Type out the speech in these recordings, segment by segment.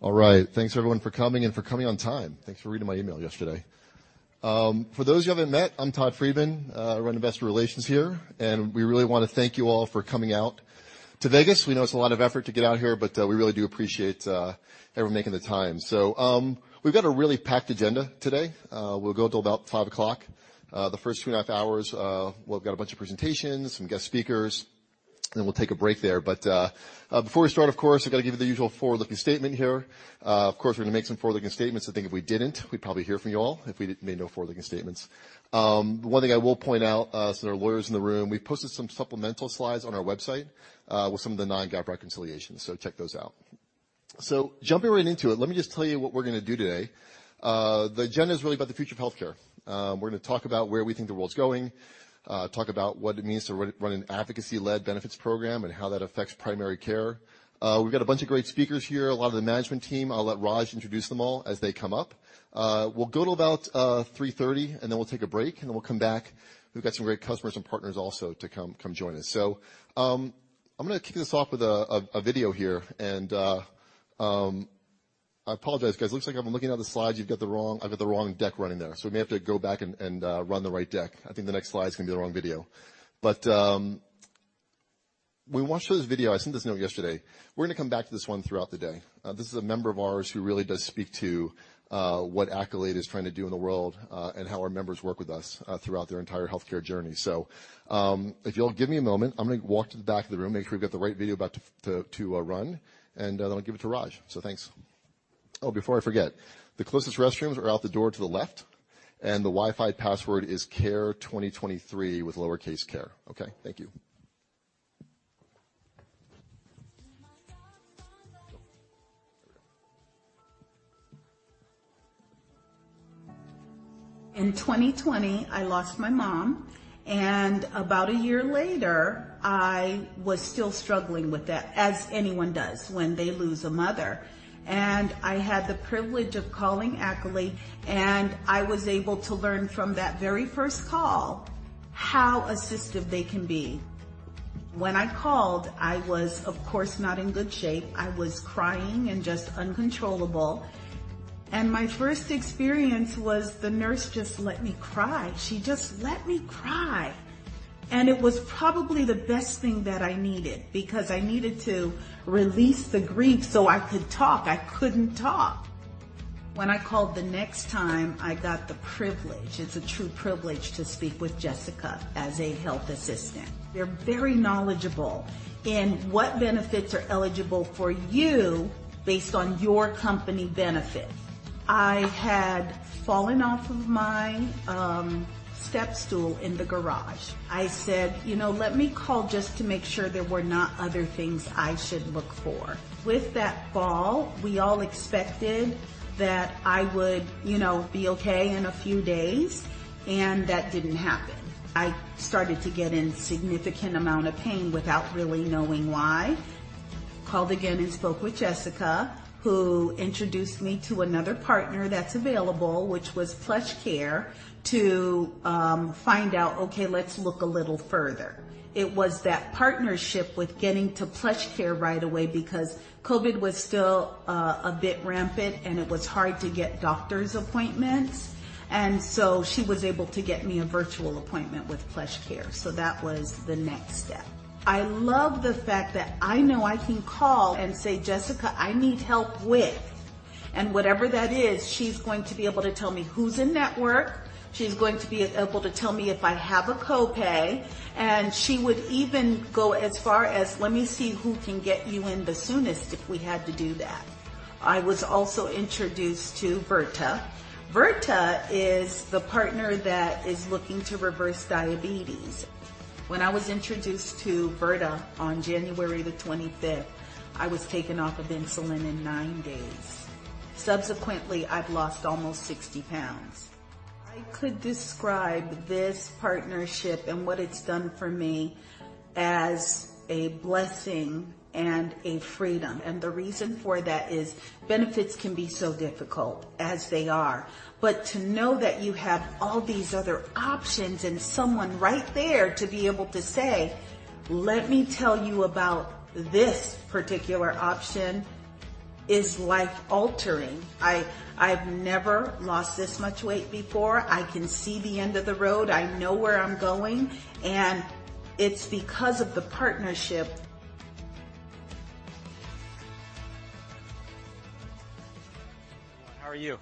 All right. Thanks everyone for coming and for coming on time. Thanks for reading my email yesterday. For those who haven't met, I'm Todd Friedman. I run investor relations here, and we really wanna thank you all for coming out to Vegas. We know it's a lot of effort to get out here, but we really do appreciate everyone making the time. We've got a really packed agenda today. We'll go till about five o'clock. The first 2.5 hours, we've got a bunch of presentations, some guest speakers, and then we'll take a break there. Before we start, of course, I gotta give you the usual forward-looking statement here. Of course, we're gonna make some forward-looking statements. I think if we didn't, we'd probably hear from you all if we made no forward-looking statements. One thing I will point out, there are lawyers in the room, we posted some supplemental slides on our website, with some of the non-GAAP reconciliations. Check those out. Jumping right into it, let me just tell you what we're gonna do today. The agenda is really about the future of healthcare. We're gonna talk about where we think the world's going, talk about what it means to run an advocacy-led benefits program and how that affects primary care. We've got a bunch of great speakers here, a lot of the management team. I'll let Raj introduce them all as they come up. We'll go to about 3:30, and then we'll take a break, and then we'll come back. We've got some great customers and partners also to come join us. I'm gonna kick this off with a video here. I apologize, guys. Looks like I'm looking at the slides. I've got the wrong deck running there, so we may have to go back and run the right deck. I think the next slide is gonna be the wrong video. When we watch this video, I sent this note yesterday, we're gonna come back to this one throughout the day. This is a member of ours who really does speak to what Accolade is trying to do in the world, and how our members work with us throughout their entire healthcare journey. If you'll give me a moment, I'm gonna walk to the back of the room, make sure we've got the right video about to run, and then I'll give it to Raj. Thanks. Before I forget, the closest restrooms are out the door to the left, and the Wi-Fi password is care2023 with lowercase care. Thank you. In 2020, I lost my mom, about a year later, I was still struggling with that as anyone does when they lose a mother. I had the privilege of calling Accolade, and I was able to learn from that very first call how assistive they can be. When I called, I was, of course, not in good shape. I was crying and just uncontrollable. My first experience was the nurse just let me cry. She just let me cry. It was probably the best thing that I needed because I needed to release the grief so I could talk. I couldn't talk. When I called the next time, I got the privilege. It's a true privilege to speak with Jessica as a Health Assistant. They're very knowledgeable in what benefits are eligible for you based on your company benefits. I had fallen off of my step stool in the garage. I said, "You know, let me call just to make sure there were not other things I should look for." With that fall, we all expected that I would, you know, be okay in a few days, and that didn't happen. I started to get in significant amount of pain without really knowing why. Called again and spoke with Jessica, who introduced me to another partner that's available, which was PlushCare, to find out, okay, let's look a little further. It was that partnership with getting to PlushCare right away because COVID was still a bit rampant and it was hard to get doctor's appointments. She was able to get me a virtual appointment with PlushCare. That was the next step. I love the fact that I know I can call and say, "Jessica, I need help with..." Whatever that is, she's going to be able to tell me who's in network. She's going to be able to tell me if I have a copay, and she would even go as far as, "Let me see who can get you in the soonest if we had to do that." I was also introduced to Virta. Virta is the partner that is looking to reverse diabetes. When I was introduced to Virta on January 25th, I was taken off of insulin in 9 days. Subsequently, I've lost almost 60 pounds. I could describe this partnership and what it's done for me as a blessing and a freedom. The reason for that is benefits can be so difficult as they are. To know that you have all these other options and someone right there to be able to say, "Let me tell you about this particular option," is life altering. I've never lost this much weight before. I can see the end of the road. I know where I'm going, and it's because of the partnership. How are you?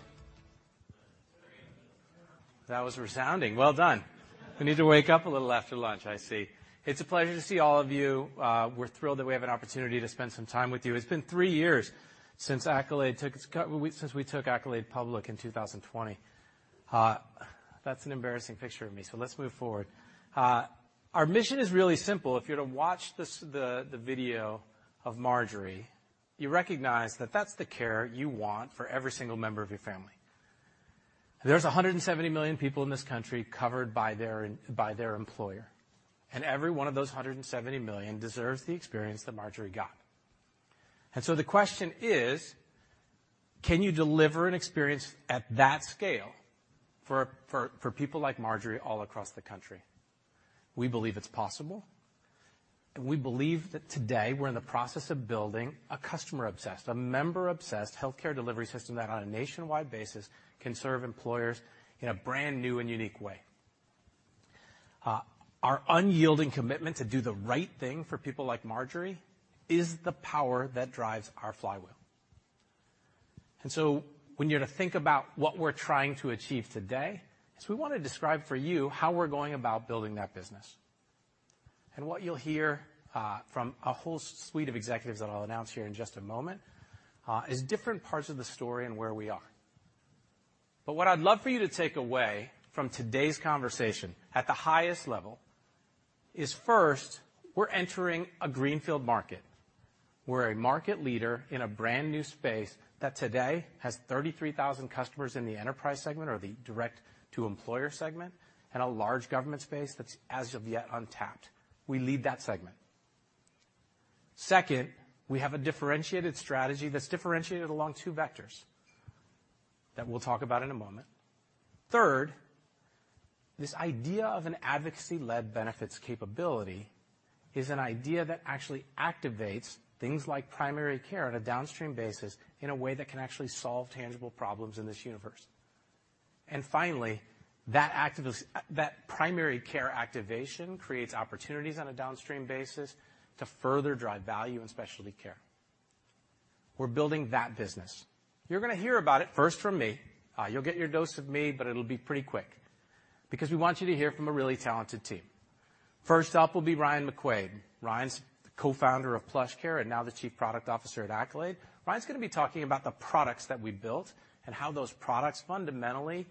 Great. That was resounding. Well done. We need to wake up a little after lunch, I see. It's a pleasure to see all of you. We're thrilled that we have an opportunity to spend some time with you. It's been three years since we took Accolade public in 2020. That's an embarrassing picture of me, let's move forward. Our mission is really simple. If you're to watch the video of Marjorie, you recognize that that's the care you want for every single member of your family. There's 170 million people in this country covered by their employer, every one of those 170 million deserves the experience that Marjorie got. The question is- Can you deliver an experience at that scale for people like Marjorie all across the country? We believe it's possible, and we believe that today we're in the process of building a customer-obsessed, a member-obsessed healthcare delivery system that on a nationwide basis, can serve employers in a brand new and unique way. Our unyielding commitment to do the right thing for people like Marjorie is the power that drives our flywheel. So when you're to think about what we're trying to achieve today, is we wanna describe for you how we're going about building that business. What you'll hear from a whole suite of executives that I'll announce here in just a moment, is different parts of the story and where we are. What I'd love for you to take away from today's conversation at the highest level is first, we're entering a greenfield market. We're a market leader in a brand-new space that today has 33,000 customers in the enterprise segment or the direct-to-employer segment and a large government space that's as of yet untapped. We lead that segment. Second, we have a differentiated strategy that's differentiated along two vectors that we'll talk about in a moment. Third, this idea of an advocacy-led benefits capability is an idea that actually activates things like primary care on a downstream basis in a way that can actually solve tangible problems in this universe. Finally, that primary care activation creates opportunities on a downstream basis to further drive value in specialty care. We're building that business. You're gonna hear about it first from me. You'll get your dose of me, but it'll be pretty quick because we want you to hear from a really talented team. First up will be Ryan McQuaid. Ryan's the Co-founder of PlushCare and now the Chief Product Officer at Accolade. Ryan's gonna be talking about the products that we built and how those products fundamentally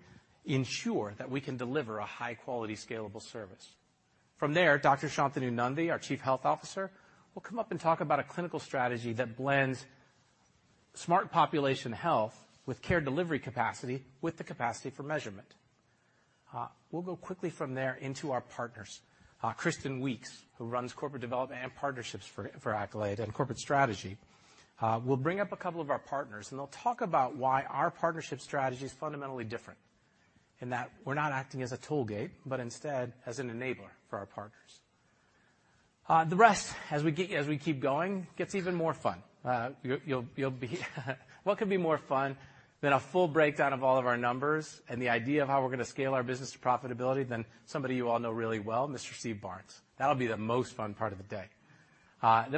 ensure that we can deliver a high-quality scalable service. From there, Dr. Shantanu Nundy, our Chief Health Officer, will come up and talk about a clinical strategy that blends smart population health with care delivery capacity with the capacity for measurement. We'll go quickly from there into our partners. Kristen Weeks, who runs Corporate Development and Partnerships for Accolade and Corporate Strategy, will bring up a couple of our partners, they'll talk about why our partnership strategy is fundamentally different in that we're not acting as a tool gate, but instead as an enabler for our partners. The rest, as we keep going, gets even more fun. What could be more fun than a full breakdown of all of our numbers and the idea of how we're gonna scale our business to profitability than somebody you all know really well, Mr. Steve Barnes. That'll be the most fun part of the day.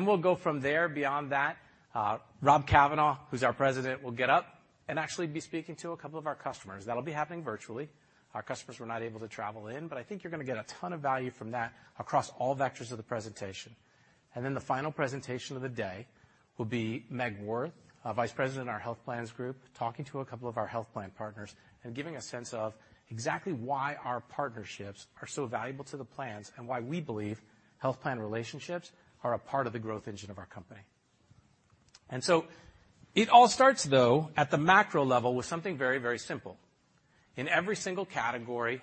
We'll go from there. Beyond that, Rob Cavanaugh, who's our President, will get up and actually be speaking to a couple of our customers. That'll be happening virtually. Our customers were not able to travel in, but I think you're gonna get a ton of value from that across all vectors of the presentation. The final presentation of the day will be Meg Worth, our Vice President in our Health Plans Group, talking to a couple of our health plan partners and giving a sense of exactly why our partnerships are so valuable to the plans and why we believe health plan relationships are a part of the growth engine of our company. It all starts, though, at the macro level with something very, very simple. In every single category,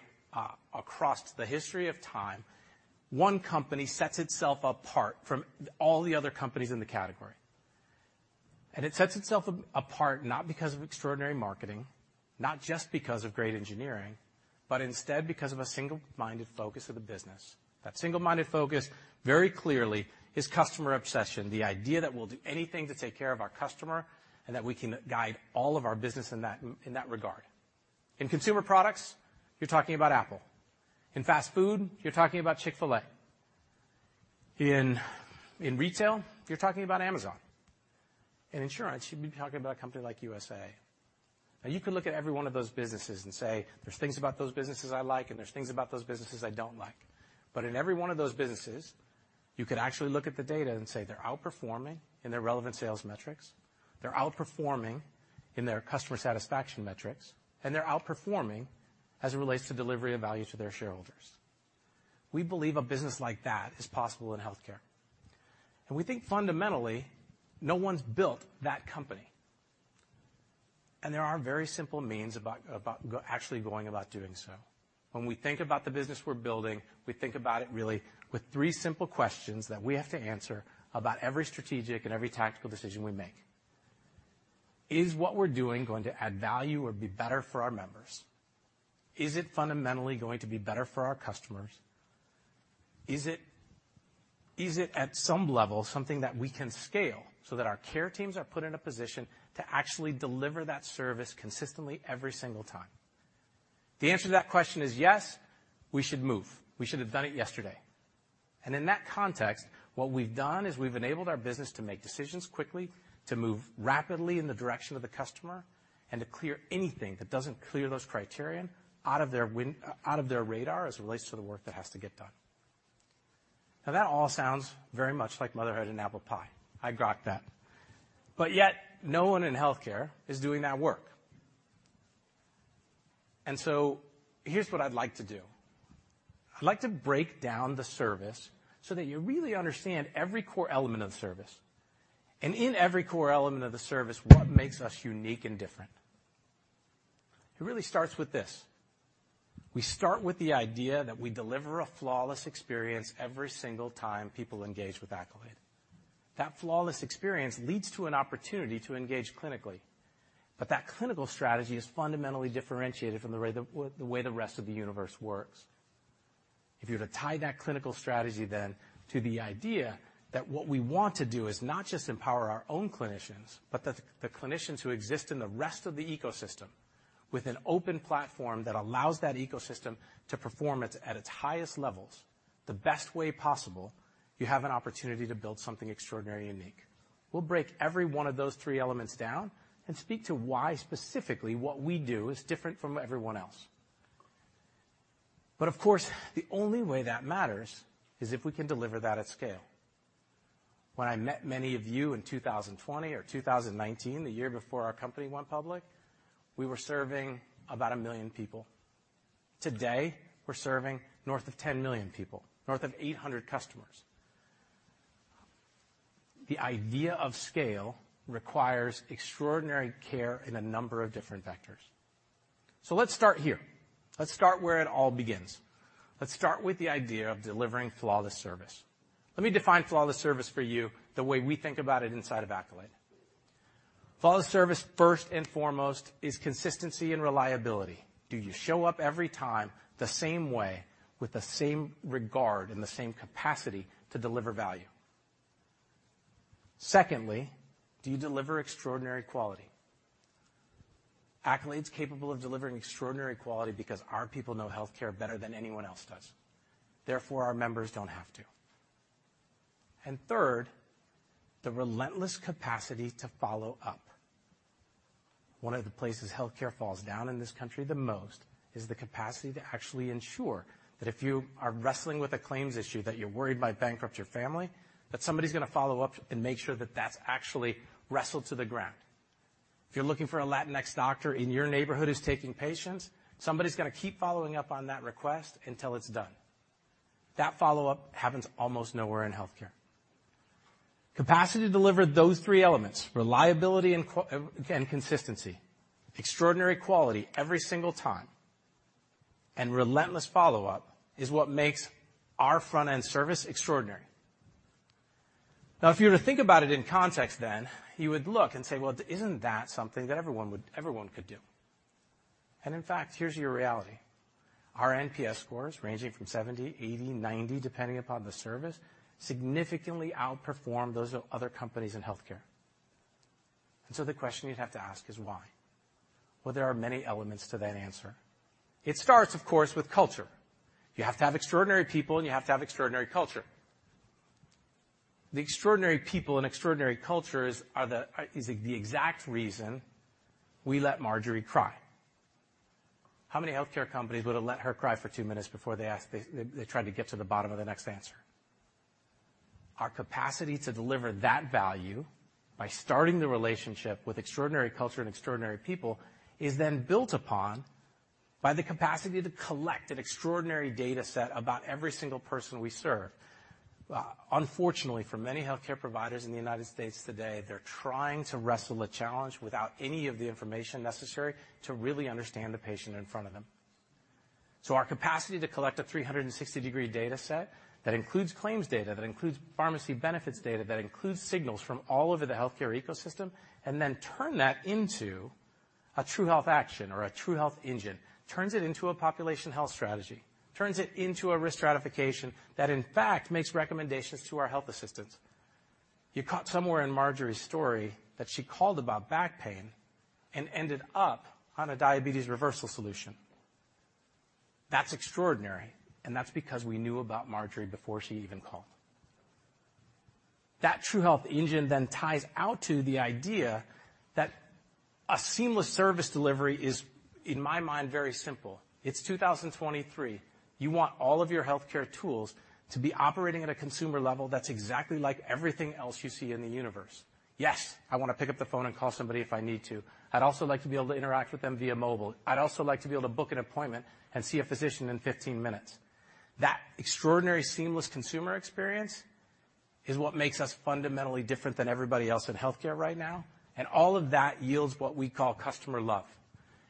across the history of time, one company sets itself apart from all the other companies in the category. It sets itself apart not because of extraordinary marketing, not just because of great engineering, but instead because of a single-minded focus of the business. That single-minded focus very clearly is customer obsession, the idea that we'll do anything to take care of our customer and that we can guide all of our business in that regard. In consumer products, you're talking about Apple. In fast food, you're talking about Chick-fil-A. In retail, you're talking about Amazon. In insurance, you'd be talking about a company like USAA. You can look at every one of those businesses and say, "There's things about those businesses I like, and there's things about those businesses I don't like." In every one of those businesses, you could actually look at the data and say they're outperforming in their relevant sales metrics, they're outperforming in their customer satisfaction metrics, and they're outperforming as it relates to delivery of value to their shareholders. We believe a business like that is possible in healthcare, and we think fundamentally no one's built that company. There are very simple means about actually going about doing so. When we think about the business we're building, we think about it really with three simple questions that we have to answer about every strategic and every tactical decision we make. Is what we're doing going to add value or be better for our members? Is it fundamentally going to be better for our customers? Is it at some level something that we can scale so that our care teams are put in a position to actually deliver that service consistently every single time? If the answer to that question is yes, we should move. We should have done it yesterday. In that context, what we've done is we've enabled our business to make decisions quickly, to move rapidly in the direction of the customer, and to clear anything that doesn't clear those criterion out of their radar as it relates to the work that has to get done. That all sounds very much like motherhood and apple pie. I got that. Yet, no one in healthcare is doing that work. Here's what I'd like to do. I'd like to break down the service so that you really understand every core element of the service, in every core element of the service, what makes us unique and different. It really starts with this. We start with the idea that we deliver a flawless experience every single time people engage with Accolade. That flawless experience leads to an opportunity to engage clinically. That clinical strategy is fundamentally differentiated from the way the rest of the universe works. If you were to tie that clinical strategy then to the idea that what we want to do is not just empower our own clinicians, but the clinicians who exist in the rest of the ecosystem with an open platform that allows that ecosystem to perform at its highest levels, the best way possible, you have an opportunity to build something extraordinary and unique. We'll break every one of those three elements down and speak to why specifically what we do is different from everyone else. Of course, the only way that matters is if we can deliver that at scale. When I met many of you in 2020 or 2019, the year before our company went public, we were serving about 1 million people. Today, we're serving north of 10 million people, north of 800 customers. The idea of scale requires extraordinary care in a number of different vectors. Let's start here. Let's start where it all begins. Let's start with the idea of delivering flawless service. Let me define flawless service for you the way we think about it inside of Accolade. Flawless service, first and foremost, is consistency and reliability. Do you show up every time the same way with the same regard and the same capacity to deliver value? Secondly, do you deliver extraordinary quality? Accolade's capable of delivering extraordinary quality because our people know healthcare better than anyone else does. Therefore, our members don't have to. Third, the relentless capacity to follow up. One of the places healthcare falls down in this country the most is the capacity to actually ensure that if you are wrestling with a claims issue that you're worried might bankrupt your family, that somebody's gonna follow up and make sure that that's actually wrestled to the ground. If you're looking for a Latinx doctor in your neighborhood who's taking patients, somebody's gonna keep following up on that request until it's done. That follow-up happens almost nowhere in healthcare. Capacity to deliver those three elements, reliability and consistency, extraordinary quality every single time, and relentless follow-up, is what makes our front-end service extraordinary. If you were to think about it in context then, you would look and say, "Well, isn't that something that everyone could do?" In fact, here's your reality. Our NPS scores ranging from 70, 80, 90, depending upon the service, significantly outperform those other companies in healthcare. The question you'd have to ask is why. Well, there are many elements to that answer. It starts, of course, with culture. You have to have extraordinary people, and you have to have extraordinary culture. The extraordinary people and extraordinary cultures is the exact reason we let Marjorie cry. How many healthcare companies would have let her cry for two minutes before they asked, they tried to get to the bottom of the next answer? Our capacity to deliver that value by starting the relationship with extraordinary culture and extraordinary people is then built upon by the capacity to collect an extraordinary data set about every single person we serve. Unfortunately, for many healthcare providers in the United States today, they're trying to wrestle a challenge without any of the information necessary to really understand the patient in front of them. Our capacity to collect a 360-degree data set that includes claims data, that includes pharmacy benefits data, that includes signals from all over the healthcare ecosystem, and then turn that into a True Health Action or a True Health Engine, turns it into a population health strategy, turns it into a risk stratification that, in fact, makes recommendations to our health assistants. You caught somewhere in Marjorie's story that she called about back pain and ended up on a diabetes reversal solution. That's extraordinary, and that's because we knew about Marjorie before she even called. That True Health Engine then ties out to the idea that a seamless service delivery is, in my mind, very simple. It's 2023. You want all of your healthcare tools to be operating at a consumer level that's exactly like everything else you see in the universe. Yes, I wanna pick up the phone and call somebody if I need to. I'd also like to be able to interact with them via mobile. I'd also like to be able to book an appointment and see a physician in 15 minutes. That extraordinary seamless consumer experience is what makes us fundamentally different than everybody else in healthcare right now, and all of that yields what we call customer love.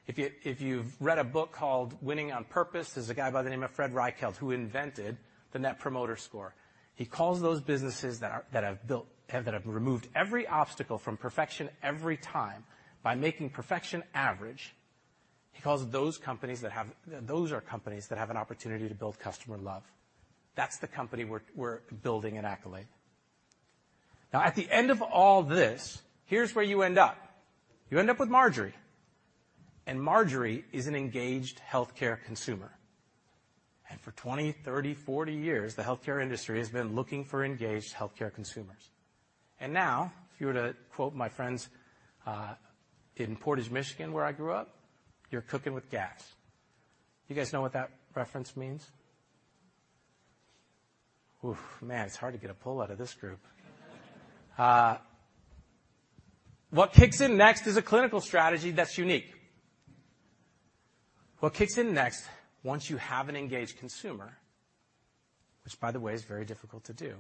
If you've read a book called Winning on Purpose, there's a guy by the name of Fred Reichheld who invented the net promoter score. He calls those businesses that have built, that have removed every obstacle from perfection every time by making perfection average, those are companies that have an opportunity to build customer love. That's the company we're building at Accolade. At the end of all this, here's where you end up. You end up with Marjorie. Marjorie is an engaged healthcare consumer. For 20, 30, 40 years, the healthcare industry has been looking for engaged healthcare consumers. Now, if you were to quote my friends in Portage, Michigan, where I grew up, you're cooking with gas. You guys know what that reference means? Oof, man, it's hard to get a pull out of this group. What kicks in next is a clinical strategy that's unique. What kicks in next once you have an engaged consumer, which by the way, is very difficult to do,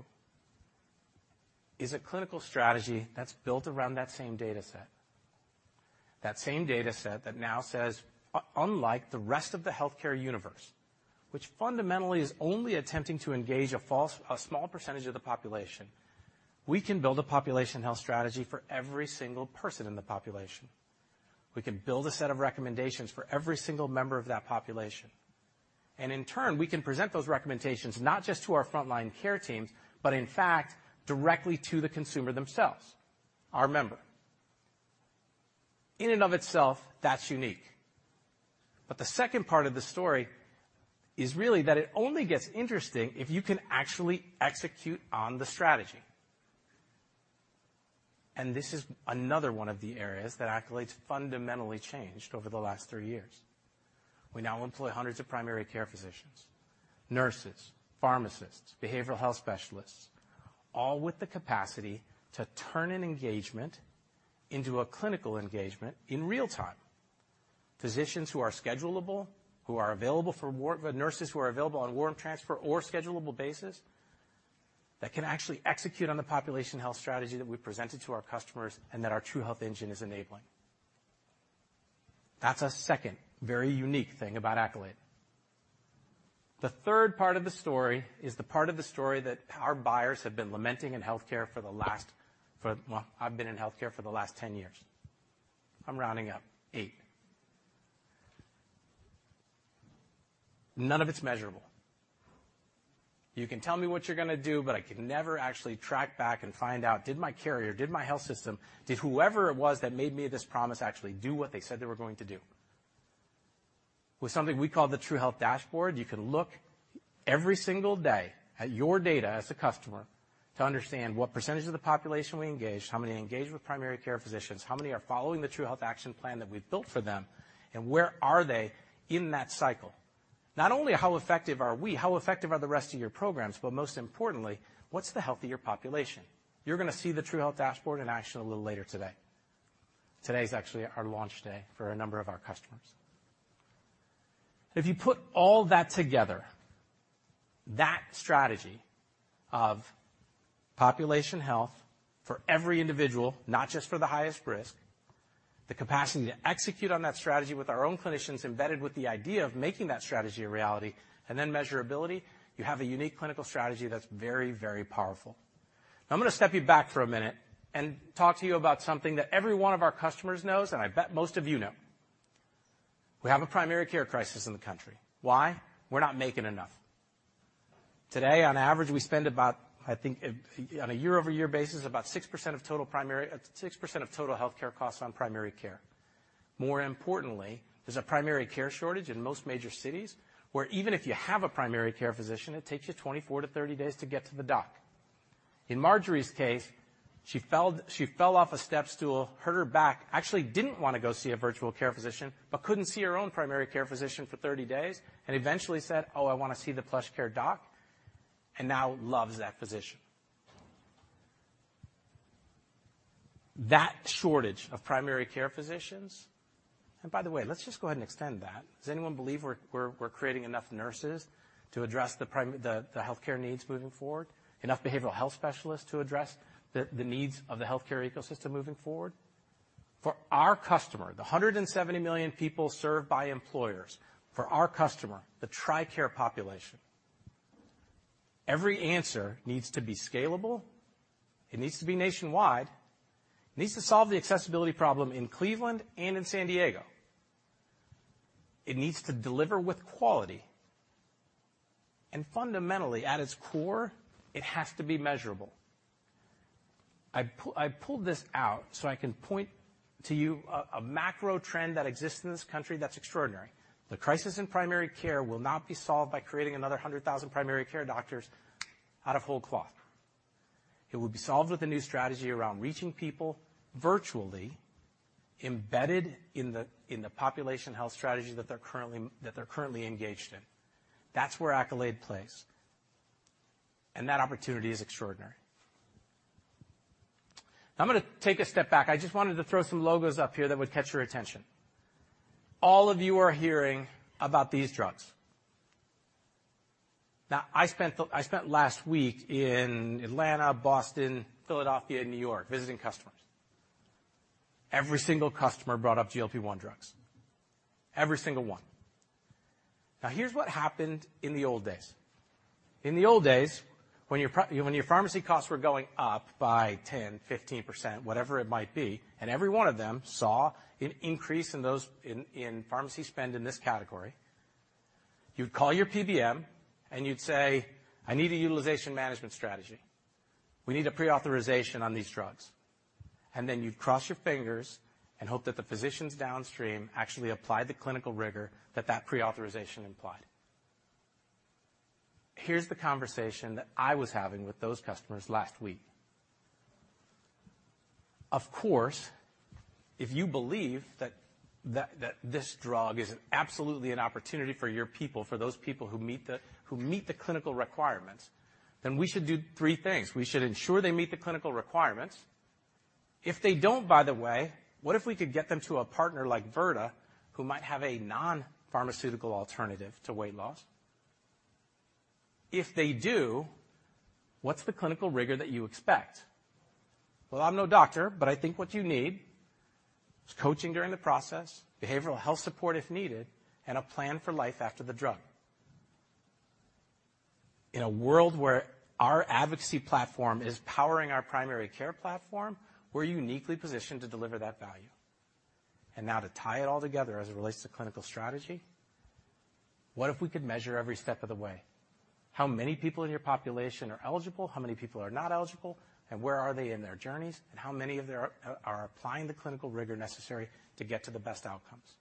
is a clinical strategy that's built around that same data set. That same data set that now says, unlike the rest of the healthcare universe, which fundamentally is only attempting to engage a small percentage of the population, we can build a population health strategy for every single person in the population. We can build a set of recommendations for every single member of that population. In turn, we can present those recommendations not just to our frontline care teams, but in fact, directly to the consumer themselves, our member. In and of itself, that's unique. The second part of the story is really that it only gets interesting if you can actually execute on the strategy. This is another one of the areas that Accolade's fundamentally changed over the last three years. We now employ hundreds of primary care physicians, nurses, pharmacists, behavioral health specialists, all with the capacity to turn an engagement into a clinical engagement in real time. Physicians who are schedulable, who are available for nurses who are available on warm transfer or schedulable basis, that can actually execute on the population health strategy that we presented to our customers and that our True Health Engine is enabling. That's a second very unique thing about Accolade. The third part of the story is the part of the story that our buyers have been lamenting in healthcare for well, I've been in healthcare for the last 10 years. I'm rounding up, eight. None of it's measurable. You can tell me what you're gonna do, but I can never actually track back and find out, did my carrier, did my health system, did whoever it was that made me this promise, actually do what they said they were going to do? With something we call the True Health dashboard, you can look every single day at your data as a customer to understand what percentage of the population we engaged, how many are engaged with primary care physicians, how many are following the True Health action plan that we've built for them, where are they in that cycle. Not only how effective are we, how effective are the rest of your programs, most importantly, what's the health of your population? You're gonna see the True Health dashboard in action a little later today. Today is actually our launch day for a number of our customers. If you put all that together, that strategy of population health for every individual, not just for the highest risk, the capacity to execute on that strategy with our own clinicians embedded with the idea of making that strategy a reality, and then measurability, you have a unique clinical strategy that's very, very powerful. Now, I'm gonna step you back for a minute and talk to you about something that every one of our customers knows, and I bet most of you know. We have a primary care crisis in the country. Why? We're not making enough. Today, on average, we spend about, I think, on a year-over-year basis, about 6% of total 6% of total health care costs on primary care. More importantly, there's a primary care shortage in most major cities, where even if you have a primary care physician, it takes you 24-30 days to get to the doc. In Marjorie's case, she fell off a stepstool, hurt her back, actually didn't wanna go see a virtual care physician, but couldn't see her own primary care physician for 30 days, and eventually said, "Oh, I wanna see the PlushCare doc," and now loves that physician. That shortage of primary care physicians... By the way, let's just go ahead and extend that. Does anyone believe we're creating enough nurses to address the healthcare needs moving forward? Enough behavioral health specialists to address the needs of the healthcare ecosystem moving forward? For our customer, the $170 million people served by employers, for our customer, the TRICARE population, every answer needs to be scalable, it needs to be nationwide, it needs to solve the accessibility problem in Cleveland and in San Diego. It needs to deliver with quality. Fundamentally, at its core, it has to be measurable. I pulled this out so I can point to you a macro trend that exists in this country that's extraordinary. The crisis in primary care will not be solved by creating another 100,000 primary care doctors out of whole cloth. It will be solved with a new strategy around reaching people virtually embedded in the population health strategy that they're currently engaged in. That's where Accolade plays. That opportunity is extraordinary. Now, I'm gonna take a step back. I just wanted to throw some logos up here that would catch your attention. All of you are hearing about these drugs. I spent last week in Atlanta, Boston, Philadelphia, and New York, visiting customers. Every single customer brought up GLP-1 drugs. Every single one. Here's what happened in the old days. In the old days, when your pharmacy costs were going up by 10%, 15%, whatever it might be, and every one of them saw an increase in pharmacy spend in this category, you'd call your PBM and you'd say, "I need a utilization management strategy. We need a pre-authorization on these drugs." Then you'd cross your fingers and hope that the physicians downstream actually applied the clinical rigor that that pre-authorization implied. Here's the conversation that I was having with those customers last week. Of course, if you believe that this drug is absolutely an opportunity for your people, for those people who meet the, who meet the clinical requirements, then we should do three things. We should ensure they meet the clinical requirements. If they don't, by the way, what if we could get them to a partner like Virta who might have a non-pharmaceutical alternative to weight loss? If they do, what's the clinical rigor that you expect? Well, I'm no doctor, but I think what you need is coaching during the process, behavioral health support if needed, and a plan for life after the drug. In a world where our advocacy platform is powering our primary care platform, we're uniquely positioned to deliver that value. Now to tie it all together as it relates to clinical strategy, what if we could measure every step of the way? How many people in your population are eligible? How many people are not eligible, and where are they in their journeys? How many of their-- are applying the clinical rigor necessary to get to the best outcomes?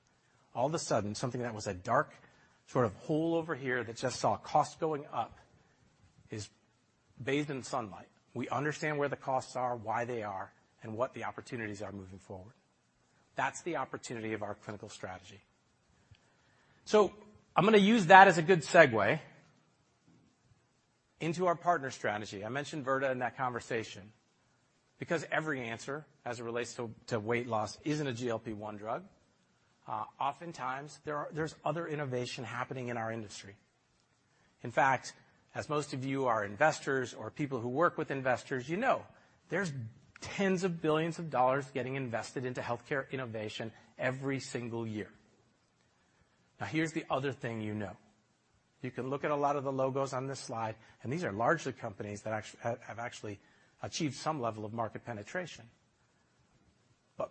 All of a sudden, something that was a dark sort of hole over here that just saw cost going up is bathed in sunlight. We understand where the costs are, why they are, and what the opportunities are moving forward. That's the opportunity of our clinical strategy. I'm gonna use that as a good segue into our partner strategy. I mentioned Virta in that conversation because every answer as it relates to weight loss isn't a GLP-1 drug. Oftentimes there's other innovation happening in our industry. In fact, as most of you are investors or people who work with investors, you know there's tens of billions of dollars getting invested into healthcare innovation every single year. Here's the other thing you know. You can look at a lot of the logos on this slide, these are largely companies that have actually achieved some level of market penetration.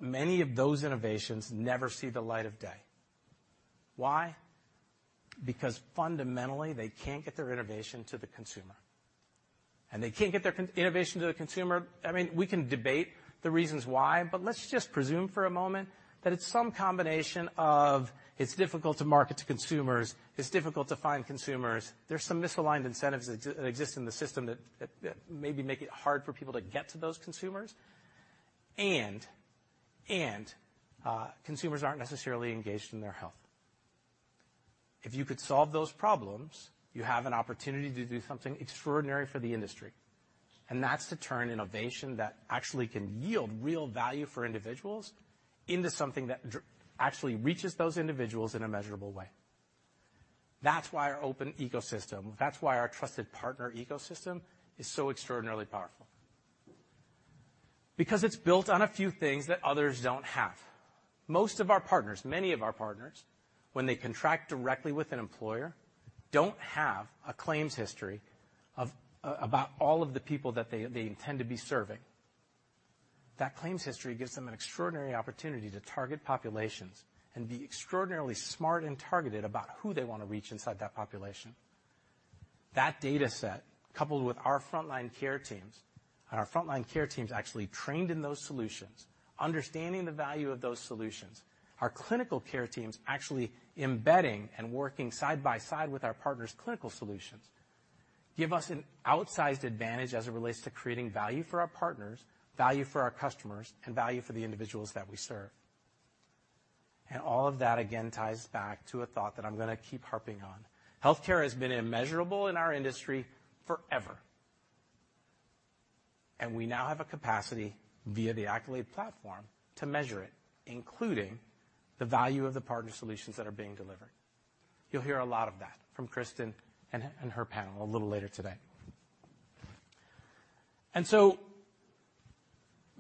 Many of those innovations never see the light of day. Why? Because fundamentally, they can't get their innovation to the consumer, and they can't get their innovation to the consumer. I mean, we can debate the reasons why, but let's just presume for a moment that it's some combination of it's difficult to market to consumers, it's difficult to find consumers. There's some misaligned incentives that exist in the system that maybe make it hard for people to get to those consumers, and consumers aren't necessarily engaged in their health. If you could solve those problems, you have an opportunity to do something extraordinary for the industry, and that's to turn innovation that actually can yield real value for individuals into something that actually reaches those individuals in a measurable way. That's why our open ecosystem, that's why our Trusted Partner Ecosystem is so extraordinarily powerful. Because it's built on a few things that others don't have. Most of our partners, many of our partners, when they contract directly with an employer, don't have a claims history of about all of the people that they intend to be serving. That claims history gives them an extraordinary opportunity to target populations and be extraordinarily smart and targeted about who they wanna reach inside that population. That data set, coupled with our frontline care teams and our frontline care teams actually trained in those solutions, understanding the value of those solutions. Our clinical care teams actually embedding and working side by side with our partners' clinical solutions, give us an outsized advantage as it relates to creating value for our partners, value for our customers, and value for the individuals that we serve. All of that again ties back to a thought that I'm gonna keep harping on. Healthcare has been immeasurable in our industry forever, and we now have a capacity via the Accolade platform to measure it, including the value of the partner solutions that are being delivered. You'll hear a lot of that from Kristen and her panel a little later today.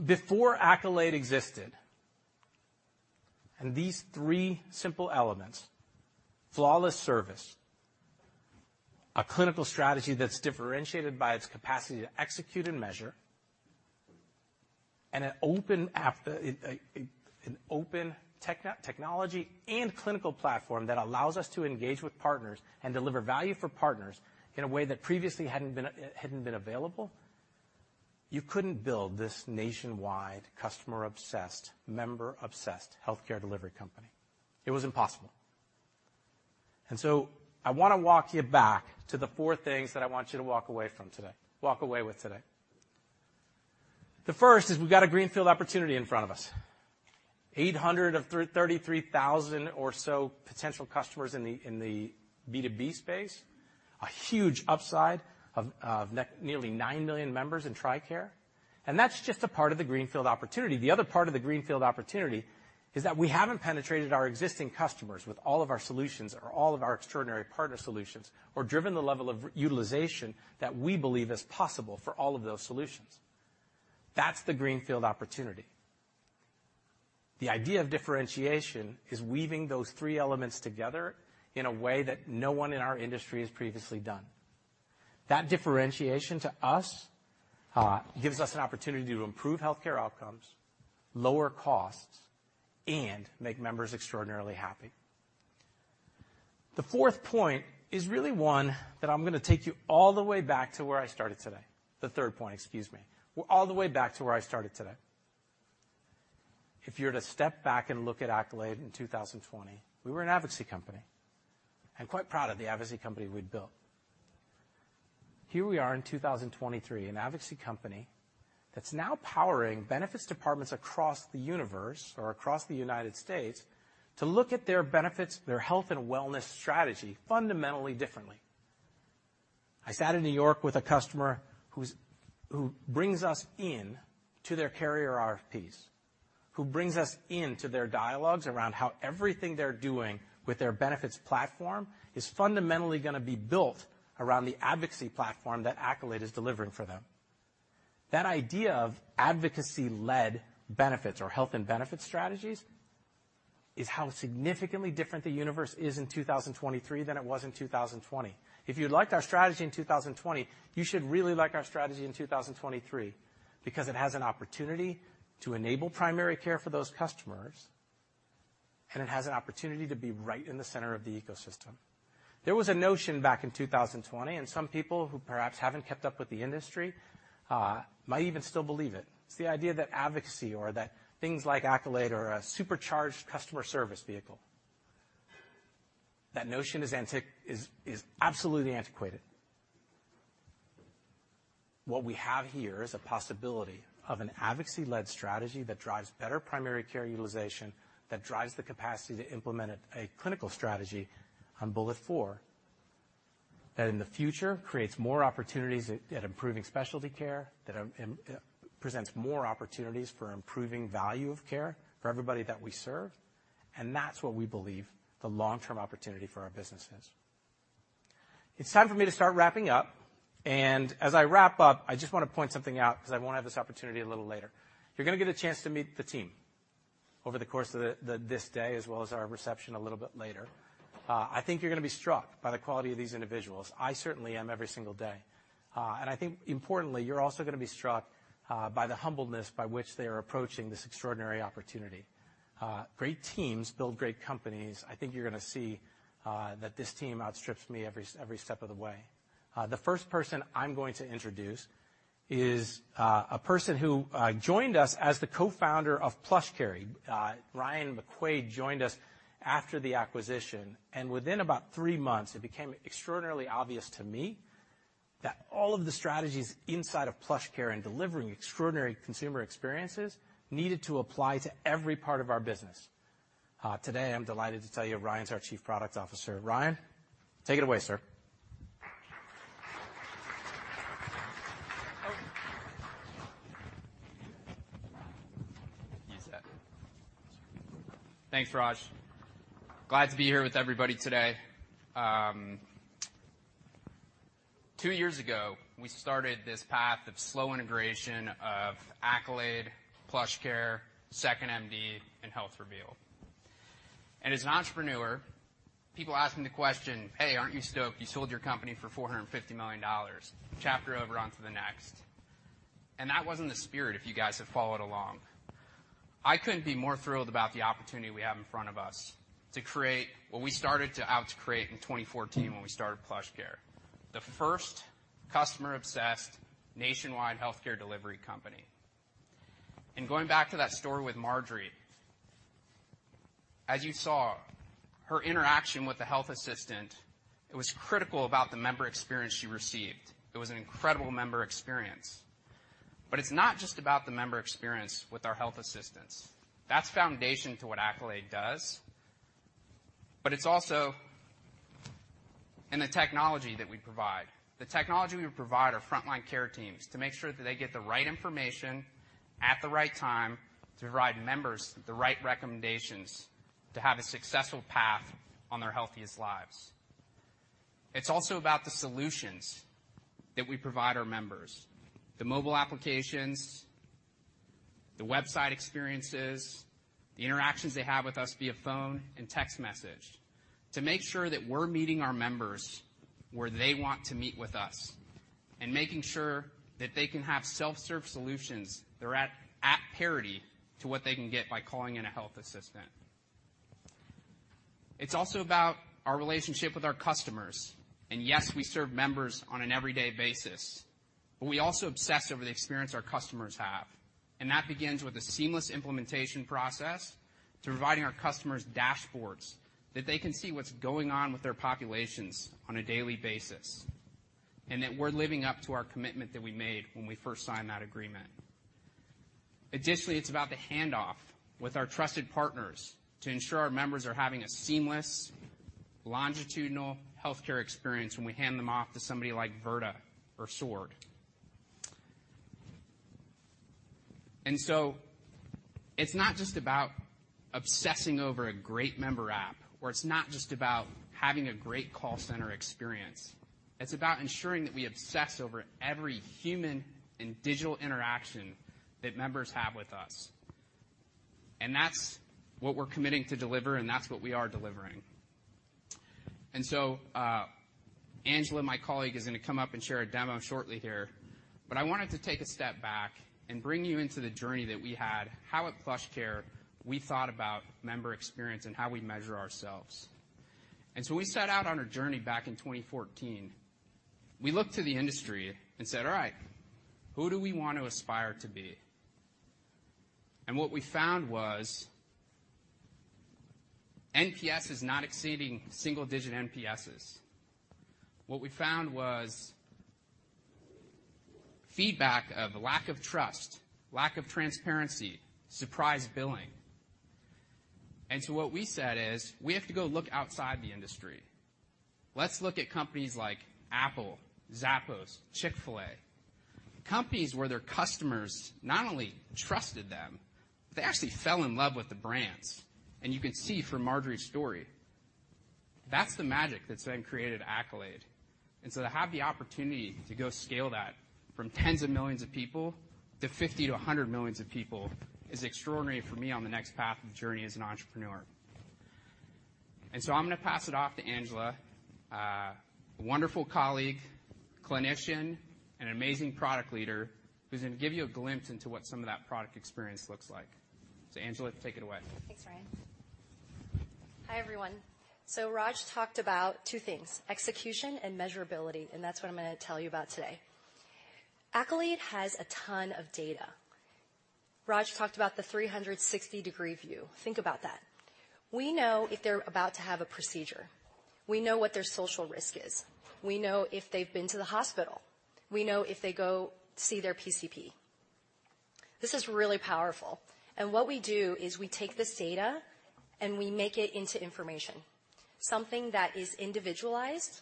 Before Accolade existed, and these three simple elements, flawless service, a clinical strategy that's differentiated by its capacity to execute and measure, and an open technology and clinical platform that allows us to engage with partners and deliver value for partners in a way that previously hadn't been available, you couldn't build this nationwide customer-obsessed, member-obsessed healthcare delivery company. It was impossible. I wanna walk you back to the four things that I want you to walk away with today. The first is we've got a greenfield opportunity in front of us. 800 of 33,000 or so potential customers in the B2B space. A huge upside of nearly 9 million members in TRICARE, that's just a part of the greenfield opportunity. The other part of the greenfield opportunity is that we haven't penetrated our existing customers with all of our solutions or all of our extraordinary partner solutions or driven the level of utilization that we believe is possible for all of those solutions. That's the greenfield opportunity. The idea of differentiation is weaving those three elements together in a way that no one in our industry has previously done. That differentiation, to us, gives us an opportunity to improve healthcare outcomes, lower costs, and make members extraordinarily happy. The fourth point is really one that I'm gonna take you all the way back to where I started today. The third point, excuse me. We're all the way back to where I started today. If you're to step back and look at Accolade in 2020, we were an advocacy company, and quite proud of the advocacy company we'd built. Here we are in 2023, an advocacy company that's now powering benefits departments across the universe or across the United States to look at their benefits, their health and wellness strategy fundamentally differently. I sat in New York with a customer who brings us in to their carrier RFPs, who brings us in to their dialogues around how everything they're doing with their benefits platform is fundamentally gonna be built around the advocacy platform that Accolade is delivering for them. That idea of advocacy-led benefits or health and benefit strategies is how significantly different the universe is in 2023 than it was in 2020. If you liked our strategy in 2020, you should really like our strategy in 2023 because it has an opportunity to enable primary care for those customers, and it has an opportunity to be right in the center of the ecosystem. There was a notion back in 2020, and some people who perhaps haven't kept up with the industry might even still believe it. It's the idea that advocacy or that things like Accolade are a supercharged customer service vehicle. That notion is absolutely antiquated. What we have here is a possibility of an advocacy-led strategy that drives better primary care utilization, that drives the capacity to implement a clinical strategy on bullet four, that in the future creates more opportunities at improving specialty care, that presents more opportunities for improving value of care for everybody that we serve, and that's what we believe the long-term opportunity for our business is. It's time for me to start wrapping up, and as I wrap up, I just wanna point something out because I won't have this opportunity a little later. You're gonna get a chance to meet the team over the course of this day as well as our reception a little bit later. I think you're gonna be struck by the quality of these individuals. I certainly am every single day. I think importantly, you're also gonna be struck by the humbleness by which they are approaching this extraordinary opportunity. Great teams build great companies. I think you're gonna see that this team outstrips me every step of the way. The first person I'm going to introduce is a person who joined us as the Co-founder of PlushCare. Ryan McQuaid joined us after the acquisition, and within about three months, it became extraordinarily obvious to me that all of the strategies inside of PlushCare and delivering extraordinary consumer experiences needed to apply to every part of our business. Today, I'm delighted to tell you, Ryan's our Chief Product Officer. Ryan, take it away, sir. Use that. Thanks, Raj. Glad to be here with everybody today. Two years ago, we started this path of slow integration of Accolade, PlushCare, 2nd.MD, and HealthReveal. As an entrepreneur, people ask me the question, "Hey, aren't you stoked you sold your company for $450 million? Chapter over onto the next." That wasn't the spirit if you guys have followed along. I couldn't be more thrilled about the opportunity we have in front of us to create what we started to out to create in 2014 when we started PlushCare, the first customer-obsessed nationwide healthcare delivery company. Going back to that story with Marjorie, as you saw her interaction with the health assistant, it was critical about the member experience she received. It was an incredible member experience. It's not just about the member experience with our health assistants. That's foundation to what Accolade does, but it's also in the technology that we provide. The technology we provide our frontline care teams to make sure that they get the right information at the right time to provide members the right recommendations to have a successful path on their healthiest lives. It's also about the solutions that we provide our members. The mobile applications, the website experiences, the interactions they have with us via phone and text message to make sure that we're meeting our members where they want to meet with us and making sure that they can have self-serve solutions that are at parity to what they can get by calling in a health assistant. It's also about our relationship with our customers. Yes, we serve members on an everyday basis, we also obsess over the experience our customers have. That begins with a seamless implementation process to providing our customers dashboards that they can see what's going on with their populations on a daily basis and that we're living up to our commitment that we made when we first signed that agreement. Additionally, it's about the handoff with our trusted partners to ensure our members are having a seamless longitudinal healthcare experience when we hand them off to somebody like Virta or Sword. It's not just about obsessing over a great member app, it's not just about having a great call center experience. It's about ensuring that we obsess over every human and digital interaction that members have with us. That's what we're committing to deliver, and that's what we are delivering. Anuja, my colleague, is gonna come up and share a demo shortly here, but I wanted to take a step back and bring you into the journey that we had, how at PlushCare we thought about member experience and how we measure ourselves. We set out on a journey back in 2014. We looked to the industry and said, "All right. Who do we want to aspire to be?" What we found was NPS is not exceeding single-digit NPSs. What we found was feedback of lack of trust, lack of transparency, surprise billing. What we said is, "We have to go look outside the industry." Let's look at companies like Apple, Zappos, Chick-fil-A, companies where their customers not only trusted them, they actually fell in love with the brands. You could see from Marjorie's story, that's the magic that's been created at Accolade. To have the opportunity to go scale that from tens of millions of people to 50 million-100 million people is extraordinary for me on the next path of journey as an entrepreneur. I'm gonna pass it off to Anuja, a wonderful colleague, clinician, and an amazing product leader, who's gonna give you a glimpse into what some of that product experience looks like. Anuja, take it away. Thanks, Ryan. Hi, everyone. Raj talked about two things, execution and measurability, and that's what I'm gonna tell you about today. Accolade has a ton of data. Raj talked about the 360-degree view. Think about that. We know if they're about to have a procedure. We know what their social risk is. We know if they've been to the hospital. We know if they go see their PCP. This is really powerful. What we do is we take this data and we make it into information, something that is individualized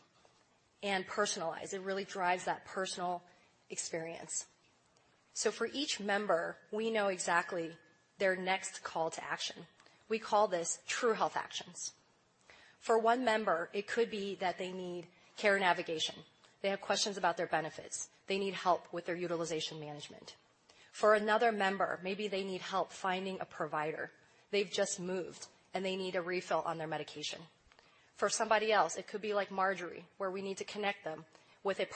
and personalized. It really drives that personal experience. For each member, we know exactly their next call to action. We call this True Health Actions. For one member, it could be that they need care navigation. They have questions about their benefits. They need help with their utilization management. For another member, maybe they need help finding a provider. They've just moved, and they need a refill on their medication. For somebody else, it could be like Marjorie, where we need to connect them with a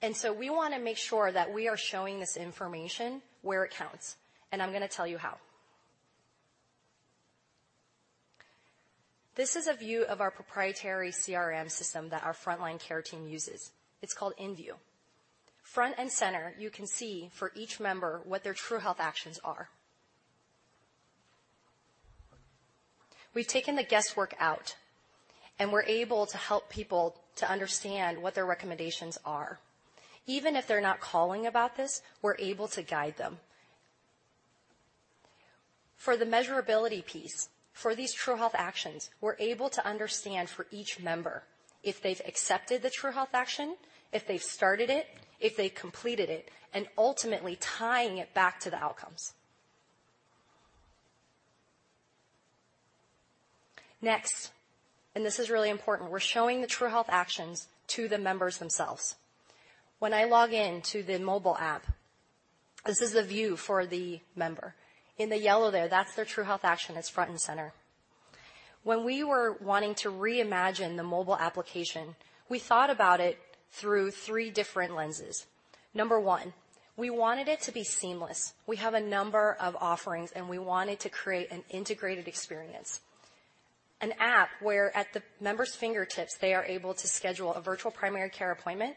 partner program such as Virta. We wanna make sure that we are showing this information where it counts, and I'm gonna tell you how. This is a view of our proprietary CRM system that our frontline care team uses. It's called In View. Front and center, you can see for each member what their True Health Actions are. We've taken the guesswork out, and we're able to help people to understand what their recommendations are. Even if they're not calling about this, we're able to guide them. For the measurability piece, for these True Health Actions, we're able to understand for each member if they've accepted the True Health Action, if they've started it, if they completed it, and ultimately tying it back to the outcomes. Next, this is really important, we're showing the True Health Actions to the members themselves. When I log in to the mobile app, this is the view for the member. In the yellow there, that's their True Health Action that's front and center. When we were wanting to reimagine the mobile application, we thought about it through three different lenses. Number one, we wanted it to be seamless. We have a number of offerings, and we wanted to create an integrated experience, an app where at the member's fingertips, they are able to schedule a virtual primary care appointment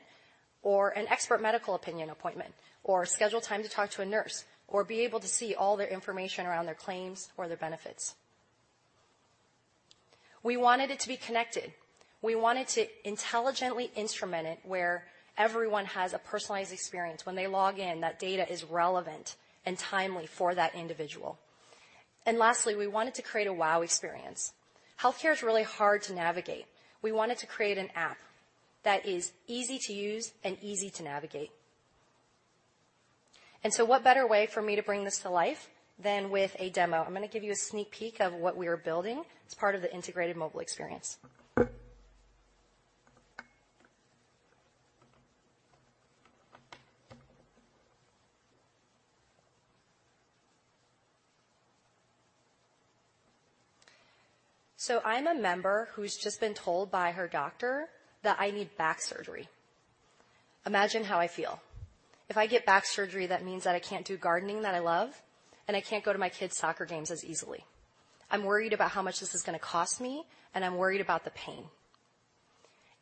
or an expert medical opinion appointment or schedule time to talk to a nurse or be able to see all their information around their claims or their benefits. We wanted it to be connected. We wanted to intelligently instrument it where everyone has a personalized experience. When they log in, that data is relevant and timely for that individual. Lastly, we wanted to create a wow experience. Healthcare is really hard to navigate. We wanted to create an app that is easy to use and easy to navigate. What better way for me to bring this to life than with a demo? I'm gonna give you a sneak peek of what we are building as part of the integrated mobile experience. I'm a member who's just been told by her doctor that I need back surgery. Imagine how I feel. If I get back surgery, that means that I can't do gardening that I love, and I can't go to my kids' soccer games as easily. I'm worried about how much this is gonna cost me, and I'm worried about the pain.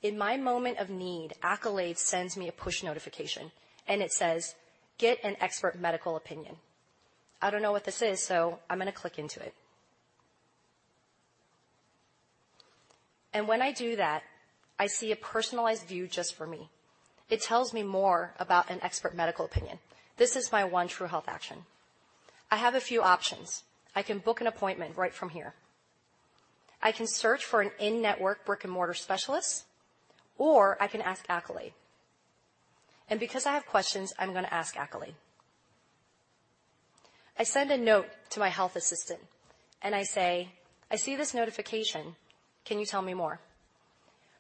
In my moment of need, Accolade sends me a push notification, and it says, "Get an expert medical opinion." I don't know what this is, so I'm gonna click into it. When I do that, I see a personalized view just for me. It tells me more about an expert medical opinion. This is my one True Health Action. I have a few options. I can book an appointment right from here. I can search for an in-network brick-and-mortar specialist, or I can ask Accolade. Because I have questions, I'm gonna ask Accolade. I send a note to my health assistant and I say, "I see this notification. Can you tell me more?"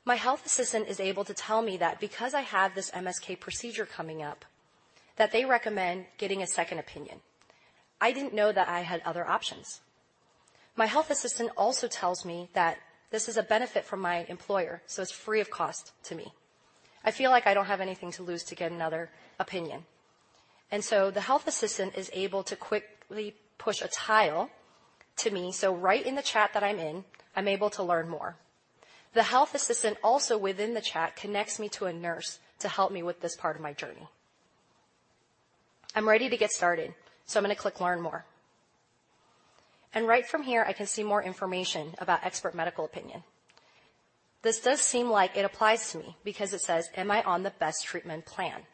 My health assistant is able to tell me that because I have this MSK procedure coming up, that they recommend getting a second opinion. I didn't know that I had other options. My health assistant also tells me that this is a benefit from my employer, it's free of cost to me. I feel like I don't have anything to lose to get another opinion. The health assistant is able to quickly push a tile to me. Right in the chat that I'm in, I'm able to learn more. The health assistant also within the chat connects me to a nurse to help me with this part of my journey. I'm ready to get started, I'm gonna click Learn More. Right from here, I can see more information about expert medical opinion. This does seem like it applies to me because it says, "Am I on the best treatment plan?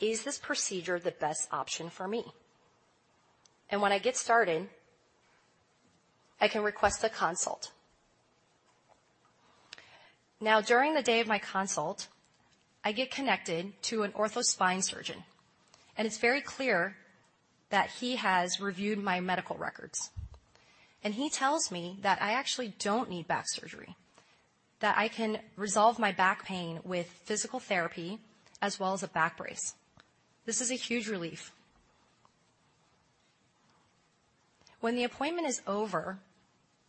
Is this procedure the best option for me?" When I get started, I can request the consult. Now, during the day of my consult, I get connected to an ortho spine surgeon, and it's very clear that he has reviewed my medical records. He tells me that I actually don't need back surgery, that I can resolve my back pain with physical therapy as well as a back brace. This is a huge relief. When the appointment is over,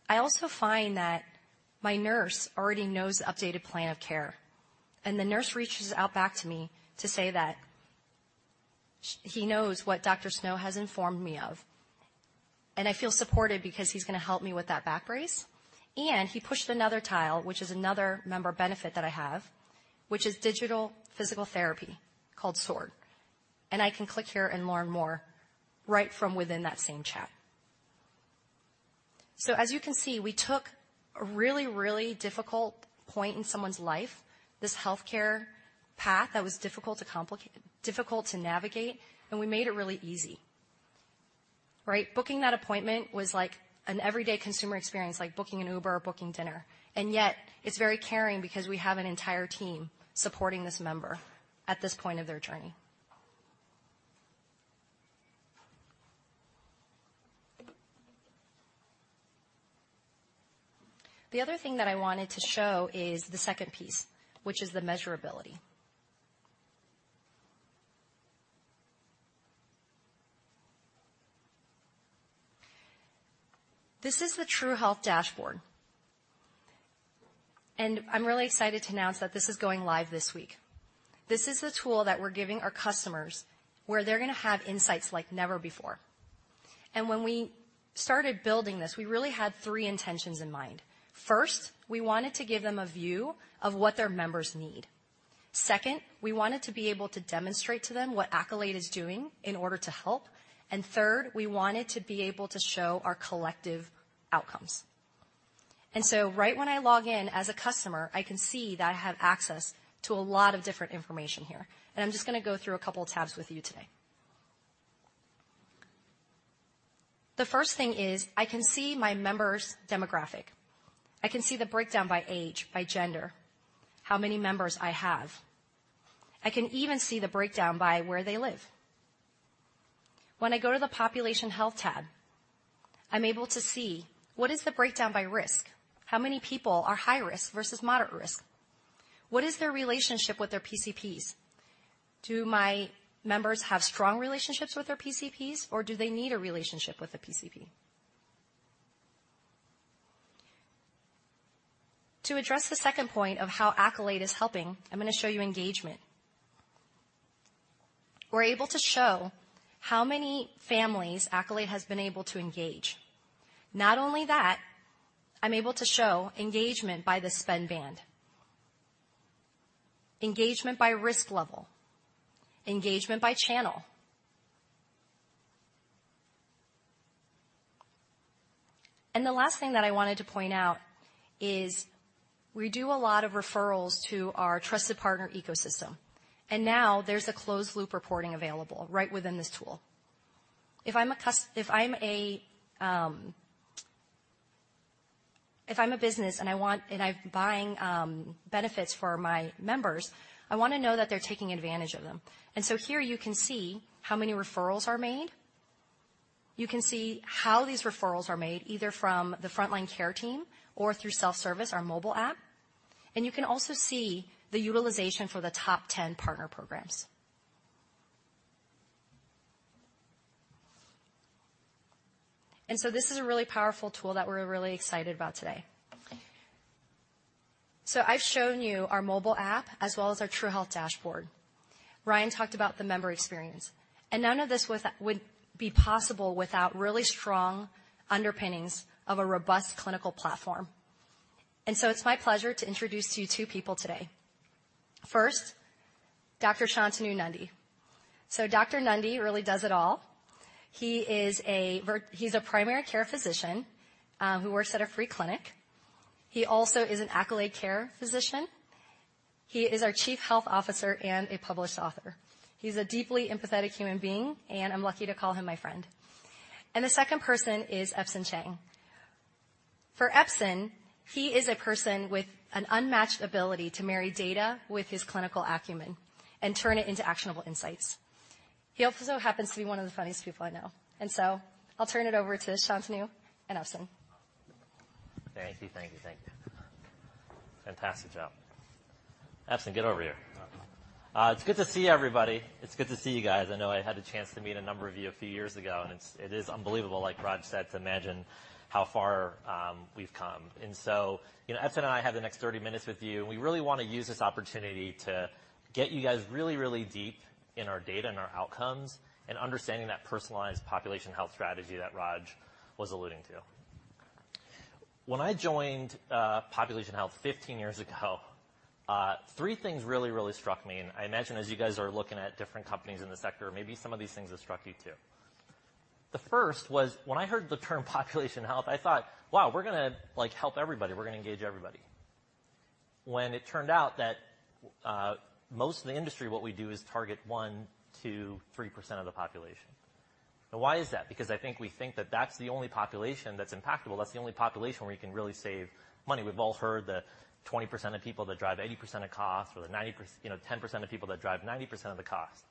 I also find that my nurse already knows the updated plan of care, and the nurse reaches out back to me to say that he knows what Dr. Snow has informed me of, and I feel supported because he's gonna help me with that back brace. He pushed another tile, which is another member benefit that I have, which is digital physical therapy called Sword. I can click here and learn more right from within that same chat. As you can see, we took a really difficult point in someone's life, this healthcare path that was difficult to navigate, and we made it really easy. Right? Booking that appointment was like an everyday consumer experience, like booking an Uber or booking dinner. Yet it's very caring because we have an entire team supporting this member at this point of their journey. The other thing that I wanted to show is the second piece, which is the measurability. This is the True Health dashboard. I'm really excited to announce that this is going live this week. This is the tool that we're giving our customers, where they're gonna have insights like never before. When we started building this, we really had three intentions in mind. First, we wanted to give them a view of what their members need. Second, we wanted to be able to demonstrate to them what Accolade is doing in order to help. Third, we wanted to be able to show our collective outcomes. Right when I log in as a customer, I can see that I have access to a lot of different information here, and I'm just gonna go through a couple of tabs with you today. The first thing is I can see my members' demographic. I can see the breakdown by age, by gender, how many members I have. I can even see the breakdown by where they live. When I go to the Population Health tab, I'm able to see what is the breakdown by risk, how many people are high risk versus moderate risk. What is their relationship with their PCPs? Do my members have strong relationships with their PCPs, or do they need a relationship with a PCP? To address the second point of how Accolade is helping, I'm gonna show you engagement. We're able to show how many families Accolade has been able to engage. Not only that, I'm able to show engagement by the spend band, engagement by risk level, engagement by channel. The last thing that I wanted to point out is we do a lot of referrals to our Trusted Partner Ecosystem. Now there's a closed loop reporting available right within this tool. If I'm a business and I'm buying benefits for my members, I wanna know that they're taking advantage of them. Here you can see how many referrals are made. You can see how these referrals are made, either from the frontline care team or through self-service, our mobile app. You can also see the utilization for the top 10 partner programs. This is a really powerful tool that we're really excited about today. I've shown you our mobile app as well as our True Health dashboard. Ryan talked about the member experience. None of this would be possible without really strong underpinnings of a robust clinical platform. It's my pleasure to introduce to you two people today. First, Dr. Shantanu Nundy. Dr. Nundy really does it all. He is a primary care physician who works at a free clinic. He also is an Accolade Care physician. He is our Chief Health Officer and a published author. He's a deeply empathetic human being, and I'm lucky to call him my friend. The second person is Epson Chang. For Epson, he is a person with an unmatched ability to marry data with his clinical acumen and turn it into actionable insights. He also happens to be one of the funniest people I know. I'll turn it over to Shantanu and Epson. Thank you. Thank you. Thank you. Fantastic job. Epson, get over here. It's good to see everybody. It's good to see you guys. I know I had the chance to meet a number of you a few years ago, it's, it is unbelievable, like Raj said, to imagine how far we've come. You know, Epson and I have the next 30 minutes with you, and we really wanna use this opportunity to get you guys really, really deep in our data and our outcomes and understanding that personalized population health strategy that Raj was alluding to. When I joined Population Health 15 years ago, three things really, really struck me. I imagine as you guys are looking at different companies in the sector, maybe some of these things have struck you too. The first was when I heard the term population health, I thought, wow, we're gonna, like, help everybody. We're gonna engage everybody. When it turned out that most of the industry what we do is target 1%-3% of the population. Why is that? Because I think we think that that's the only population that's impactable. That's the only population where you can really save money. We've all heard the 20% of people that drive 80% of costs or the 10% of people that drive 90% of the cost.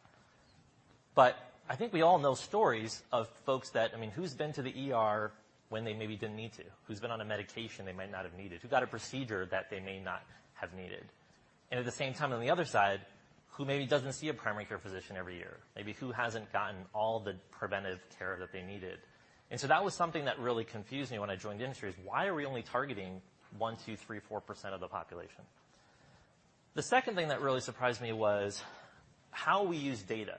I think we all know stories of folks that, I mean, who's been to the ER when they maybe didn't need to? Who's been on a medication they might not have needed? Who got a procedure that they may not have needed? At the same time, on the other side, who maybe doesn't see a primary care physician every year? Maybe who hasn't gotten all the preventive care that they needed? That was something that really confused me when I joined the industry, is why are we only targeting one, two, three, 4% of the population? The second thing that really surprised me was how we use data.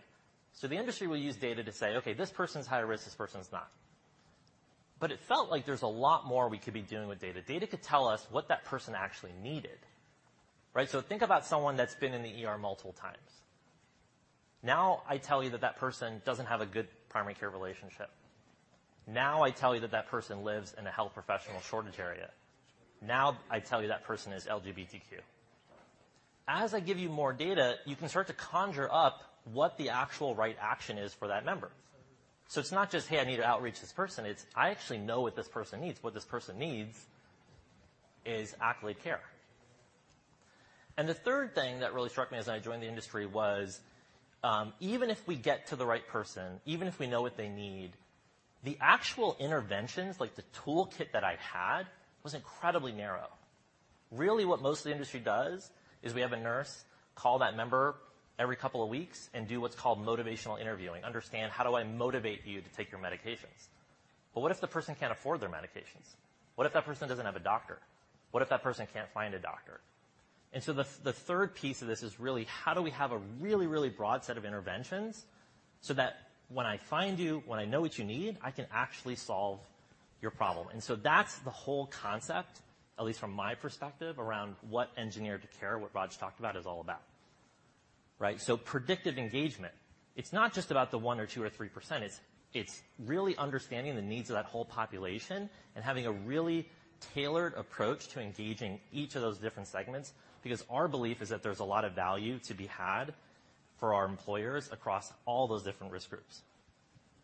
The industry will use data to say, "Okay, this person's high risk. This person's not." It felt like there's a lot more we could be doing with data. Data could tell us what that person actually needed, right? Think about someone that's been in the ER multiple times. Now I tell you that that person doesn't have a good primary care relationship. Now I tell you that that person lives in a health professional shortage area. Now I tell you that person is LGBTQ. As I give you more data, you can start to conjure up what the actual right action is for that member. It's not just, hey, I need to outreach this person. It's I actually know what this person needs. What this person needs is actually care. The third thing that really struck me as I joined the industry was, even if we get to the right person, even if we know what they need, the actual interventions, like the toolkit that I had, was incredibly narrow. Really what most of the industry does is we have a nurse call that member every couple of weeks and do what's called motivational interviewing. Understand how do I motivate you to take your medications. What if the person can't afford their medications? What if that person doesn't have a doctor? What if that person can't find a doctor? The third piece of this is really how do we have a really, really broad set of interventions so that when I find you, when I know what you need, I can actually solve your problem. That's the whole concept, at least from my perspective, around what engineered care, what Raj talked about, is all about, right? Predictive engagement. It's not just about the 1% or 2% or 3%. It's really understanding the needs of that whole population and having a really tailored approach to engaging each of those different segments. Because our belief is that there's a lot of value to be had for our employers across all those different risk groups.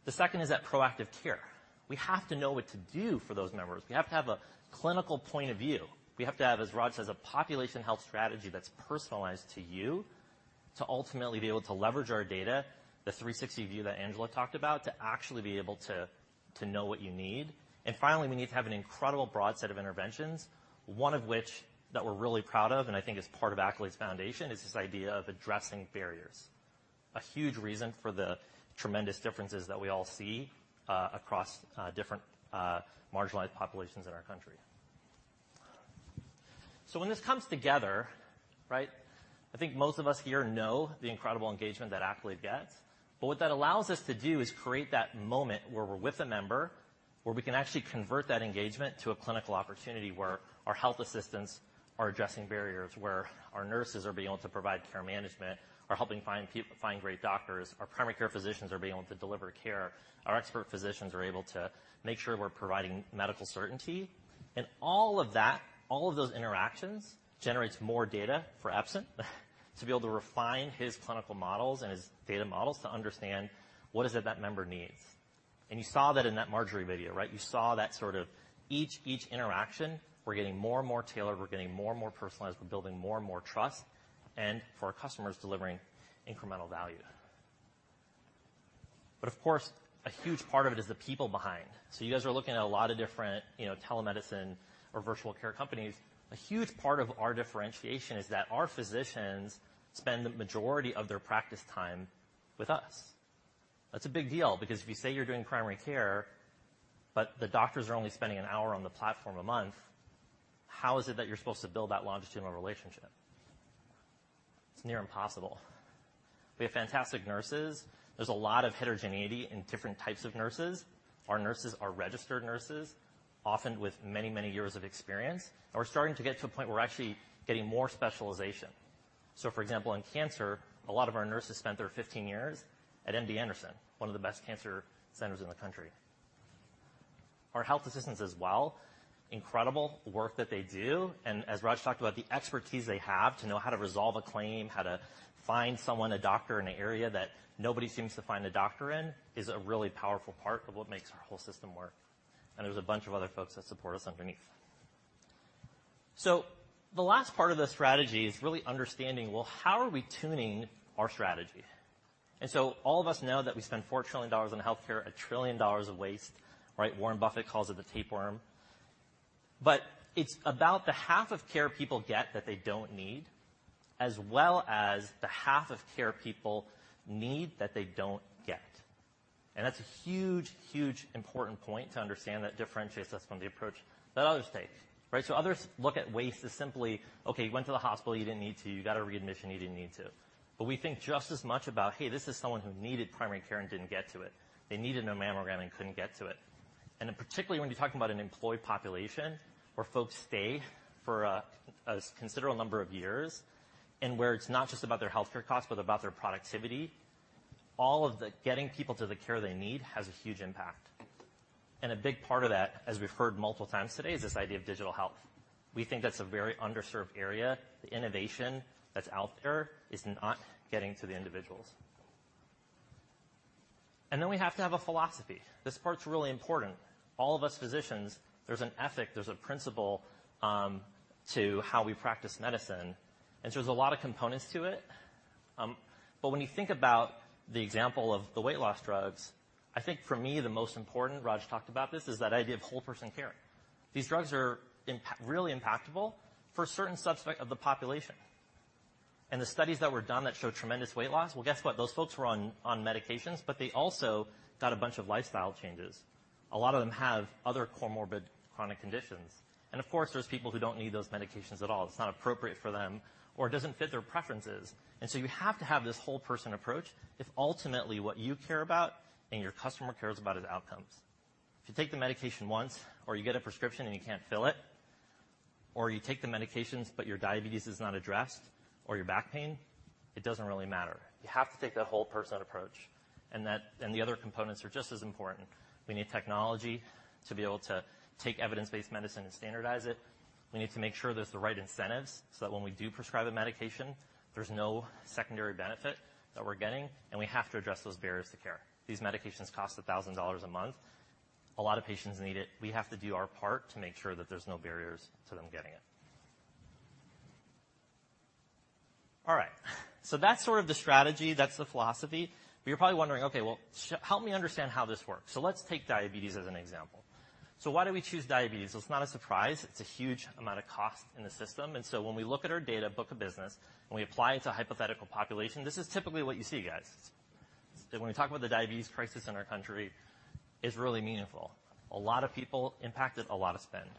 The second is that proactive care. We have to know what to do for those members. We have to have a clinical point of view. We have to have, as Raj says, a population health strategy that's personalized to you to ultimately be able to leverage our data, the 360 view that Anuja talked about, to actually be able to know what you need. Finally, we need to have an incredible broad set of interventions, one of which that we're really proud of and I think is part of Accolade's foundation, is this idea of addressing barriers. A huge reason for the tremendous differences that we all see across different marginalized populations in our country. When this comes together, right, I think most of us here know the incredible engagement that Accolade gets. What that allows us to do is create that moment where we're with a member, where we can actually convert that engagement to a clinical opportunity where our health assistants are addressing barriers, where our nurses are being able to provide care management, are helping find great doctors. Our primary care physicians are being able to deliver care. Our expert physicians are able to make sure we're providing medical certainty. All of that, all of those interactions generates more data for Epson to be able to refine his clinical models and his data models to understand what is it that member needs. You saw that in that Marjorie video, right? You saw that sort of each interaction, we're getting more and more tailored. We're getting more and more personalized. We're building more and more trust, and for our customers, delivering incremental value. Of course, a huge part of it is the people behind. You guys are looking at a lot of different, you know, telemedicine or virtual care companies. A huge part of our differentiation is that our physicians spend the majority of their practice time with us. That's a big deal because if you say you're doing primary care, but the doctors are only spending an hour on the platform a month, how is it that you're supposed to build that longitudinal relationship? It's near impossible. We have fantastic nurses. There's a lot of heterogeneity in different types of nurses. Our nurses are registered nurses, often with many, many years of experience. We're starting to get to a point where we're actually getting more specialization. For example, in cancer, a lot of our nurses spent their 15 years at MD Anderson, one of the best cancer centers in the country. Our health assistants as well, incredible work that they do. As Raj talked about, the expertise they have to know how to resolve a claim, how to find someone, a doctor in an area that nobody seems to find a doctor in is a really powerful part of what makes our whole system work. There's a bunch of other folks that support us underneath. The last part of the strategy is really understanding, well, how are we tuning our strategy? All of us know that we spend $4 trillion on healthcare, $1 trillion of waste, right? Warren Buffett calls it the tapeworm. It's about the half of care people get that they don't need, as well as the half of care people need that they don't get. That's a huge important point to understand that differentiates us from the approach that others take. Right? Others look at waste as simply, okay, you went to the hospital, you didn't need to. You got a readmission, you didn't need to. We think just as much about, hey, this is someone who needed primary care and didn't get to it. They needed a mammogram and couldn't get to it. Then particularly when you're talking about one employee population where folks stay for a considerable number of years and where it's not just about their healthcare costs, but about their productivity, all of the getting people to the care they need has a huge impact. A big part of that, as we've heard multiple times today, is this idea of digital health. We think that's a very underserved area. The innovation that's out there is not getting to the individuals. Then we have to have a philosophy. This part's really important. All of us physicians, there's an ethic, there's a principle, to how we practice medicine, and so there's a lot of components to it. When you think about the example of the weight loss drugs, I think for me the most important, Raj talked about this, is that idea of whole person care. These drugs are really impactful for a certain subset of the population. The studies that were done that show tremendous weight loss, well, guess what? Those folks were on medications, but they also got a bunch of lifestyle changes. A lot of them have other comorbid chronic conditions. Of course, there's people who don't need those medications at all. It's not appropriate for them or it doesn't fit their preferences. You have to have this whole person approach if ultimately what you care about and your customer cares about is outcomes. If you take the medication once, or you get a prescription and you can't fill it, or you take the medications but your diabetes is not addressed or your back pain, it doesn't really matter. You have to take that whole person approach and the other components are just as important. We need technology to be able to take evidence-based medicine and standardize it. We need to make sure there's the right incentives so that when we do prescribe a medication, there's no secondary benefit that we're getting, and we have to address those barriers to care. These medications cost $1,000 a month. A lot of patients need it. We have to do our part to make sure that there's no barriers to them getting it. All right. That's sort of the strategy. That's the philosophy. You're probably wondering, "Okay, well help me understand how this works." Let's take diabetes as an example. Why do we choose diabetes? Well it's not a surprise. It's a huge amount of cost in the system. When we look at our data book of business, when we apply it to a hypothetical population, this is typically what you see, guys. When we talk about the diabetes crisis in our country, it's really meaningful. A lot of people impacted, a lot of spend.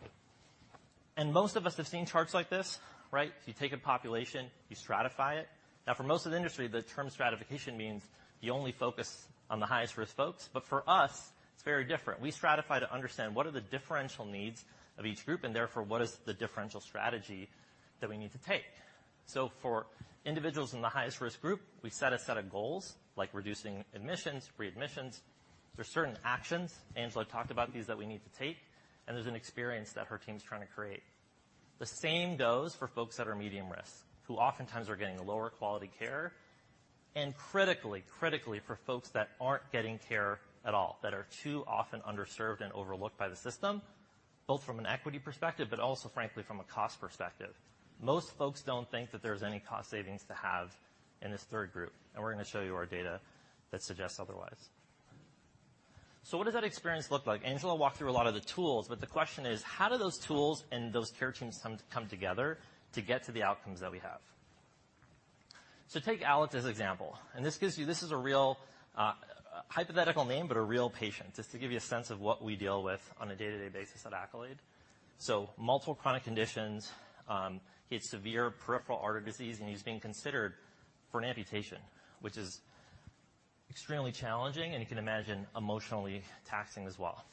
Most of us have seen charts like this, right? If you take a population, you stratify it. For most of the industry, the term stratification means you only focus on the highest risk folks, but for us it's very different. We stratify to understand what are the differential needs of each group, and therefore what is the differential strategy that we need to take. For individuals in the highest risk group, we set a set of goals like reducing admissions, readmissions. There's certain actions, Anuja talked about these, that we need to take, and there's an experience that her team's trying to create. The same goes for folks that are medium risk who oftentimes are getting lower quality care and critically for folks that aren't getting care at all, that are too often underserved and overlooked by the system, both from an equity perspective, but also frankly from a cost perspective. Most folks don't think that there's any cost savings to have in this third group, we're gonna show you our data that suggests otherwise. What does that experience look like? Anuja will walk through a lot of the tools, the question is: how do those tools and those care teams come together to get to the outcomes that we have? Take Alec as example, and this gives you... This is a real hypothetical name, but a real patient, just to give you a sense of what we deal with on a day-to-day basis at Accolade. Multiple chronic conditions. He had severe peripheral artery disease and he's being considered for an amputation, which is extremely challenging and you can imagine emotionally taxing as well.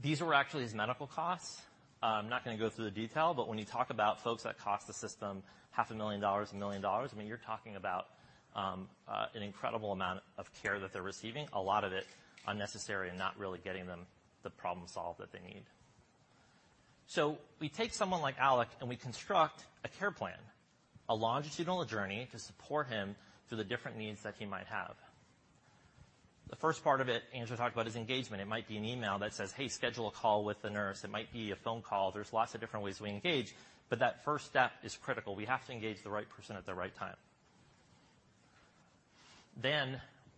These were actually his medical costs. I'm not gonna go through the detail, but when you talk about folks that cost the system half a million dollars, a million dollars, I mean, you're talking about an incredible amount of care that they're receiving, a lot of it unnecessary and not really getting them the problem solved that they need. We take someone like Alec and we construct a care plan, a longitudinal journey to support him through the different needs that he might have. The first part of it, Anuja talked about, is engagement. It might be an email that says, "Hey, schedule a call with the nurse." It might be a phone call. There's lots of different ways we engage, but that first step is critical. We have to engage the right person at the right time.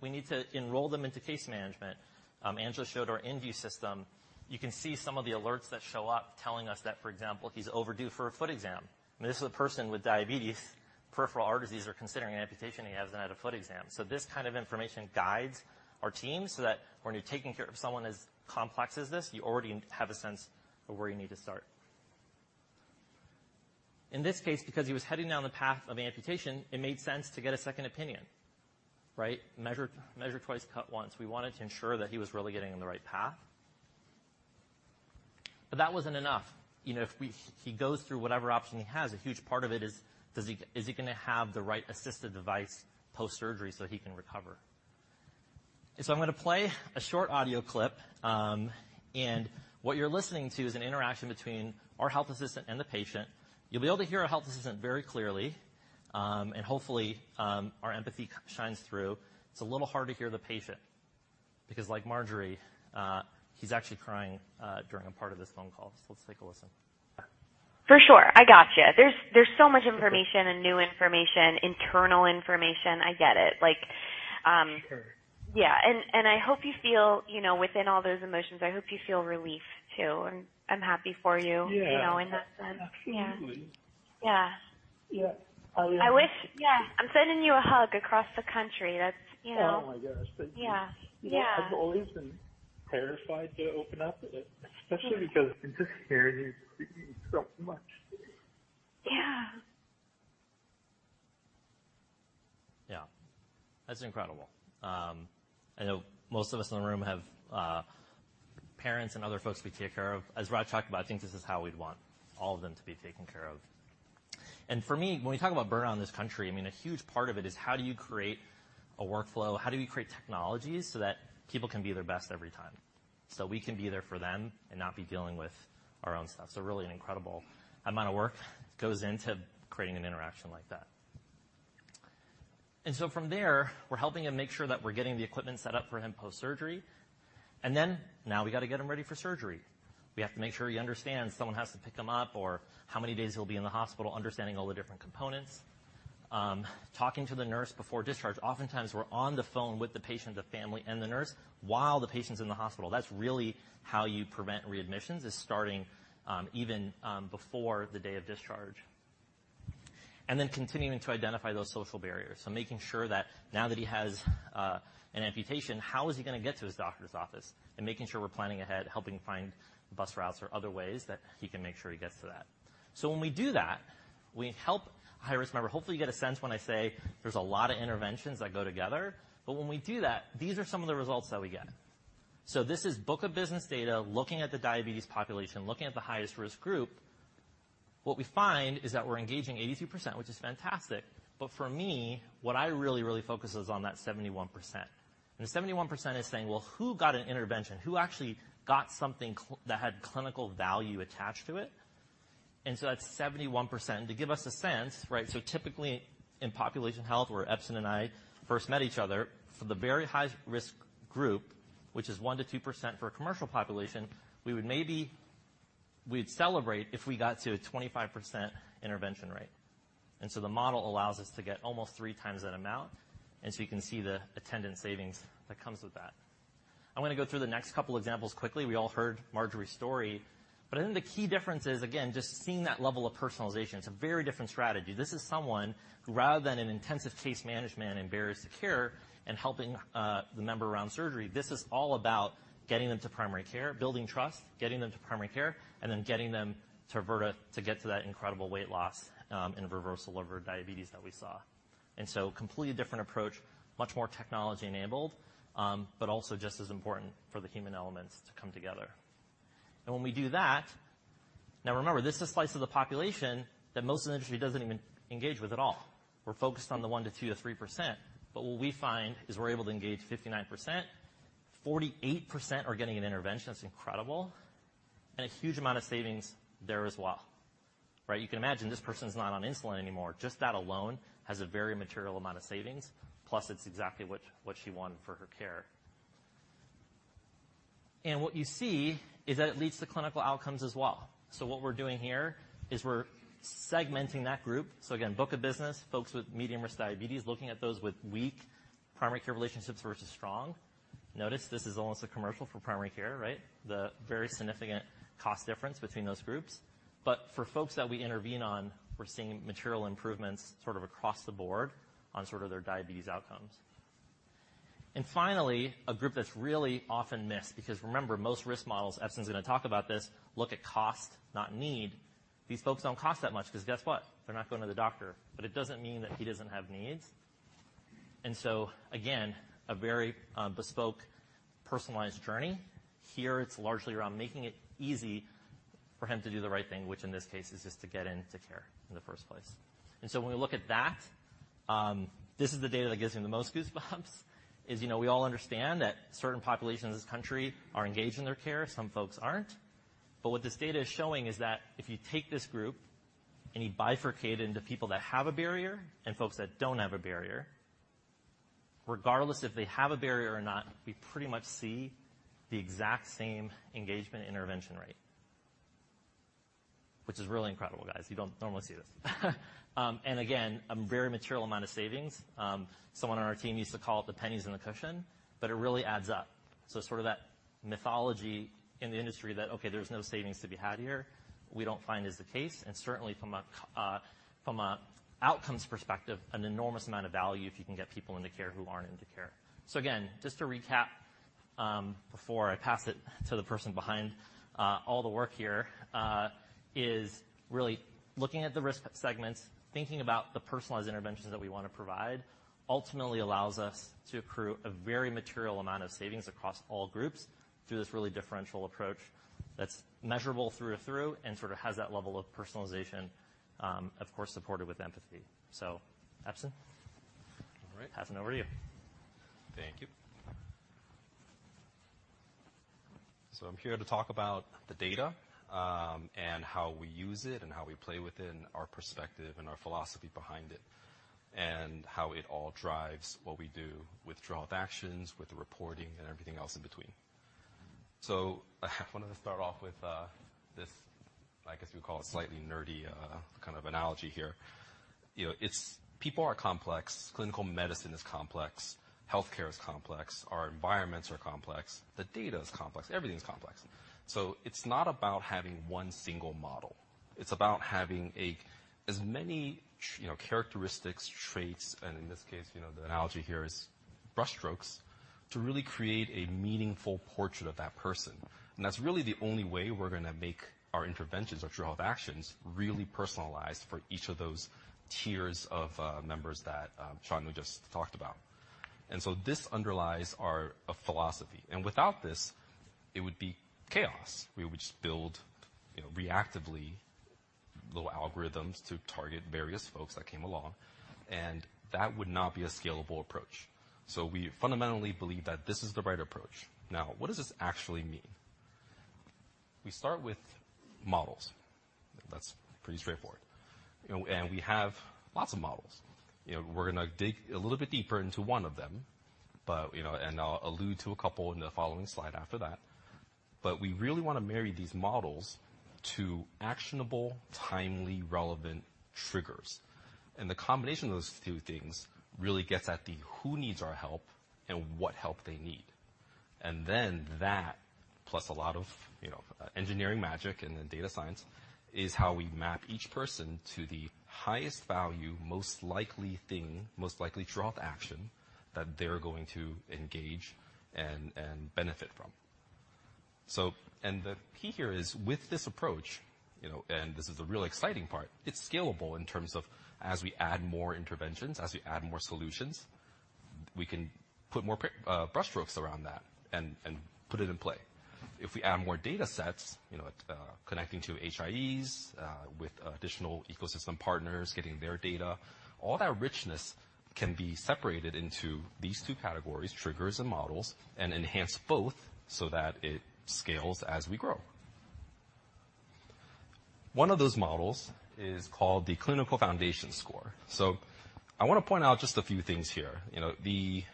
We need to enroll them into case management. Anuja showed our InView system. You can see some of the alerts that show up telling us that, for example, he's overdue for a foot exam. I mean, this is a person with diabetes, peripheral artery disease or considering an amputation, he hasn't had a foot exam. This kind of information guides our team so that when you're taking care of someone as complex as this, you already have a sense of where you need to start. In this case, because he was heading down the path of amputation, it made sense to get a second opinion, right? Measure, measure twice, cut once. We wanted to ensure that he was really getting on the right path. That wasn't enough. You know, if he goes through whatever option he has, a huge part of it is is he gonna have the right assistive device post-surgery so he can recover? I'm gonna play a short audio clip, and what you're listening to is an interaction between our health assistant and the patient. You'll be able to hear our health assistant very clearly, and hopefully, our empathy shines through. It's a little hard to hear the patient because like Marjorie, he's actually crying during a part of this phone call. Let's take a listen. For sure. I gotcha. There's so much information and new information, internal information. I get it. Like. Sure. Yeah, I hope you feel, you know, within all those emotions, I hope you feel relief too. I'm happy for you. Yeah. You know, in that sense. Absolutely. Yeah. Yeah. Yeah. I'm sending you a hug across the country. That's, you know. Oh my gosh. Thank you. Yeah. Yeah. You know, I've always been terrified to open up, especially because just hearing you speaking so much. Yeah. Yeah. That's incredible. I know most of us in the room have parents and other folks we take care of. As Raj talked about, I think this is how we'd want all of them to be taken care of. For me, when we talk about burnout in this country, I mean, a huge part of it is how do you create a workflow? How do we create technologies so that people can be their best every time, so we can be there for them and not be dealing with our own stuff? Really an incredible amount of work goes into creating an interaction like that. From there, we're helping him make sure that we're getting the equipment set up for him post-surgery. Now we got to get him ready for surgery. We have to make sure he understands someone has to pick him up or how many days he'll be in the hospital, understanding all the different components. Talking to the nurse before discharge. Oftentimes, we're on the phone with the patient, the family, and the nurse while the patient's in the hospital. That's really how you prevent readmissions, is starting even before the day of discharge. Continuing to identify those social barriers. Making sure that now that he has an amputation, how is he gonna get to his doctor's office? Making sure we're planning ahead, helping find bus routes or other ways that he can make sure he gets to that. When we do that, we help a high-risk member. Hopefully, you get a sense when I say there's a lot of interventions that go together. When we do that, these are some of the results that we get. This is book of business data, looking at the diabetes population, looking at the highest-risk group. What we find is that we're engaging 82%, which is fantastic. For me, what I really, really focus is on that 71%. The 71% is saying, well, who got an intervention? Who actually got something that had clinical value attached to it? That's 71%. To give us a sense, right. Typically in population health, where Epson and I first met each other, for the very high-risk group, which is 1%-2% for a commercial population, we'd celebrate if we got to a 25% intervention rate. The model allows us to get almost 3x that amount, and so you can see the attendant savings that comes with that. I'm gonna go through the next couple examples quickly. We all heard Marjorie's story, but I think the key difference is, again, just seeing that level of personalization. It's a very different strategy. This is someone who rather than an intensive case management and barriers to care and helping the member around surgery, this is all about getting them to primary care, building trust, getting them to primary care, and then getting them to Virta to get to that incredible weight loss, and reversal of her diabetes that we saw. Completely different approach, much more technology-enabled, but also just as important for the human elements to come together. When we do that... Remember, this is a slice of the population that most of the industry doesn't even engage with at all. We're focused on the 1% to 2% to 3%. What we find is we're able to engage 59%. 48% are getting an intervention. That's incredible. A huge amount of savings there as well. Right. You can imagine this person's not on insulin anymore. Just that alone has a very material amount of savings, plus it's exactly what she wanted for her care. What you see is that it leads to clinical outcomes as well. What we're doing here is we're segmenting that group. Again, book of business, folks with medium-risk diabetes, looking at those with weak primary care relationships versus strong. Notice this is almost a commercial for primary care, right? The very significant cost difference between those groups. For folks that we intervene on, we're seeing material improvements sort of across the board on sort of their diabetes outcomes. Finally, a group that's really often missed, because remember, most risk models, Epson's gonna talk about this, look at cost, not need. These folks don't cost that much because guess what? They're not going to the doctor. It doesn't mean that he doesn't have needs. Again, a very bespoke, personalized journey. Here, it's largely around making it easy for him to do the right thing, which in this case is just to get into care in the first place. When we look at that, this is the data that gives me the most goosebumps is, you know, we all understand that certain populations in this country are engaged in their care, some folks aren't. What this data is showing is that if you take this group and you bifurcate into people that have a barrier and folks that don't have a barrier, regardless if they have a barrier or not, we pretty much see the exact same engagement intervention rate, which is really incredible, guys. You don't normally see this. And again, a very material amount of savings. Someone on our team used to call it the pennies in the cushion, but it really adds up. Sort of that mythology in the industry that, okay, there's no savings to be had here, we don't find is the case. Certainly from a outcomes perspective, an enormous amount of value if you can get people into care who aren't into care. Again, just to recap, before I pass it to the person behind, all the work here, is really looking at the risk segments, thinking about the personalized interventions that we wanna provide ultimately allows us to accrue a very material amount of savings across all groups through this really differential approach that's measurable through and through and sort of has that level of personalization, of course, supported with empathy. Epson. All right. Passing over to you. Thank you. I'm here to talk about the data, and how we use it, and how we play within our perspective and our philosophy behind it, and how it all drives what we do with True Health Actions, with the reporting, and everything else in between. I wanted to start off with this, I guess we call it slightly nerdy kind of analogy here. You know, it's people are complex, clinical medicine is complex, healthcare is complex, our environments are complex, the data is complex, everything's complex. It's not about having one single model. It's about having as many you know, characteristics, traits, and in this case, you know, the analogy here is Brushstrokes to really create a meaningful portrait of that person. That's really the only way we're gonna make our interventions or True Health Actions really personalized for each of those tiers of members that Shantu just talked about. This underlies our philosophy, and without this, it would be chaos. We would just build, you know, reactively little algorithms to target various folks that came along, and that would not be a scalable approach. We fundamentally believe that this is the right approach. Now, what does this actually mean? We start with models. That's pretty straightforward. You know, and we have lots of models. You know, we're gonna dig a little bit deeper into one of them, but, you know, and I'll allude to a couple in the following slide after that. We really wanna marry these models to actionable, timely, relevant triggers. The combination of those two things really gets at the who needs our help and what help they need. Then that, plus a lot of, you know, engineering magic and then data science is how we map each person to the highest value, most likely thing, most likely True Health action that they're going to engage and benefit from. The key here is with this approach, you know, and this is the really exciting part, it's scalable in terms of as we add more interventions, as we add more solutions, we can put more brushstrokes around that and put it in play. If we add more datasets, you know, like, connecting to HIEs, with additional ecosystem partners, getting their data, all that richness can be separated into these two categories, triggers and models, and enhance both so that it scales as we grow. One of those models is called the clinical foundation score. I wanna point out just a few things here. You know, the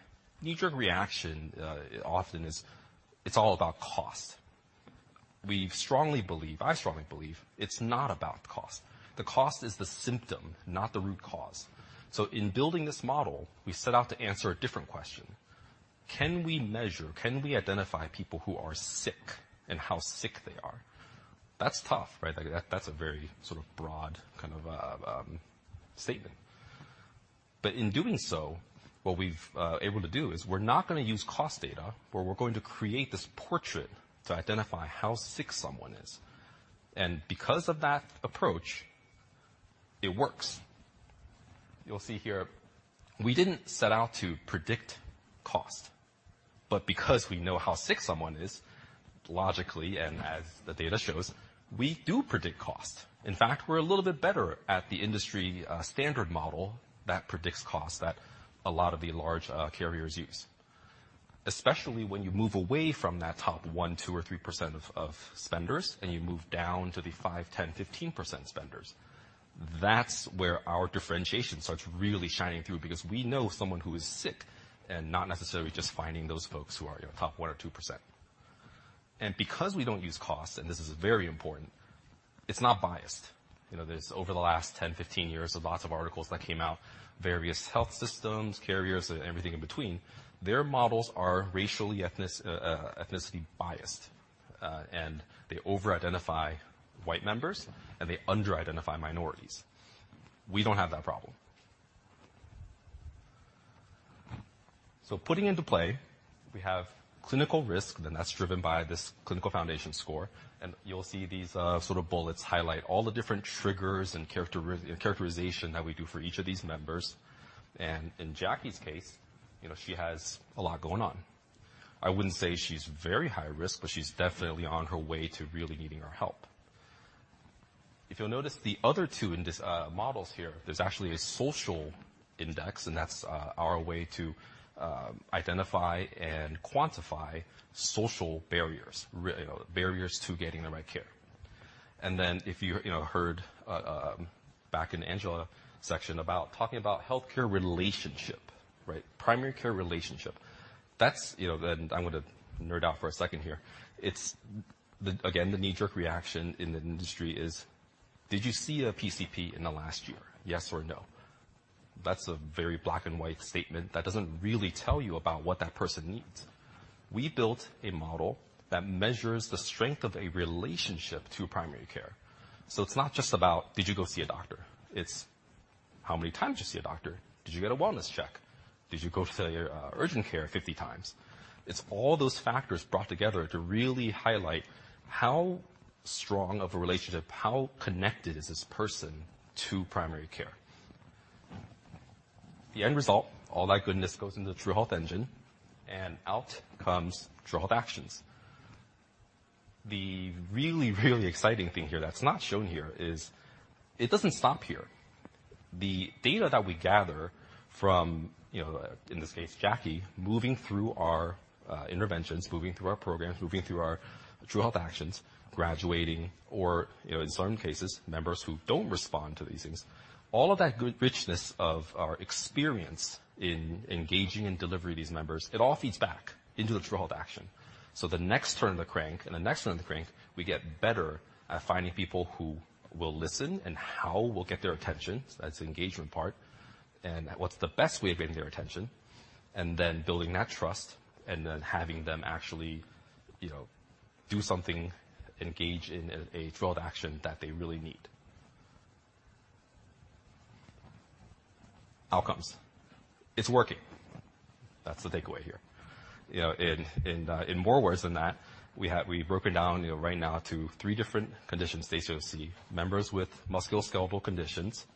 knee-jerk reaction, often is it's all about cost. We strongly believe I strongly believe it's not about cost. The cost is the symptom, not the root cause. In building this model, we set out to answer a different question. Can we measure, can we identify people who are sick and how sick they are? That's tough, right? Like, that's a very sort of broad kind of, statement. In doing so, what we've able to do is we're not gonna use cost data, but we're going to create this portrait to identify how sick someone is. Because of that approach, it works. You'll see here we didn't set out to predict cost, but because we know how sick someone is, logically, and as the data shows, we do predict cost. In fact, we're a little bit better at the industry standard model that predicts cost that a lot of the large carriers use. Especially when you move away from that top 1, 2 or 3% of spenders and you move down to the 5%, 10%, 15% spenders. That's where our differentiation starts really shining through because we know someone who is sick and not necessarily just finding those folks who are, you know, top 1% or 2%. Because we don't use cost, and this is very important, it's not biased. You know, there's over the last 10, 15 years of lots of articles that came out, various health systems, carriers, and everything in between, their models are racially ethnicity biased. They over-identify white members, and they under-identify minorities. We don't have that problem. Putting into play, we have clinical risk, and that's driven by this clinical foundation score. You'll see these, sort of bullets highlight all the different triggers and characterization that we do for each of these members. In Jackie's case, you know, she has a lot going on. I wouldn't say she's very high risk, but she's definitely on her way to really needing our help. If you'll notice the other two in this models here, there's actually a social index, and that's our way to identify and quantify social barriers. You know, barriers to getting the right care. If you know, heard back in Anuja section about talking about healthcare relationship, right? Primary care relationship. That's, you know, I'm gonna nerd out for a second here. Again, the knee-jerk reaction in the industry is, "Did you see a PCP in the last year? Yes or no?" That's a very black and white statement that doesn't really tell you about what that person needs. We built a model that measures the strength of a relationship to primary care. It's not just about, did you go see a doctor? It's how many times you see a doctor. Did you get a wellness check? Did you go to your urgent care 50x? It's all those factors brought together to really highlight how strong of a relationship, how connected is this person to primary care. The end result, all that goodness goes into the True Health Engine, and out comes True Health Actions. The really, really exciting thing here that's not shown here is it doesn't stop here. The data that we gather from, you know, in this case, Jackie, moving through our interventions, moving through our programs, moving through our True Health Actions, graduating or, you know, in some cases, members who don't respond to these things, all of that good richness of our experience in engaging and delivering these members, it all feeds back into the True Health Action. The next turn of the crank and the next turn of the crank, we get better at finding people who will listen and how we'll get their attention. That's the engagement part. What's the best way of getting their attention, and then building that trust, and then having them actually, you know, do something, engage in a True Health Action that they really need. Outcomes. It's working. That's the takeaway here. You know, in, in more ways than that, we've broken down, you know, right now to 3 different condition states you'll see. Members with musculoskeletal conditions,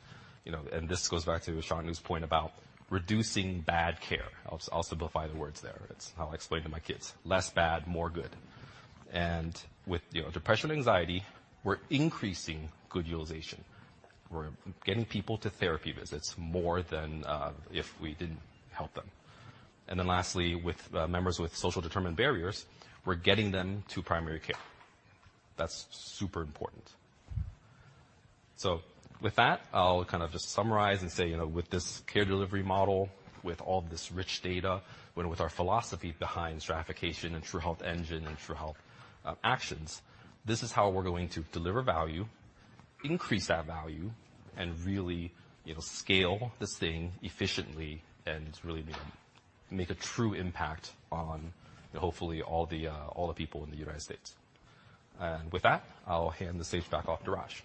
you know, and this goes back to Shantanu's point about reducing bad care. I'll simplify the words there. It's how I explain to my kids. Less bad, more good. With, you know, depression, anxiety, we're increasing good utilization. We're getting people to therapy visits more than if we didn't help them. Lastly, with members with social determined barriers, we're getting them to primary care. That's super important. With that, I'll kind of just summarize and say, you know, with this care delivery model, with all this rich data, with our philosophy behind stratification and True Health Engine and True Health Actions, this is how we're going to deliver value, increase that value, and really, you know, scale this thing efficiently and really make a true impact on hopefully all the people in the UnitedHealthcare States. With that, I'll hand the stage back off to Raj.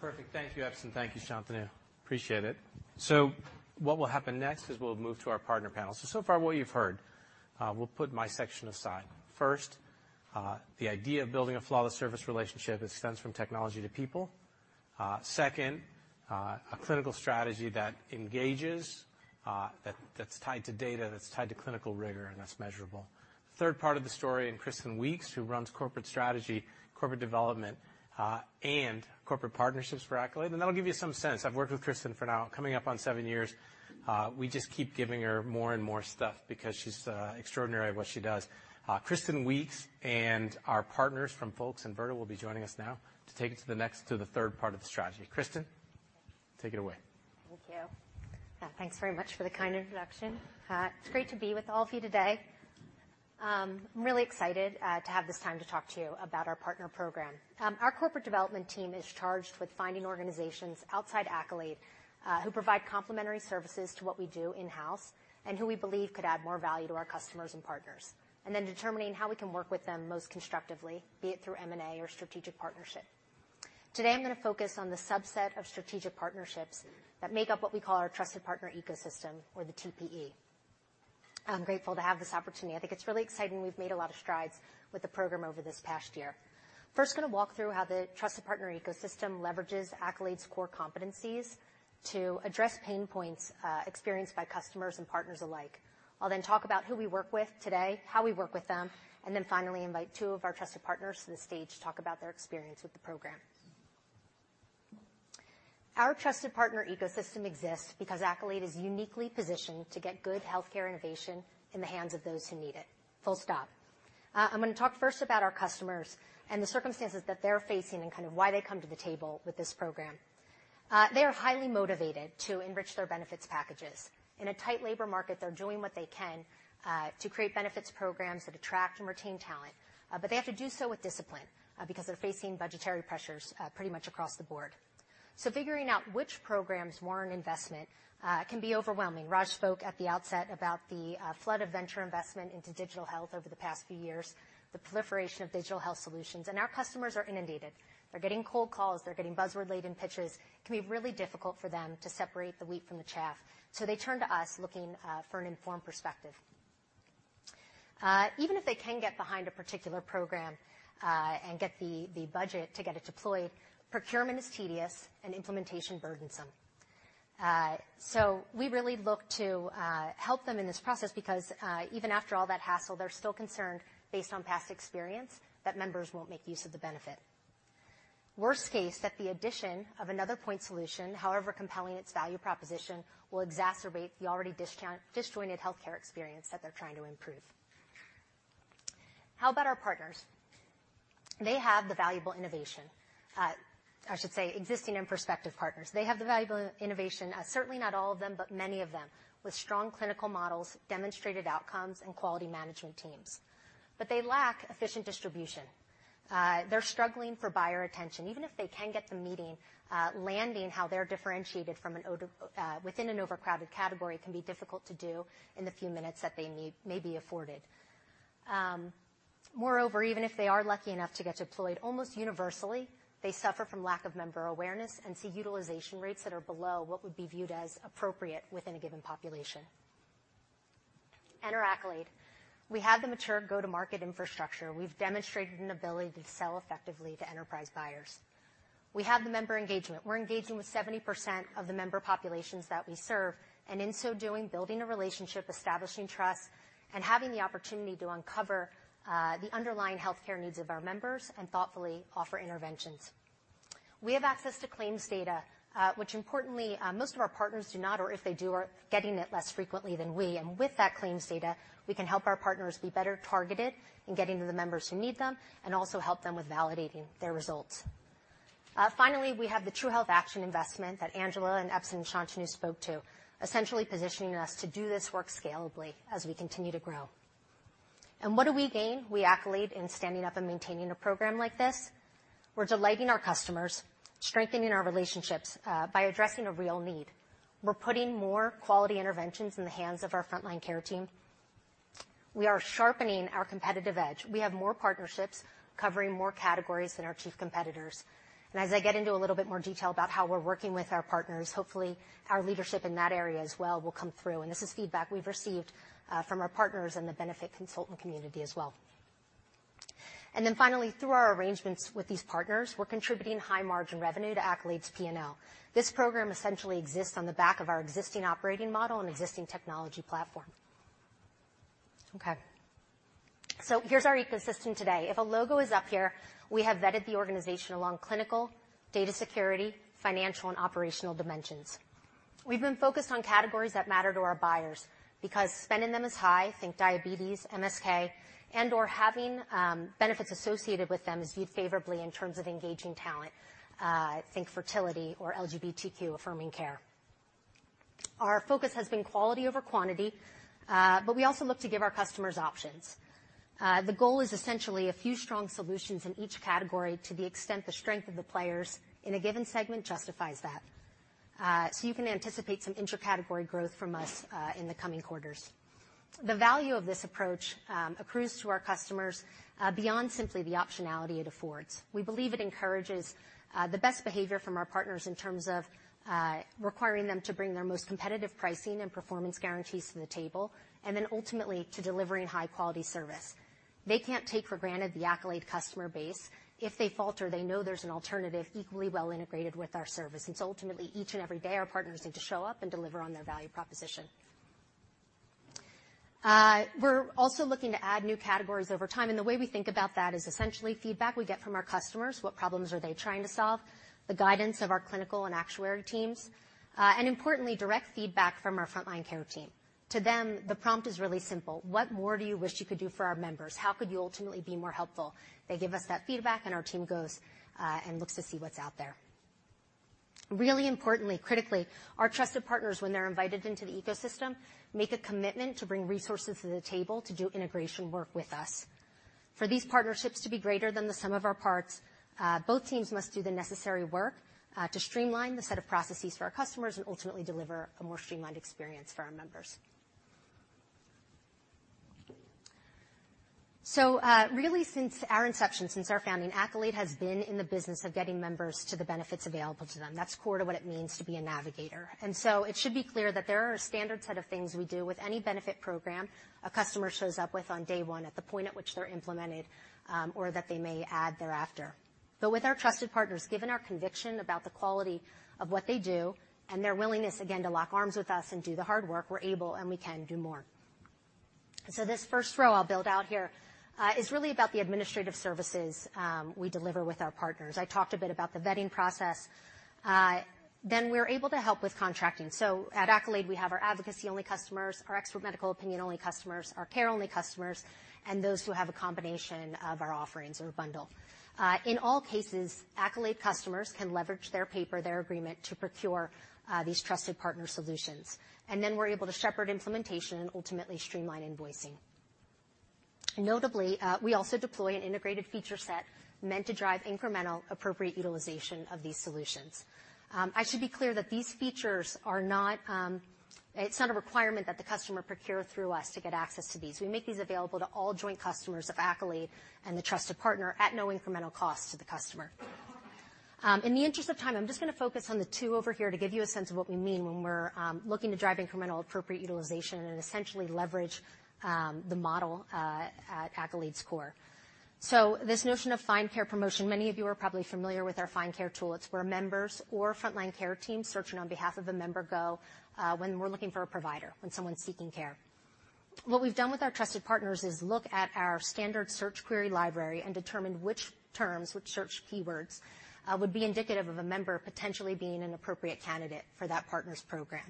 Perfect. Thank you, Epson. Thank you, Shantanu. Appreciate it. What will happen next is we'll move to our partner panel. Far what you've heard, we'll put my section aside. First, the idea of building a flawless service relationship extends from technology to people. Second, a clinical strategy that engages, that's tied to data, that's tied to clinical rigor, and that's measurable. Third part of the story in Kristen Weeks, who runs corporate strategy, corporate development, and corporate partnerships for Accolade, that'll give you some sense. I've worked with Kristen for now coming up on seven years. We just keep giving her more and more stuff because she's extraordinary at what she does. Kristen Weeks and our partners from FOLX and Virta will be joining us now to take it to the third part of the strategy. Kristen, take it away. Thank you. Thanks very much for the kind introduction. It's great to be with all of you today. I'm really excited to have this time to talk to you about our partner program. Our corporate development team is charged with finding organizations outside Accolade who provide complimentary services to what we do in-house and who we believe could add more value to our customers and partners, and then determining how we can work with them most constructively, be it through M&A or strategic partnership. Today, I'm gonna focus on the subset of strategic partnerships that make up what we call our trusted partner ecosystem or the TPE. I'm grateful to have this opportunity. I think it's really exciting. We've made a lot of strides with the program over this past year. First, gonna walk through how the Trusted Partner Ecosystem leverages Accolade's core competencies to address pain points experienced by customers and partners alike. I'll then talk about who we work with today, how we work with them, and then finally invite two of our trusted partners to the stage to talk about their experience with the program. Our Trusted Partner Ecosystem exists because Accolade is uniquely positioned to get good healthcare innovation in the hands of those who need it. Full stop. I'm gonna talk first about our customers and the circumstances that they're facing and kind of why they come to the table with this program. They are highly motivated to enrich their benefits packages. In a tight labor market, they're doing what they can to create benefits programs that attract and retain talent, but they have to do so with discipline, because they're facing budgetary pressures pretty much across the board. Figuring out which programs warrant investment can be overwhelming. Raj spoke at the outset about the flood of venture investment into digital health over the past few years, the proliferation of digital health solutions, and our customers are inundated. They're getting cold calls. They're getting buzzword-laden pitches. It can be really difficult for them to separate the wheat from the chaff. They turn to us looking for an informed perspective. Even if they can get behind a particular program and get the budget to get it deployed, procurement is tedious and implementation burdensome. We really look to help them in this process because even after all that hassle, they're still concerned based on past experience that members won't make use of the benefit. Worst case, that the addition of another point solution, however compelling its value proposition, will exacerbate the already disjointed healthcare experience that they're trying to improve. How about our partners? They have the valuable innovation. I should say existing and prospective partners. They have the valuable innovation, certainly not all of them, but many of them, with strong clinical models, demonstrated outcomes, and quality management teams. They lack efficient distribution. They're struggling for buyer attention. Even if they can get the meeting, landing how they're differentiated from an overcrowded category can be difficult to do in the few minutes that they may be afforded. Moreover, even if they are lucky enough to get deployed, almost universally, they suffer from lack of member awareness and see utilization rates that are below what would be viewed as appropriate within a given population. Enter Accolade. We have the mature go-to-market infrastructure. We've demonstrated an ability to sell effectively to enterprise buyers. We have the member engagement. We're engaging with 70% of the member populations that we serve, and in so doing, building a relationship, establishing trust, and having the opportunity to uncover the underlying healthcare needs of our members and thoughtfully offer interventions. We have access to claims data, which importantly, most of our partners do not, or if they do, are getting it less frequently than we. With that claims data, we can help our partners be better targeted in getting to the members who need them and also help them with validating their results. Finally, we have the True Health Action investment that Anuja and Epson and Shantanu spoke to, essentially positioning us to do this work scalably as we continue to grow. What do we gain? We Accolade in standing up and maintaining a program like this. We're delighting our customers, strengthening our relationships by addressing a real need. We're putting more quality interventions in the hands of our frontline care team. We are sharpening our competitive edge. We have more partnerships covering more categories than our chief competitors. As I get into a little bit more detail about how we're working with our partners, hopefully our leadership in that area as well will come through. This is feedback we've received from our partners in the benefit consultant community as well. Finally, through our arrangements with these partners, we're contributing high-margin revenue to Accolade's P&L. This program essentially exists on the back of our existing operating model and existing technology platform. Here's our ecosystem today. If a logo is up here, we have vetted the organization along clinical, data security, financial, and operational dimensions. We've been focused on categories that matter to our buyers because spending them is high, think diabetes, MSK, and/or having benefits associated with them is viewed favorably in terms of engaging talent, think fertility or LGBTQ-affirming care. Our focus has been quality over quantity, but we also look to give our customers options. The goal is essentially a few strong solutions in each category to the extent the strength of the players in a given segment justifies that. So you can anticipate some inter-category growth from us in the coming quarters. The value of this approach accrues to our customers beyond simply the optionality it affords. We believe it encourages the best behavior from our partners in terms of requiring them to bring their most competitive pricing and performance guarantees to the table, and then ultimately to delivering high-quality service. They can't take for granted the Accolade customer base. If they falter, they know there's an alternative equally well integrated with our service. So ultimately, each and every day, our partners need to show up and deliver on their value proposition. We're also looking to add new categories over time. The way we think about that is essentially feedback we get from our customers, what problems are they trying to solve, the guidance of our clinical and actuary teams, and importantly, direct feedback from our frontline care team. To them, the prompt is really simple: what more do you wish you could do for our members? How could you ultimately be more helpful? They give us that feedback, our team goes and looks to see what's out there. Really importantly, critically, our trusted partners when they're invited into the ecosystem, make a commitment to bring resources to the table to do integration work with us. For these partnerships to be greater than the sum of our parts, both teams must do the necessary work to streamline the set of processes for our customers and ultimately deliver a more streamlined experience for our members. Really since our inception, since our founding, Accolade has been in the business of getting members to the benefits available to them. That's core to what it means to be a navigator. It should be clear that there are a standard set of things we do with any benefit program a customer shows up with on day one at the point at which they're implemented, or that they may add thereafter. With our trusted partners, given our conviction about the quality of what they do and their willingness, again, to lock arms with us and do the hard work, we're able and we can do more. This first row I'll build out here is really about the administrative services we deliver with our partners. I talked a bit about the vetting process. We're able to help with contracting. At Accolade, we have our advocacy-only customers, our expert medical opinion-only customers, our care-only customers, and those who have a combination of our offerings or a bundle. In all cases, Accolade customers can leverage their paper, their agreement to procure these trusted partner solutions. We're able to shepherd implementation and ultimately streamline invoicing. Notably, we also deploy an integrated feature set meant to drive incremental appropriate utilization of these solutions. I should be clear that these features are not. It's not a requirement that the customer procure through us to get access to these. We make these available to all joint customers of Accolade and the trusted partner at no incremental cost to the customer. In the interest of time, I'm just gonna focus on the two over here to give you a sense of what we mean when we're looking to drive incremental appropriate utilization and essentially leverage the model at Accolade's core. This notion of find care promotion, many of you are probably familiar with our find care tool. It's where members or frontline care teams searching on behalf of the member go when we're looking for a provider, when someone's seeking care. What we've done with our Trusted Partners is look at our standard search query library and determine which terms, which search keywords, would be indicative of a member potentially being an appropriate candidate for that partner's program.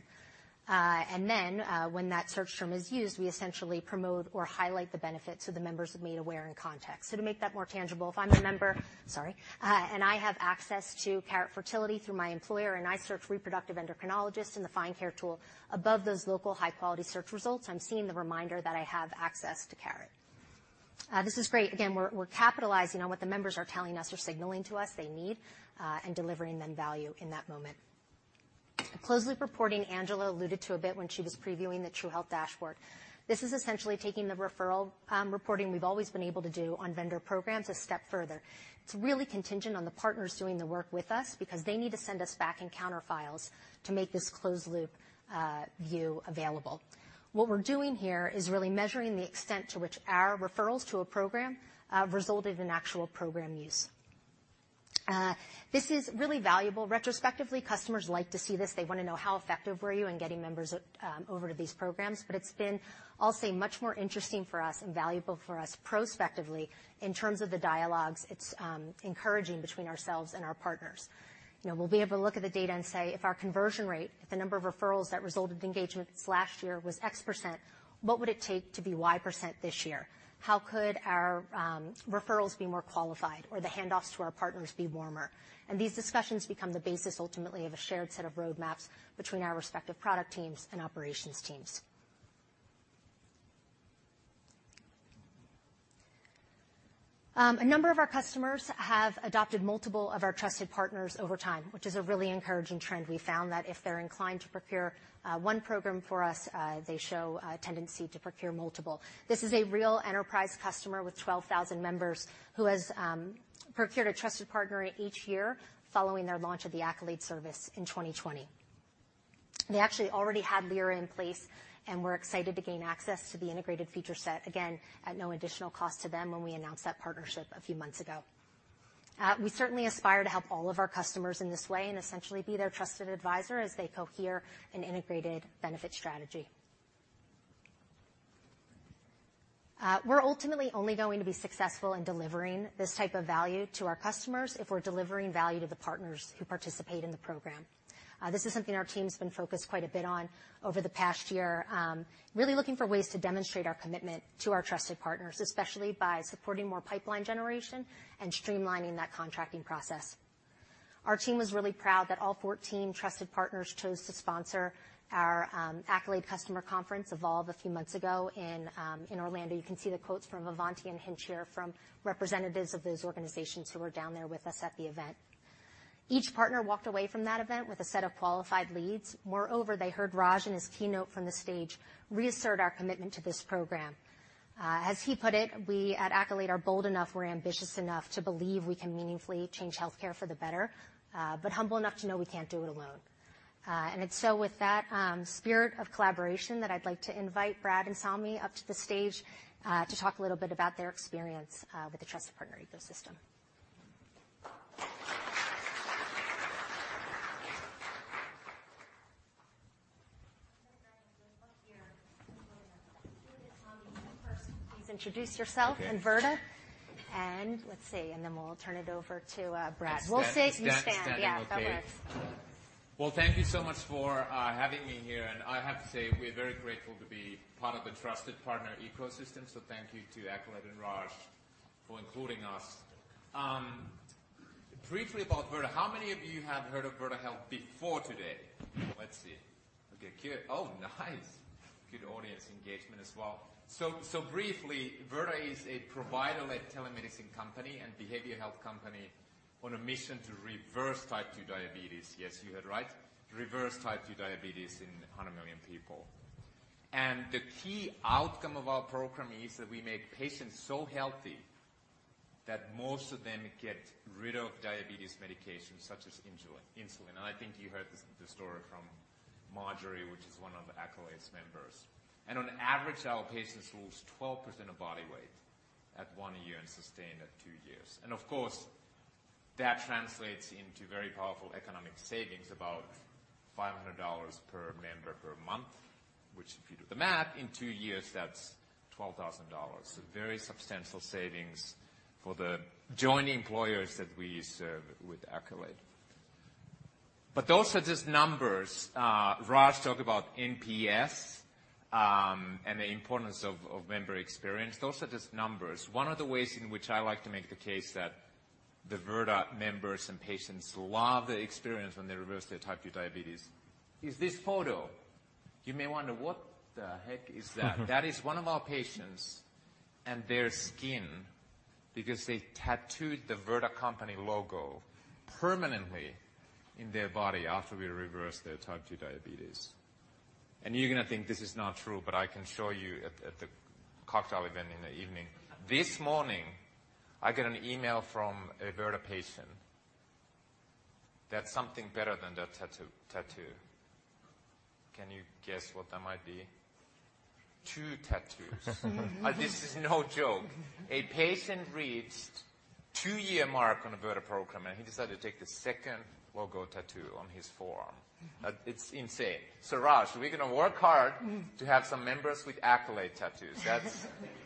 Then, when that search term is used, we essentially promote or highlight the benefit so the members are made aware in context. To make that more tangible, if I'm a member, sorry, and I have access to Carrot Fertility through my employer and I search reproductive endocrinologist in the find care tool above those local high-quality search results, I'm seeing the reminder that I have access to Carrot. This is great. Again, we're capitalizing on what the members are telling us or signaling to us they need and delivering them value in that moment. Closed-loop reporting, Anuja alluded to a bit when she was previewing the True Health dashboard. This is essentially taking the referral reporting we've always been able to do on vendor programs a step further. It's really contingent on the partners doing the work with us because they need to send us back encounter files to make this closed-loop view available. What we're doing here is really measuring the extent to which our referrals to a program resulted in actual program use. This is really valuable. Retrospectively, customers like to see this. They wanna know how effective were you in getting members over to these programs. It's been, I'll say, much more interesting for us and valuable for us prospectively in terms of the dialogues it's encouraging between ourselves and our partners. You know, we'll be able to look at the data and say, "If our conversion rate, if the number of referrals that resulted in engagements last year was X%, what would it take to be Y% this year? How could our referrals be more qualified or the handoffs to our partners be warmer?" These discussions become the basis ultimately of a shared set of roadmaps between our respective product teams and operations teams. A number of our customers have adopted multiple of our trusted partners over time, which is a really encouraging trend. We found that if they're inclined to procure one program for us, they show a tendency to procure multiple. This is a real enterprise customer with 12,000 members who has procured a trusted partner each year following their launch of the Accolade service in 2020. They actually already had Lyra in place, and we're excited to gain access to the integrated feature set, again, at no additional cost to them when we announced that partnership a few months ago. We certainly aspire to help all of our customers in this way and essentially be their trusted advisor as they cohere an integrated benefit strategy. We're ultimately only going to be successful in delivering this type of value to our customers if we're delivering value to the partners who participate in the program. This is something our team's been focused quite a bit on over the past year, really looking for ways to demonstrate our commitment to our trusted partners, especially by supporting more pipeline generation and streamlining that contracting process. Our team was really proud that all 14 trusted partners chose to sponsor our Accolade Customer Conference Evolve a few months ago in Orlando. You can see the quotes from Ivanti and Hinge Health here from representatives of those organizations who were down there with us at the event. Each partner walked away from that event with a set of qualified leads. Moreover, they heard Raj in his keynote from the stage reassert our commitment to this program. As he put it, we at Accolade are bold enough, we're ambitious enough to believe we can meaningfully change healthcare for the better, but humble enough to know we can't do it alone. It's so with that spirit of collaboration that I'd like to invite Brad and Sami up to the stage to talk a little bit about their experience with the Trusted Partner Ecosystem. First, please introduce yourself. Okay. Virta. Let's see, then we'll turn it over to Brad. We'll say- Stand. You stand. Stand. Standing. Okay. Yeah. Go ahead. Well, thank you so much for having me here. I have to say, we're very grateful to be part of the Trusted Partner Ecosystem. Thank you to Accolade and Raj for including us. Briefly about Virta, how many of you have heard of Virta Health before today? Let's see. Okay, good. Oh, nice. Good audience engagement as well. Briefly, Virta is a provider-led telemedicine company and behavior health company on a mission to reverse type 2 diabetes. Yes, you heard right. Reverse type 2 diabetes in 100 million people. The key outcome of our program is that we make patients so healthy that most of them get rid of diabetes medications such as insulin. I think you heard this story from Marjorie, which is one of Accolade's members. On average, our patients lose 12% of body weight at one year and sustained at two years. Of course, that translates into very powerful economic savings, about $500 per member per month, which if you do the math, in two years, that's $12,000. Very substantial savings for the joint employers that we serve with Accolade. Those are just numbers. Raj talked about NPS, and the importance of member experience. Those are just numbers. One of the ways in which I like to make the case that the Virta members and patients love the experience when they reverse their type 2 diabetes is this photo. You may wonder, what the heck is that? That is one of our patients and their skin because they tattooed the Virta company logo permanently in their body after we reversed their type 2 diabetes. You're gonna think this is not true, but I can show you at the cocktail event in the evening. This morning, I get an email from a Virta patient that something better than the tattoo. Can you guess what that might be? 2 tattoos. This is no joke. A patient reached two-year mark on a Virta program, and he decided to take the second logo tattoo on his forearm. It's insane. Raj, we're gonna work hard to have some members with Accolade tattoos.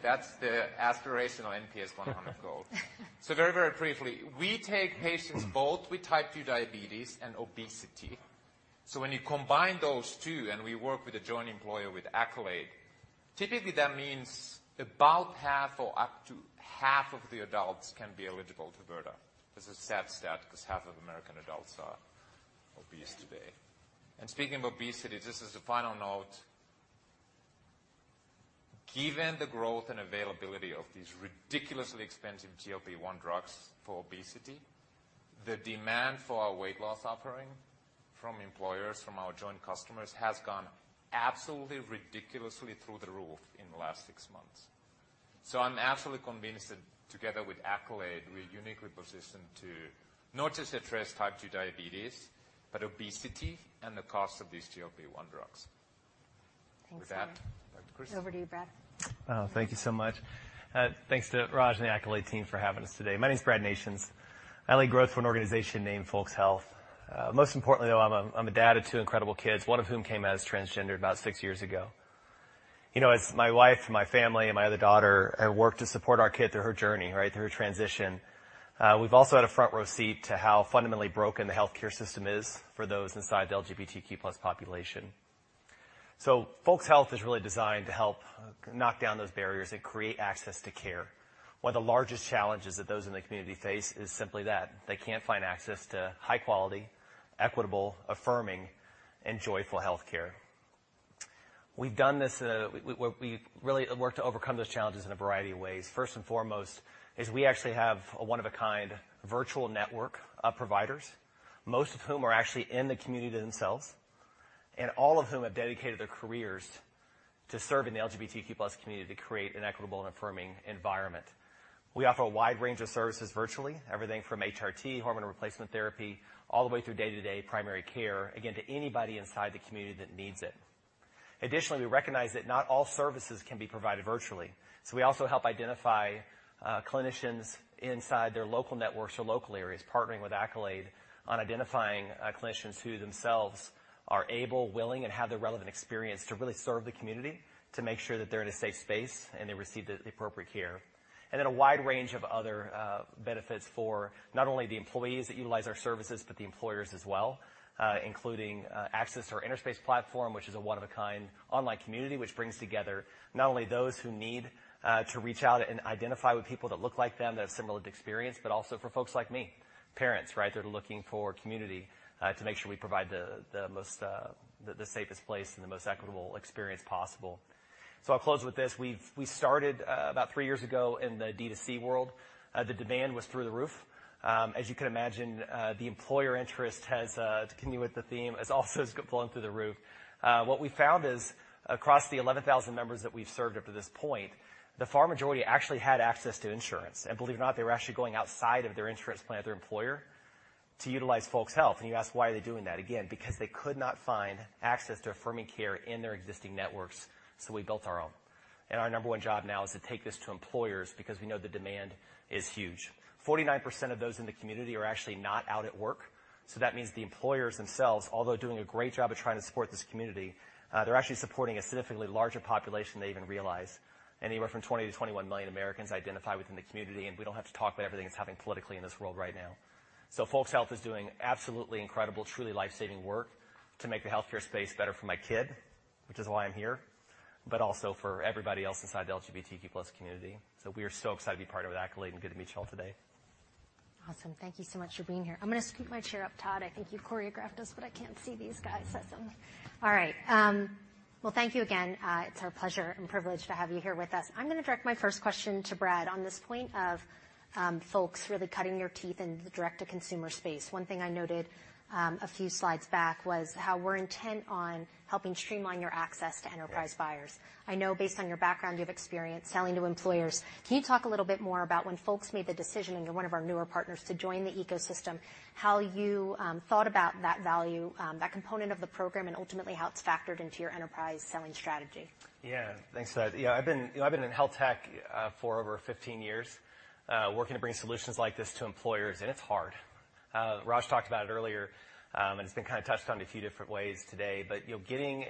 That's the aspirational NPS 100 goal. Very, very briefly, we take patients both with type 2 diabetes and obesity. When you combine those two, and we work with a joint employer with Accolade, typically that means about half or up to half of the adults can be eligible to Virta. This is a sad stat 'cause half of American adults are obese today. Speaking of obesity, just as a final note, given the growth and availability of these ridiculously expensive GLP-1 drugs for obesity, the demand for our weight loss offering from employers, from our joint customers, has gone absolutely ridiculously through the roof in the last 6 months. I'm absolutely convinced that together with Accolade, we're uniquely positioned to not just address type 2 diabetes, but obesity and the cost of these GLP-1 drugs. Thanks. With that, back to Kris. Over to you, Brad. Thank you so much. Thanks to Raj and the Accolade team for having us today. My name is Brad Nations. I lead growth for an organization named FOLX Health. Most importantly, though, I'm a dad of two incredible kids, one of whom came as transgender about six years ago. You know, as my wife, my family, and my other daughter have worked to support our kid through her journey, right, through her transition, we've also had a front row seat to how fundamentally broken the healthcare system is for those inside the LGBTQ+ population. FOLX Health is really designed to help knock down those barriers and create access to care. One of the largest challenges that those in the community face is simply that they can't find access to high quality, equitable, affirming, and joyful healthcare. We've done this, we really work to overcome those challenges in a variety of ways. First and foremost is we actually have a one-of-a-kind virtual network of providers, most of whom are actually in the community themselves, and all of whom have dedicated their careers to serve in the LGBTQ+ community to create an equitable and affirming environment. We offer a wide range of services virtually, everything from HRT, hormone replacement therapy, all the way through day-to-day primary care, again, to anybody inside the community that needs it. We recognize that not all services can be provided virtually, so we also help identify clinicians inside their local networks or local areas, partnering with Accolade on identifying clinicians who themselves are able, willing, and have the relevant experience to really serve the community to make sure that they're in a safe space and they receive the appropriate care. A wide range of other benefits for not only the employees that utilize our services, but the employers as well, including access to our Innerspace platform, which is a one-of-a-kind online community which brings together not only those who need to reach out and identify with people that look like them, that have similar lived experience, but also for folks like me, parents, right, that are looking for community to make sure we provide the most the safest place and the most equitable experience possible. I'll close with this. We started about three years ago in the D2C world. The demand was through the roof. As you can imagine, the employer interest has to continue with the theme, has also flown through the roof. What we found is across the 11,000 members that we've served up to this point, the far majority actually had access to insurance. Believe it or not, they were actually going outside of their insurance plan with their employer to utilize FOLX Health. You ask, why are they doing that? Again, because they could not find access to affirming care in their existing networks, we built our own. Our number one job now is to take this to employers because we know the demand is huge. 49% of those in the community are actually not out at work, that means the employers themselves, although doing a great job of trying to support this community, they're actually supporting a significantly larger population than they even realize. Anywhere from 20 million to 21 million Americans identify within the community. We don't have to talk about everything that's happening politically in this world right now. FOLX Health is doing absolutely incredible, truly life-saving work to make the healthcare space better for my kid, which is why I'm here, but also for everybody else inside the LGBTQ+ community. We are so excited to be part of Accolade and good to meet you all today. Awesome. Thank you so much for being here. I'm gonna scoot my chair up, Todd. I think you've choreographed us, but I can't see these guys. All right. Well, thank you again. It's our pleasure and privilege to have you here with us. I'm gonna direct my first question to Brad. On this point of FOLX really cutting your teeth in the direct-to-consumer space, one thing I noted a few slides back was how we're intent on helping streamline your access to enterprise buyers. Yeah. I know based on your background, you have experience selling to employers. Can you talk a little bit more about when FOLX made the decision, and you're one of our newer partners, to join the ecosystem, how you thought about that value, that component of the program and ultimately how it's factored into your enterprise selling strategy? Yeah. Thanks for that. Yeah, I've been, you know, I've been in health tech for over 15 years, working to bring solutions like this to employers, and it's hard. Raj talked about it earlier, and it's been kinda touched on a few different ways today, but, you know, getting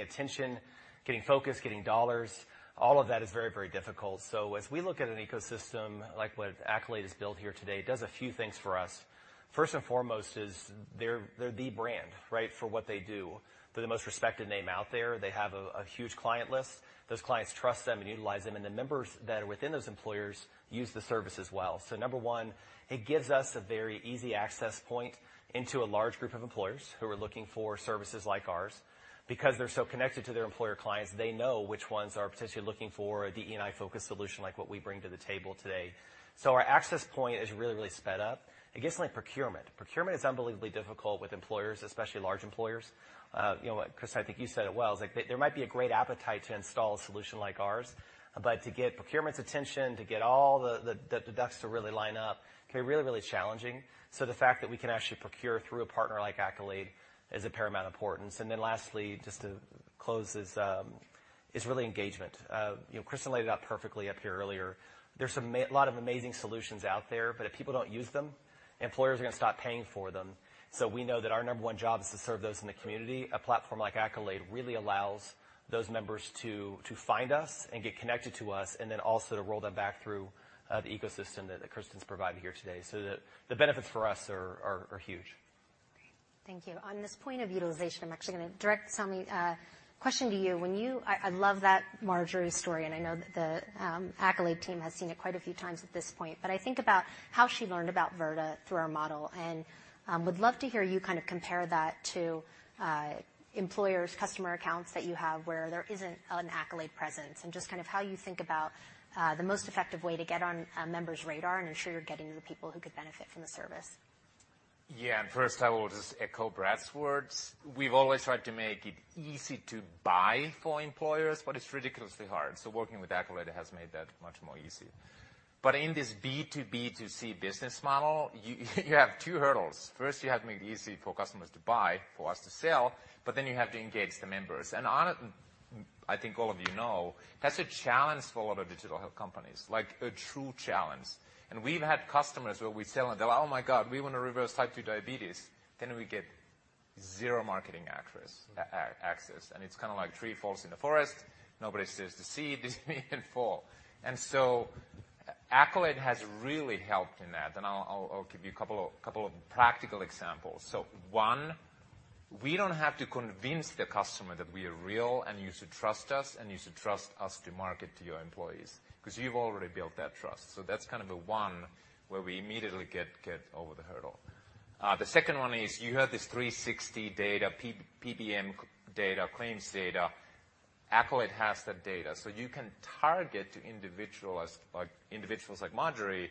attention, getting focus, getting dollars, all of that is very, very difficult. As we look at an ecosystem like what Accolade has built here today, it does a few things for us. First and foremost is they're the brand, right, for what they do. They're the most respected name out there. They have a huge client list. Those clients trust them and utilize them, and the members that are within those employers use the service as well. Number one, it gives us a very easy access point into a large group of employers who are looking for services like ours. Because they're so connected to their employer clients, they know which ones are potentially looking for a DE&I-focused solution like what we bring to the table today. Our access point is really sped up. It gives something like procurement. Procurement is unbelievably difficult with employers, especially large employers. You know, Kris, I think you said it well. It's like there might be a great appetite to install a solution like ours, but to get procurement's attention, to get all the ducks to really line up can be really challenging. The fact that we can actually procure through a partner like Accolade is of paramount importance. Lastly, just to close this, is really engagement. You know, Kristen laid it out perfectly up here earlier. There's a lot of amazing solutions out there, but if people don't use them, employers are gonna stop paying for them. We know that our number 1 job is to serve those in the community. A platform like Accolade really allows those members to find us and get connected to us and then also to roll that back through the ecosystem that Kristen's provided here today. The benefits for us are huge. Great. Thank you. On this point of utilization, I'm actually gonna direct, Sammy, a question to you. I love that Marjorie story, and I know that the Accolade team has seen it quite a few times at this point. I think about how she learned about Virta through our model and would love to hear you kind of compare that to employers, customer accounts that you have where there isn't an Accolade presence and just kind of how you think about the most effective way to get on a member's radar and ensure you're getting the people who could benefit from the service. Yeah. First I will just echo Brad's words. We've always tried to make it easy to buy for employers, but it's ridiculously hard. Working with Accolade has made that much more easy. In this B2B2C business model, you have two hurdles. First, you have to make it easy for customers to buy, for us to sell, you have to engage the members. I think all of you know, that's a challenge for a lot of digital health companies, like a true challenge. We've had customers where we sell and they go, "Oh my god, we want to reverse type 2 diabetes." We get 0 marketing access. It's kind of like tree falls in the forest. Nobody sees the seed, this may fall. Accolade has really helped in that, and I'll give you a couple of practical examples. One, we don't have to convince the customer that we are real and you should trust us, and you should trust us to market to your employees, 'cause you've already built that trust. That's kind of the one where we immediately get over the hurdle. The second one is you have this 360 data, PBM data, claims data. Accolade has that data. You can target to individuals like Marjorie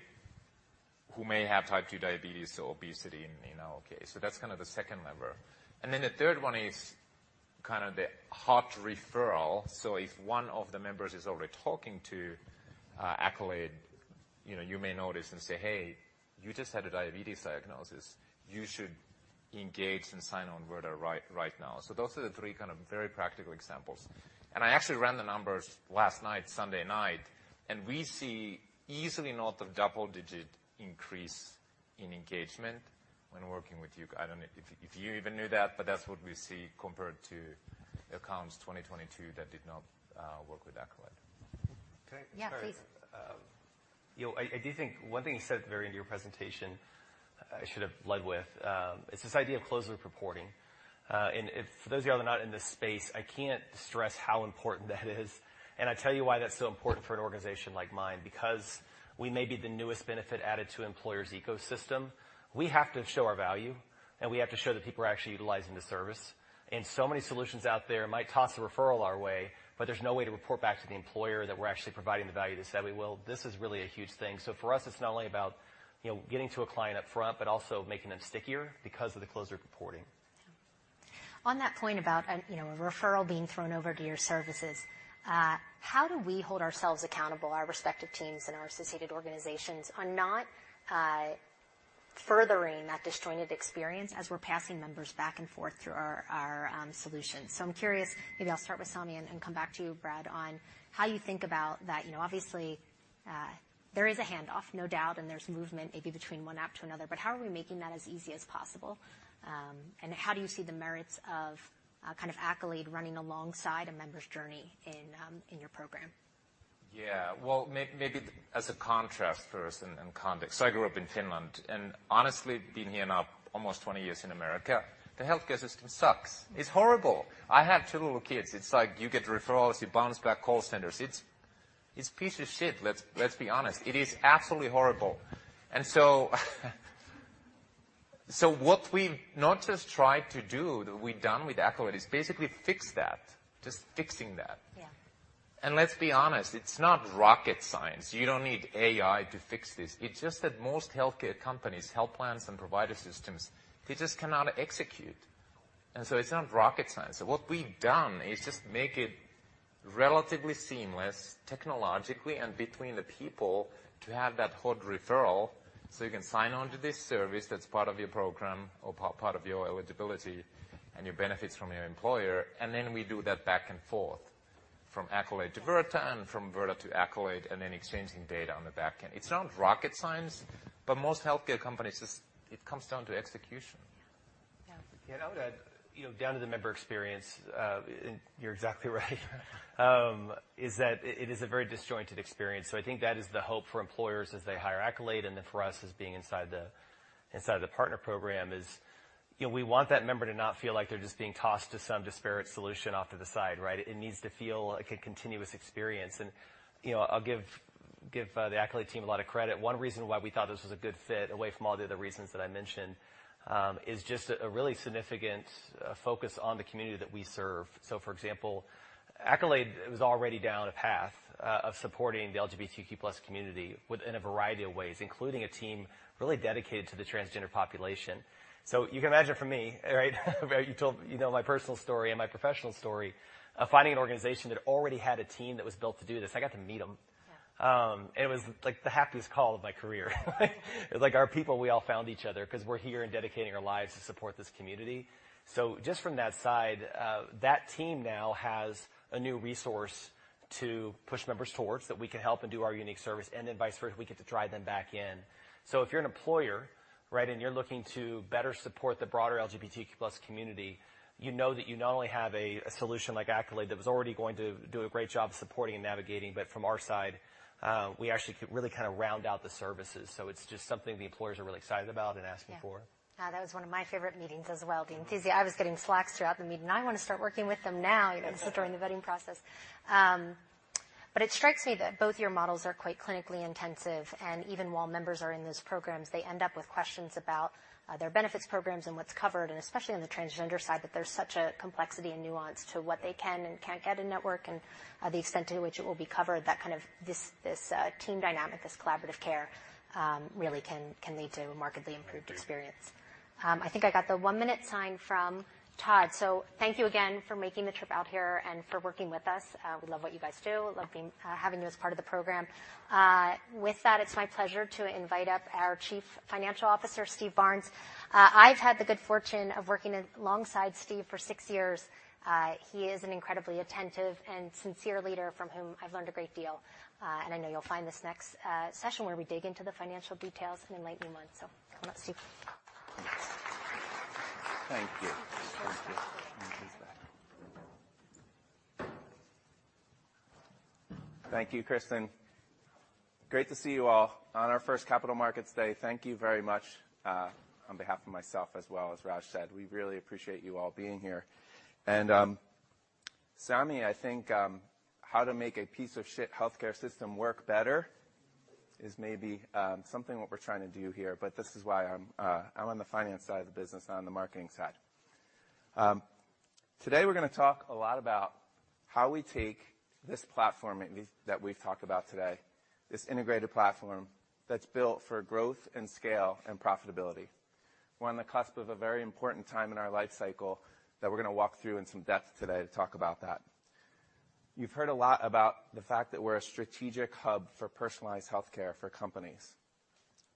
who may have type 2 diabetes or obesity in our case. That's kind of the second lever. Then the third one is kind of the hot referral. If one of the members is already talking to Accolade, you know, you may notice and say, "Hey, you just had a diabetes diagnosis. You should engage and sign on Virta right now." Those are the three kind of very practical examples. I actually ran the numbers last night, Sunday night, and we see easily north of double-digit increase in engagement when working with you. I don't know if you even knew that, but that's what we see compared to accounts 2022 that did not work with Accolade. Can I- Yeah, please. You know, I do think one thing you said at the very end of your presentation I should've led with, is this idea of closed loop reporting. If for those of you all that are not in this space, I can't stress how important that is. I tell you why that's so important for an organization like mine. Because we may be the newest benefit added to employers' ecosystem, we have to show our value, and we have to show that people are actually utilizing the service. So many solutions out there might toss a referral our way, but there's no way to report back to the employer that we're actually providing the value that said we will. This is really a huge thing. For us it's not only about, you know, getting to a client up front, but also making them stickier because of the closed loop reporting. On that point about, you know, a referral being thrown over to your services, how do we hold ourselves accountable, our respective teams and our associated organizations, on not furthering that disjointed experience as we're passing members back and forth through our solutions? I'm curious, maybe I'll start with Sami and come back to you, Brad, on how you think about that. You know, obviously, there is a hand off, no doubt, and there's movement maybe between one app to another, but how are we making that as easy as possible? How do you see the merits of kind of Accolade running alongside a member's journey in your program? Yeah. Well, maybe as a contrast first and context. I grew up in Finland, Honestly being here now almost 20 years in America, the healthcare system sucks. It's horrible. I have two little kids. It's like you get referrals, you bounce back call centers. It's piece of shit, let's be honest. It is absolutely horrible. What we've not just tried to do, we've done with Accolade, is basically fix that, just fixing that. Yeah. Let's be honest, it's not rocket science. You don't need AI to fix this. It's just that most healthcare companies, health plans and provider systems, they just cannot execute. It's not rocket science. What we've done is just make it relatively seamless technologically and between the people to have that hot referral so you can sign on to this service that's part of your program or part of your eligibility and your benefits from your employer. We do that back and forth from Accolade to Virta and from Virta to Accolade, and then exchanging data on the back end. It's not rocket science, but most healthcare companies just it comes down to execution. Yeah. Can I add, you know, down to the member experience, and you're exactly right, is that it is a very disjointed experience. I think that is the hope for employers as they hire Accolade and then for us as being inside the, inside the partner program is, you know, we want that member to not feel like they're just being tossed to some disparate solution off to the side, right? It needs to feel like a continuous experience. You know, I'll give the Accolade team a lot of credit. One reason why we thought this was a good fit away from all the other reasons that I mentioned, is just a really significant focus on the community that we serve. For example, Accolade was already down a path of supporting the LGBTQ+ community with... in a variety of ways, including a team really dedicated to the transgender population. You can imagine for me, right? You've been told, you know, my personal story and my professional story, finding an organization that already had a team that was built to do this, I got to meet them. Yeah. It was like the happiest call of my career. It was like our people, we all found each other, 'cause we're here and dedicating our lives to support this community. Just from that side, that team now has a new resource to push members towards, that we can help and do our unique service, and then vice versa, we get to drive them back in. If you're an employer, right, and you're looking to better support the broader LGBTQ+ community, you know that you not only have a solution like Accolade that was already going to do a great job supporting and navigating, but from our side, we actually could really kind of round out the services. It's just something the employers are really excited about and asking for. Yeah. That was one of my favorite meetings as well. The enthusiasm. I was getting slacks throughout the meeting. I wanna start working with them now, even though it's still during the vetting process. It strikes me that both your models are quite clinically intensive, and even while members are in those programs, they end up with questions about their benefits programs and what's covered, and especially on the transgender side, that there's such a complexity and nuance to what they can and can't get in-network and the extent to which it will be covered, that kind of, this team dynamic, this collaborative care, really can lead to a markedly improved experience. I think I got the one-minute sign from Todd. Thank you again for making the trip out here and for working with us. We love what you guys do, having you as part of the program. It's my pleasure to invite up our Chief Financial Officer, Steve Barnes. I've had the good fortune of working alongside Steve for six years. He is an incredibly attentive and sincere leader from whom I've learned a great deal. I know you'll find this next session where we dig into the financial details an enlightening one. Come up, Steve. Thanks. Thank you. Thank you. Thank you. Thank you, Kristen. Great to see you all on our first Capital Markets Day. Thank you very much, on behalf of myself as well as Raj said. We really appreciate you all being here. Sami, I think, how to make a piece of shit healthcare system work better- Is maybe something what we're trying to do here, but this is why I'm on the finance side of the business, not on the marketing side. Today we're gonna talk a lot about how we take this platform that we've talked about today, this integrated platform that's built for growth and scale and profitability. We're on the cusp of a very important time in our life cycle that we're gonna walk through in some depth today to talk about that. You've heard a lot about the fact that we're a strategic hub for personalized healthcare for companies.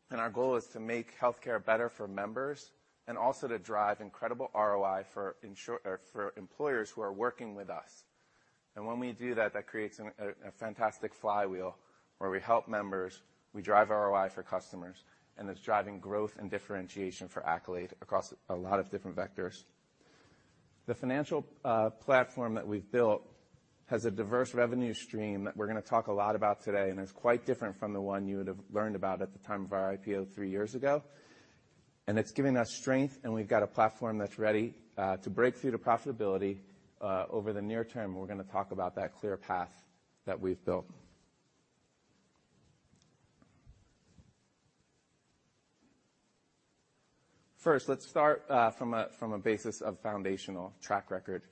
Our goal is to make healthcare better for members and also to drive incredible ROI for employers who are working with us. When we do that creates a fantastic flywheel where we help members, we drive ROI for customers, and it's driving growth and differentiation for Accolade across a lot of different vectors. The financial platform that we've built has a diverse revenue stream that we're gonna talk a lot about today, and it's quite different from the one you would have learned about at the time of our IPO three years ago. It's given us strength, and we've got a platform that's ready to break through to profitability over the near term, and we're gonna talk about that clear path that we've built. First, let's start from a basis of foundational track record.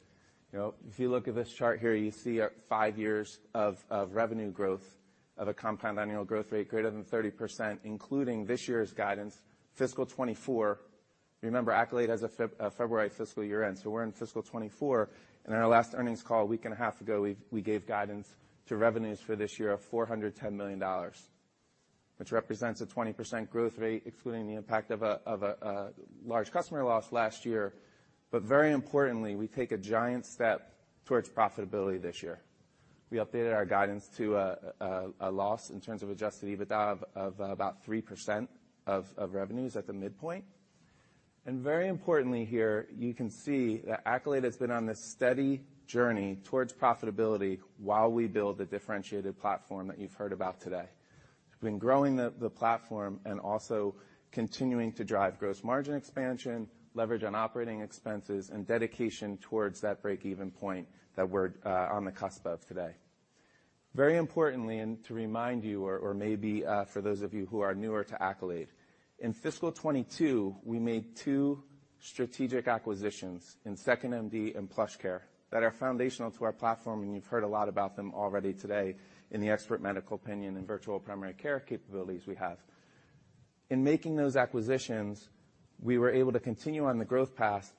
You know, if you look at this chart here, you see five years of revenue growth, of a compound annual growth rate greater than 30%, including this year's guidance, fiscal 2024. Remember, Accolade has a Feb-February fiscal year end, so we're in fiscal 2024. In our last earnings call a week and a half ago, we gave guidance to revenues for this year of $410 million, which represents a 20% growth rate, excluding the impact of a large customer loss last year. Very importantly, we take a giant step towards profitability this year. We updated our guidance to a loss in terms of Adjusted EBITDA of about 3% of revenues at the midpoint. Very importantly here, you can see that Accolade has been on this steady journey towards profitability while we build the differentiated platform that you've heard about today. We've been growing the platform and also continuing to drive gross margin expansion, leverage on operating expenses, and dedication towards that break-even point that we're on the cusp of today. Very importantly, and to remind you, or maybe for those of you who are newer to Accolade, in fiscal 2022, we made two strategic acquisitions in 2nd.MD and PlushCare that are foundational to our platform, and you've heard a lot about them already today in the expert medical opinion and virtual primary care capabilities we have. In making those acquisitions, we were able to continue on the growth path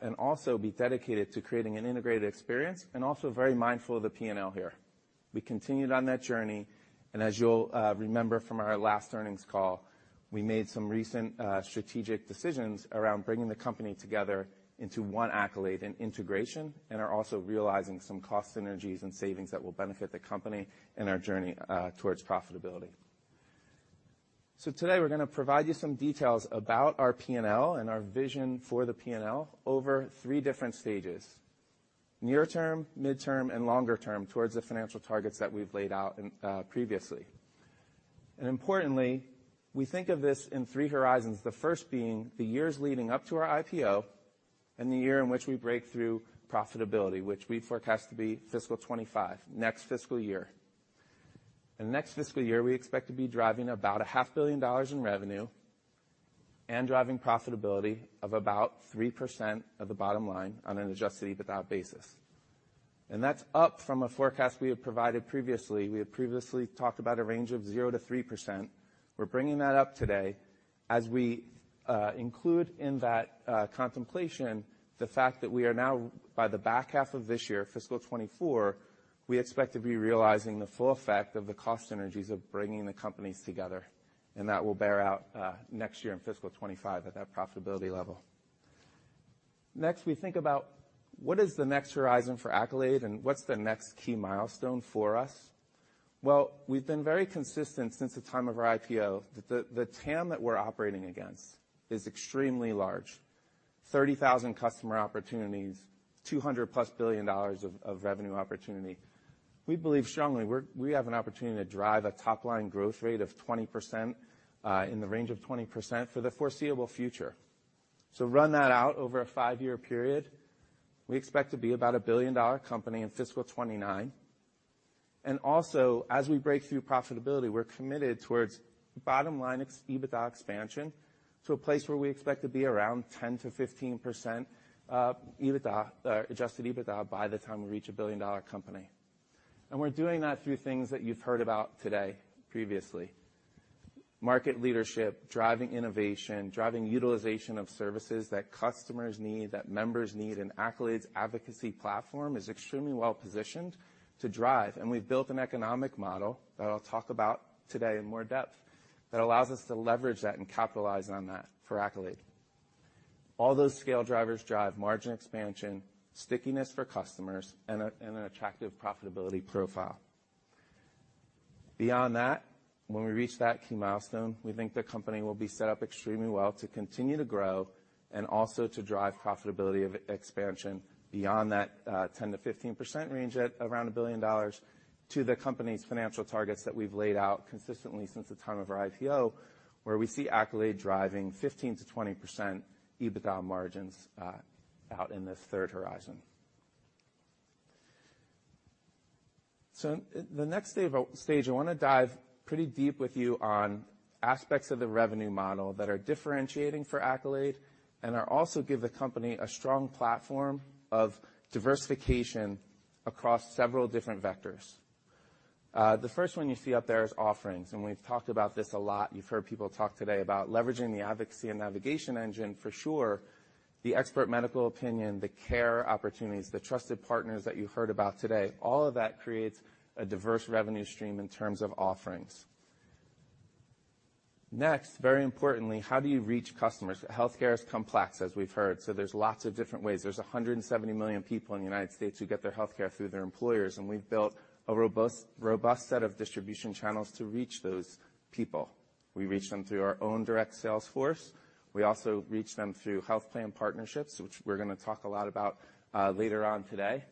and also be dedicated to creating an integrated experience and also very mindful of the P&L here. We continued on that journey, as you'll remember from our last earnings call, we made some recent, strategic decisions around bringing the company together into one Accolade in integration and are also realizing some cost synergies and savings that will benefit the company in our journey, towards profitability. Today we're gonna provide you some details about our P&L and our vision for the P&L over three different stages: near term, midterm, and longer term towards the financial targets that we've laid out previously. Importantly, we think of this in three horizons, the first being the years leading to our IPO and the year in which we break through profitability, which we forecast to be fiscal 2025, next fiscal year. In the next fiscal year, we expect to be driving about a half billion dollars in revenue and driving profitability of about 3% of the bottom line on an Adjusted EBITDA basis. That's up from a forecast we had provided previously. We had previously talked about a range of 0%-3%. We're bringing that up today as we include in that contemplation the fact that we are now by the back half of this year, fiscal 2024, we expect to be realizing the full effect of the cost synergies of bringing the companies together. That will bear out next year in fiscal 2025 at that profitability level. Next, we think about what is the next horizon for Accolade, what's the next key milestone for us? Well, we've been very consistent since the time of our IPO that the TAM that we're operating against is extremely large. 30,000 customer opportunities, $200+ billion of revenue opportunity. We believe strongly we have an opportunity to drive a top-line growth rate of 20% in the range of 20% for the foreseeable future. Run that out over a five-year period. We expect to be about a billion-dollar company in fiscal 2029. As we break through profitability, we're committed towards bottom-line EBITDA expansion to a place where we expect to be around 10%-15% EBITDA, Adjusted EBITDA by the time we reach a billion-dollar company. We're doing that through things that you've heard about today previously. Market leadership, driving innovation, driving utilization of services that customers need, that members need. Accolade's advocacy platform is extremely well positioned to drive. We've built an economic model that I'll talk about today in more depth that allows us to leverage that and capitalize on that for Accolade. All those scale drivers drive margin expansion, stickiness for customers, and an attractive profitability profile. Beyond that, when we reach that key milestone, we think the company will be set up extremely well to continue to grow and also to drive profitability of expansion beyond that, 10%-15% range at around $1 billion to the company's financial targets that we've laid out consistently since the time of our IPO, where we see Accolade driving 15%-20% EBITDA margins out in this third horizon. In the next stage, I wanna dive pretty deep with you on aspects of the revenue model that are differentiating for Accolade and are also give the company a strong platform of diversification across several different vectors. The first one you see up there is offerings, we've talked about this a lot. You've heard people talk today about leveraging the advocacy and navigation engine for sure, the expert medical opinion, the care opportunities, the trusted partners that you heard about today. That creates a diverse revenue stream in terms of offerings. Very importantly, how do you reach customers? Healthcare is complex, as we've heard. There's lots of different ways. There's 170 million people in the U.S. who get their healthcare through their employers. We've built a robust set of distribution channels to reach those people. We reach them through our own direct sales force. We also reach them through health plan partnerships, which we're gonna talk a lot about later on today.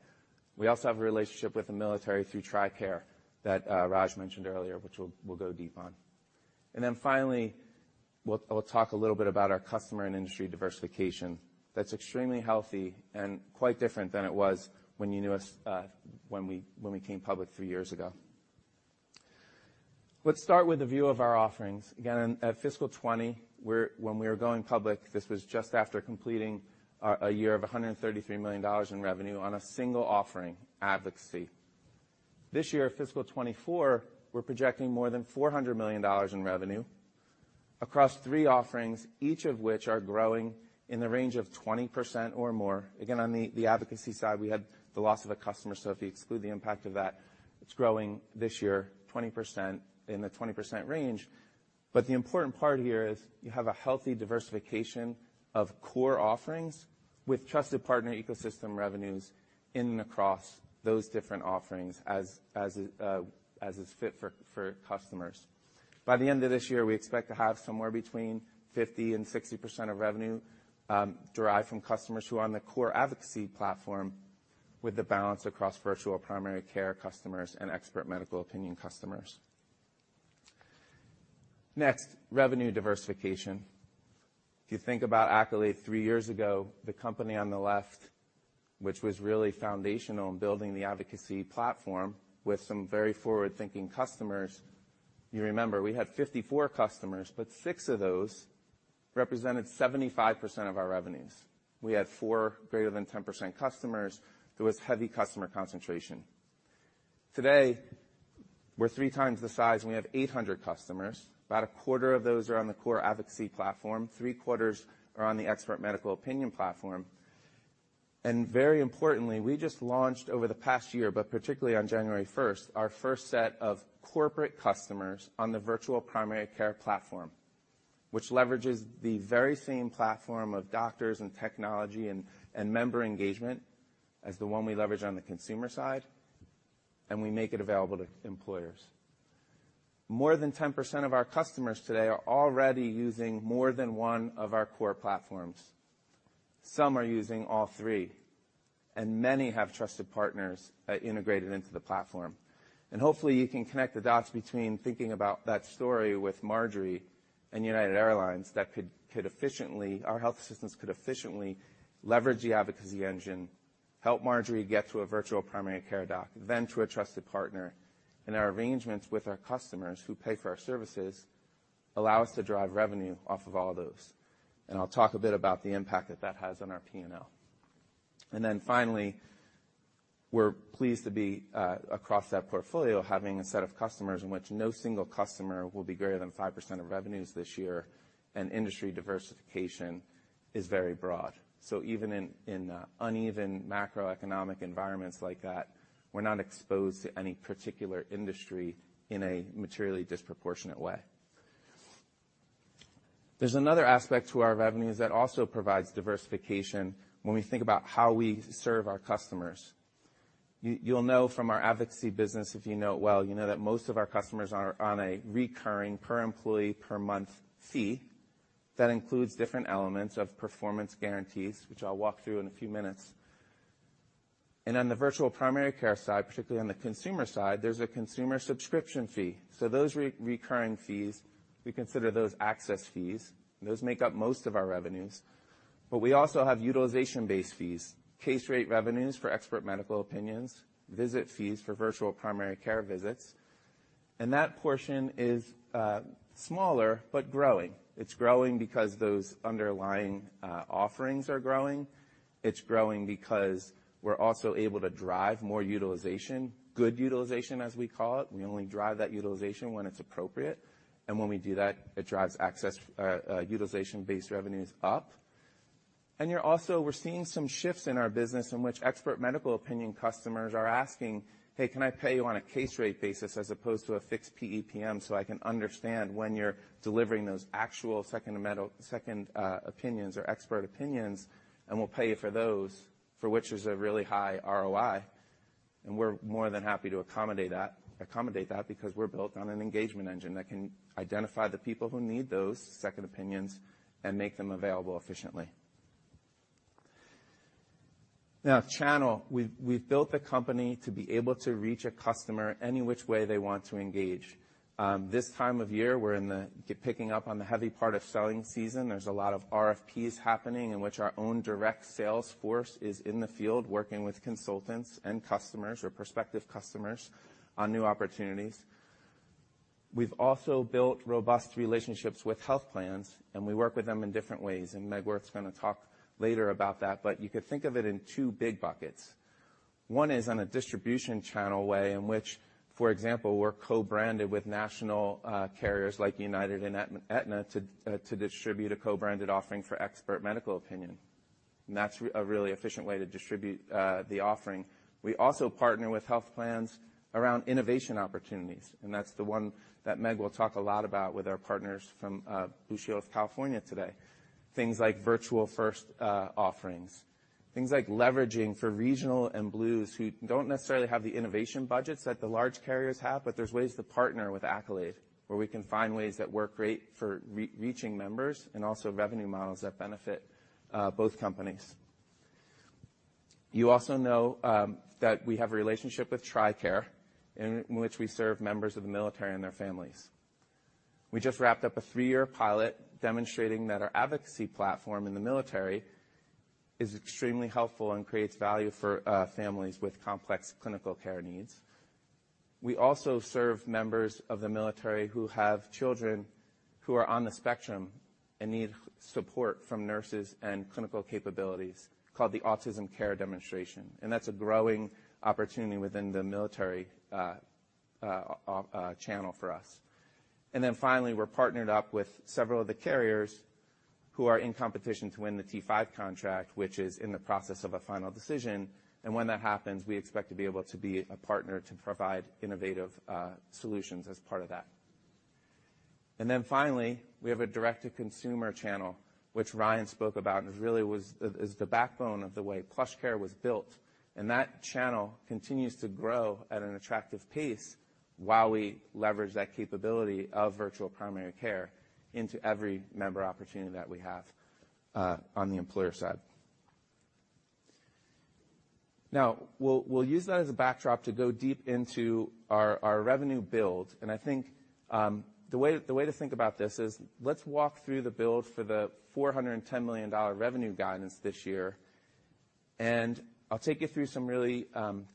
We also have a relationship with the military through TRICARE that Raj mentioned earlier, which we'll go deep on. Finally, I'll talk a little bit about our customer and industry diversification that's extremely healthy and quite different than it was when you knew us, when we came public three years ago. Let's start with the view of our offerings. At fiscal 2020, when we were going public, this was just after completing a year of $133 million in revenue on a single offering, advocacy. This year, fiscal 2024, we're projecting more than $400 million in revenue across three offerings, each of which are growing in the range of 20% or more. On the advocacy side, we had the loss of a customer, so if you exclude the impact of that, it's growing this year 20%, in the 20% range. The important part here is you have a healthy diversification of core offerings with Trusted Partner Ecosystem revenues in and across those different offerings as is fit for customers. By the end of this year, we expect to have somewhere between 50% and 60% of revenue derived from customers who are on the core advocacy platform with the balance across virtual primary care customers and expert medical opinion customers. Revenue diversification. If you think about Accolade three years ago, the company on the left, which was really foundational in building the advocacy platform with some very forward-thinking customers, you remember we had 54 customers, but six of those represented 75% of our revenues. We had four greater than 10% customers. There was heavy customer concentration. Today, we're 3x the size, we have 800 customers. About a quarter of those are on the core advocacy platform. Three quarters are on the Expert Medical Opinion platform. Very importantly, we just launched over the past year, but particularly on January first, our first set of corporate customers on the Virtual Primary Care platform, which leverages the very same platform of doctors and technology and member engagement as the one we leverage on the consumer side, and we make it available to employers. More than 10% of our customers today are already using more than one of our core platforms. Some are using all three, and many have trusted partners integrated into the platform. Hopefully you can connect the dots between thinking about that story with Marjorie and United Airlines that could efficiently... Our health systems could efficiently leverage the advocacy engine, help Marjorie get to a virtual primary care doc, then to a trusted partner. Our arrangements with our customers who pay for our services allow us to drive revenue off of all those. I'll talk a bit about the impact that that has on our P&L. Finally, we're pleased to be across that portfolio, having a set of customers in which no single customer will be greater than 5% of revenues this year, and industry diversification is very broad. Even in uneven macroeconomic environments like that, we're not exposed to any particular industry in a materially disproportionate way. There's another aspect to our revenues that also provides diversification when we think about how we serve our customers. You'll know from our advocacy business, if you know it well, you know that most of our customers are on a recurring per employee, per month fee that includes different elements of performance guarantees, which I'll walk through in a few minutes. On the virtual primary care side, particularly on the consumer side, there's a consumer subscription fee. Those recurring fees, we consider those access fees, and those make up most of our revenues. We also have utilization-based fees, case rate revenues for expert medical opinions, visit fees for virtual primary care visits. That portion is smaller but growing. It's growing because those underlying offerings are growing. It's growing because we're also able to drive more utilization, good utilization, as we call it. We only drive that utilization when it's appropriate. When we do that, it drives access, utilization-based revenues up. We're seeing some shifts in our business in which expert medical opinion customers are asking, "Hey, can I pay you on a case rate basis as opposed to a fixed PEPM so I can understand when you're delivering those actual second opinions or expert opinions, and we'll pay you for those, for which there's a really high ROI?" We're more than happy to accommodate that because we're built on an engagement engine that can identify the people who need those second opinions and make them available efficiently. Channel. We've built the company to be able to reach a customer any which way they want to engage. This time of year, we're picking up on the heavy part of selling season. There's a lot of RFPs happening in which our own direct sales force is in the field working with consultants and customers or prospective customers on new opportunities. We've also built robust relationships with health plans, and we work with them in different ways, and Meg Worth's gonna talk later about that, but you could think of it in two big buckets. One is on a distribution channel way in which, for example, we're co-branded with national carriers like United and Aetna to distribute a co-branded offering for expert medical opinion. That's a really efficient way to distribute the offering. We also partner with health plans around innovation opportunities, and that's the one that Meg will talk a lot about with our partners from Blue Shield of California today. Things like virtual first offerings. Things like leveraging for regional and Blues who don't necessarily have the innovation budgets that the large carriers have, there's ways to partner with Accolade, where we can find ways that work great for re-reaching members and also revenue models that benefit both companies. You also know that we have a relationship with TRICARE in which we serve members of the military and their families. We just wrapped up a three-year pilot demonstrating that our advocacy platform in the military is extremely helpful and creates value for families with complex clinical care needs. We also serve members of the military who have children who are on the spectrum and need support from nurses and clinical capabilities called the Autism Care Demonstration, that's a growing opportunity within the military channel for us. Finally, we're partnered up with several of the carriers who are in competition to win the T5 contract, which is in the process of a final decision. When that happens, we expect to be able to be a partner to provide innovative solutions as part of that. Finally, we have a direct-to-consumer channel, which Ryan spoke about, and really is the backbone of the way PlushCare was built. That channel continues to grow at an attractive pace while we leverage that capability of virtual primary care into every member opportunity that we have on the employer side. Now, we'll use that as a backdrop to go deep into our revenue build. I think the way to think about this is let's walk through the build for the $410 million revenue guidance this year, and I'll take you through some really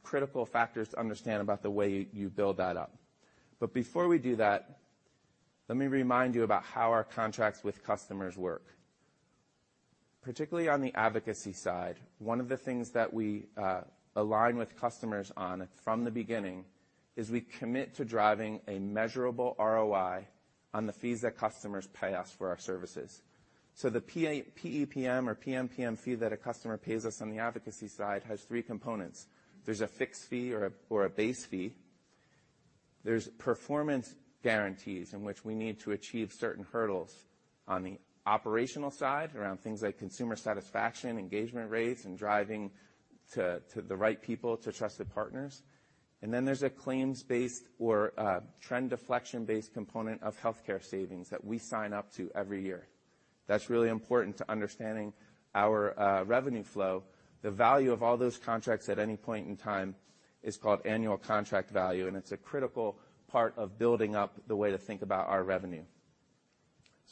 critical factors to understand about the way you build that up. Before we do that, let me remind you about how our contracts with customers work. Particularly on the advocacy side, one of the things that we align with customers on from the beginning is we commit to driving a measurable ROI on the fees that customers pay us for our services. The PEPM or PMPM fee that a customer pays us on the advocacy side has three components. There's a fixed fee or a base fee. There's performance guarantees in which we need to achieve certain hurdles on the operational side around things like consumer satisfaction, engagement rates, and driving to the right people to Trusted Partners. Then there's a claims-based or trend deflection-based component of healthcare savings that we sign up to every year. That's really important to understanding our revenue flow. The value of all those contracts at any point in time is called annual contract value, and it's a critical part of building up the way to think about our revenue.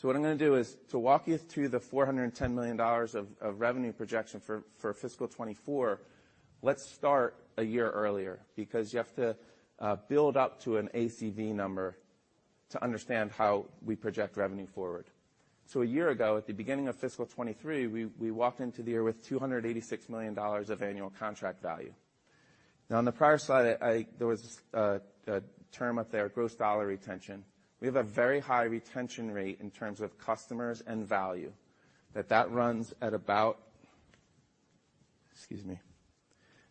What I'm gonna do is to walk you through the $410 million of revenue projection for fiscal 2024. Let's start a year earlier because you have to build up to an ACV number to understand how we project revenue forward. A year ago, at the beginning of fiscal 2023, we walked into the year with $286 million of annual contract value. On the prior slide, there was a term up there, gross dollar retention. We have a very high retention rate in terms of customers and value that runs at about... Excuse me.